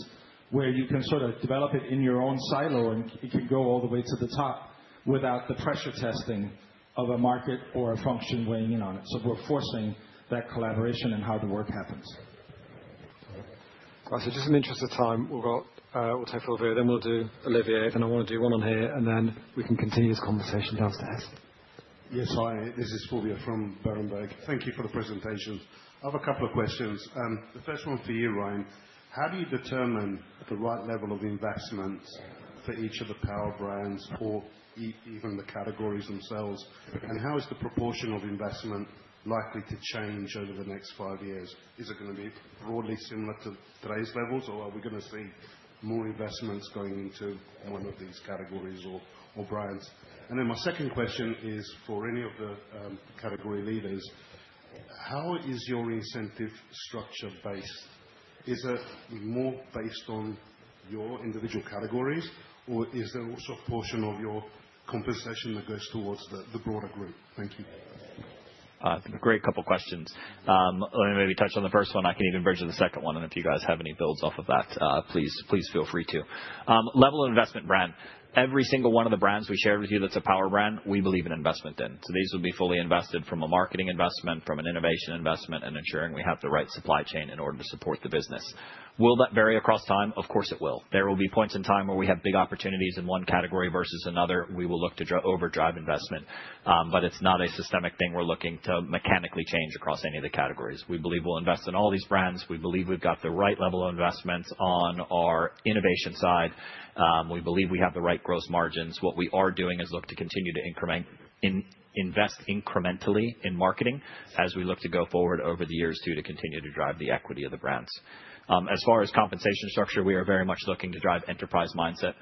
B: where you can sort of develop it in your own silo and it can go all the way to the top without the pressure testing of a market or a function weighing in on it. So we're forcing that collaboration and how the work happens.
A: All right. So just in the interest of time, we'll take Fulvio Cazzol, then we'll do Olivier, then I want to do one on here, and then we can continue this conversation downstairs.
M: Yes, hi. This is Fulvio Cazzol from Berenberg. Thank you for the presentation. I have a couple of questions. The first one for you, Ryan. How do you determine the right level of investment for each of the power brands or even the categories themselves? And how is the proportion of investment likely to change over the next five years? Is it going to be broadly similar to today's levels, or are we going to see more investments going into one of these categories or brands? And then my second question is for any of the category leaders. How is your incentive structure based? Is it more based on your individual categories, or is there also a portion of your compensation that goes towards the broader group? Thank you.
C: Great couple of questions. Let me maybe touch on the first one. I can even bridge to the second one. And if you guys have any builds off of that, please feel free to. Level of Investment behind. Every single one of the brands we shared with you that's a power brand, we believe in investment in. These will be fully invested from a marketing investment, from an innovation investment, and ensuring we have the right supply chain in order to support the business. Will that vary across time? Of course, it will. There will be points in time where we have big opportunities in one category versus another. We will look to overdrive investment. But it's not a systemic thing we're looking to mechanically change across any of the categories. We believe we'll invest in all these brands. We believe we've got the right level of investments on our innovation side. We believe we have the right gross margins. What we are doing is look to continue to invest incrementally in marketing as we look to go forward over the years too to continue to drive the equity of the brands. As far as compensation structure, we are very much looking to drive enterprise mindset.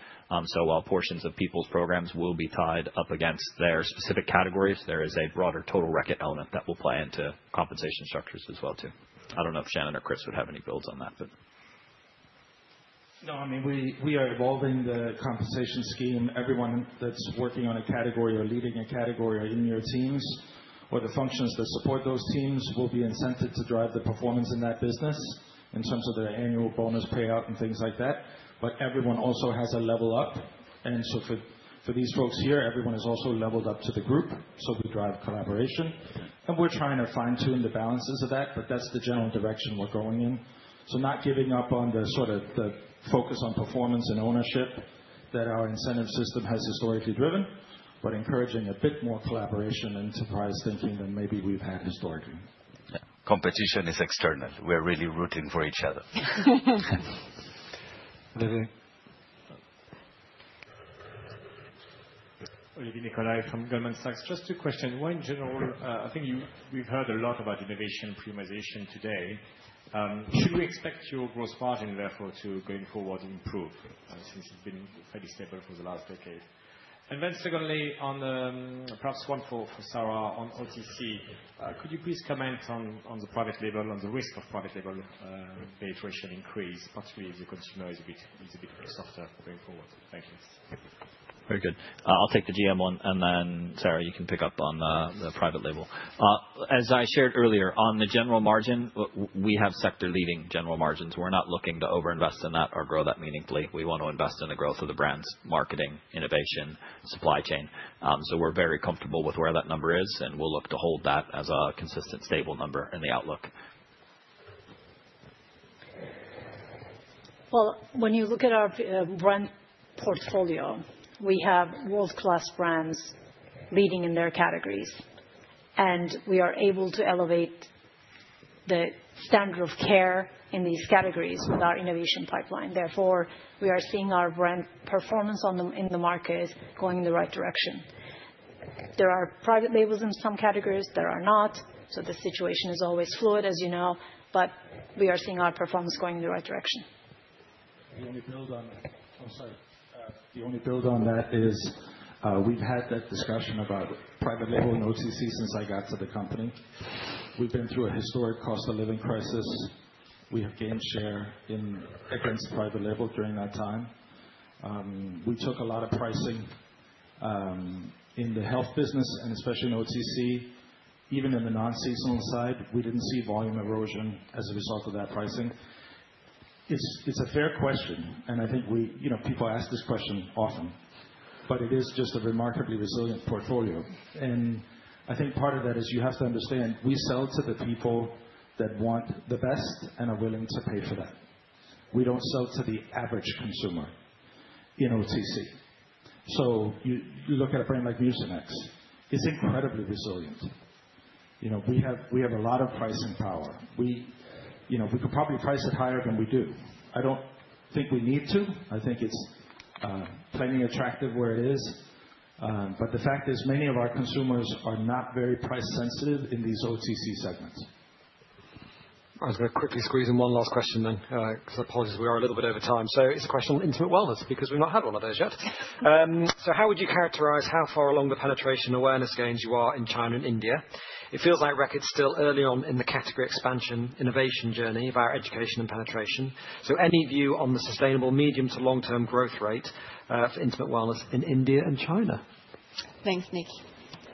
C: So while portions of people's programs will be tied up against their specific categories, there is a broader total Reckitt element that will play into compensation structures as well too. I don't know if Shannon or Kris would have any builds on that, but.
N: No, I mean, we are evolving the compensation scheme. Everyone that's working on a category or leading a category or in your teams or the functions that support those teams will be incented to drive the performance in that business in terms of their annual bonus payout and things like that. But everyone also has a level up. And so for these folks here, everyone is also leveled up to the group. So we drive collaboration. And we're trying to fine-tune the balances of that, but that's the general direction we're going in. So not giving up on the sort of focus on performance and ownership that our incentive system has historically driven, but encouraging a bit more collaboration and enterprise thinking than maybe we've had historically.
F: Competition is external. We're really rooting for each other.
O: Olivier Nicolai from Goldman Sachs. Just two questions. One in general, I think we've heard a lot about innovation and premiumization today. Should we expect your gross margin, therefore, to going forward improve since it's been fairly stable for the last decade? And then secondly, perhaps one for Serra on OTC. Could you please comment on the private label, on the risk of private label penetration increase, particularly as your consumer is a bit softer going forward? Thank you.
C: Very good. I'll take the GM one. And then, Serra, you can pick up on the private label. As I shared earlier, on the gross margin, we have sector-leading gross margins. We're not looking to overinvest in that or grow that meaningfully. We want to invest in the growth of the brands, marketing, innovation, supply chain. So we're very comfortable with where that number is, and we'll look to hold that as a consistent stable number in the outlook.
E: When you look at our brand portfolio, we have world-class brands leading in their categories. And we are able to elevate the standard of care in these categories with our innovation pipeline. Therefore, we are seeing our brand performance in the market going in the right direction. There are private labels in some categories that are not. So the situation is always fluid, as you know. But we are seeing our performance going in the right direction.
B: The only build on that, I'm sorry. The only build on that is we've had that discussion about private label in OTC since I got to the company. We've been through a historic cost of living crisis. We have gained share in equity and private label during that time. We took a lot of pricing in the health business, and especially in OTC, even in the non-seasonal side, we didn't see volume erosion as a result of that pricing. It's a fair question, and I think people ask this question often, but it is just a remarkably resilient portfolio, and I think part of that is you have to understand we sell to the people that want the best and are willing to pay for that. We don't sell to the average consumer in OTC, so you look at a brand like Mucinex. It's incredibly resilient. We have a lot of pricing power. We could probably price it higher than we do. I don't think we need to. I think it's plenty attractive where it is. But the fact is many of our consumers are not very price-sensitive in these OTC segments.
A: I was going to quickly squeeze in one last question then, because I apologize. We are a little bit over time. So it's a question on Intimate Wellness because we've not had one of those yet. So how would you characterize how far along the penetration awareness gains you are in China and India? It feels like Reckitt's still early on in the category expansion innovation journey about education and penetration. So any view on the sustainable medium to long-term growth rate for Intimate Wellness in India and China? Thanks, Nick.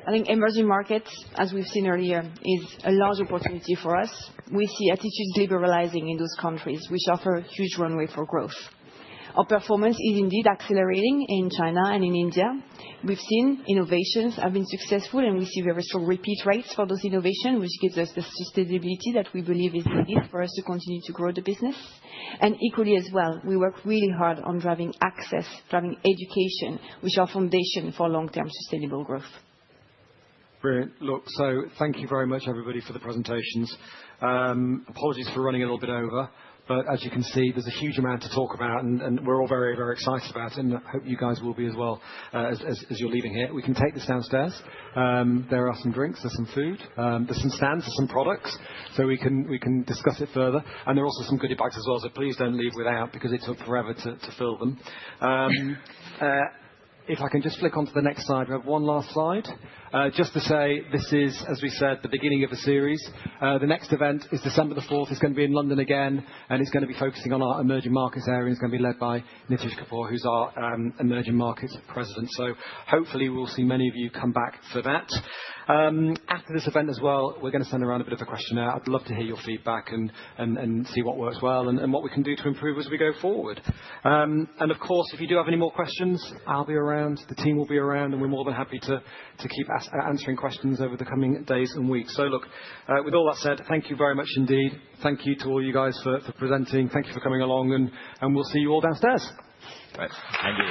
A: I think emerging markets, as we've seen earlier, is a large opportunity for us. We see attitudes liberalizing in those countries, which offer huge runway for growth. Our performance is indeed accelerating in China and in India. We've seen innovations have been successful, and we see very strong repeat rates for those innovations, which gives us the sustainability that we believe is needed for us to continue to grow the business. And equally as well, we work really hard on driving access, driving education, which are foundation for long-term sustainable growth. Brilliant. Look, so thank you very much, everybody, for the presentations. Apologies for running a little bit over. But as you can see, there's a huge amount to talk about, and we're all very, very excited about it, and I hope you guys will be as well as you're leaving here. We can take this downstairs. There are some drinks. There's some food. There's some stands. There's some products. So we can discuss it further. And there are also some goodie bags as well. So please don't leave without because it took forever to fill them. If I can just flick onto the next slide, we have one last slide. Just to say, this is, as we said, the beginning of a series. The next event is December the 4th. It's going to be in London again, and it's going to be focusing on our emerging markets area. It's going to be led by Nitish Kapoor, who's our emerging markets president. So hopefully, we'll see many of you come back for that. After this event as well, we're going to send around a bit of a questionnaire. I'd love to hear your feedback and see what works well and what we can do to improve as we go forward. And of course, if you do have any more questions, I'll be around. The team will be around, and we're more than happy to keep answering questions over the coming days and weeks. So look, with all that said, thank you very much indeed. Thank you to all you guys for presenting. Thank you for coming along, and we'll see you all downstairs. Great. Thank you.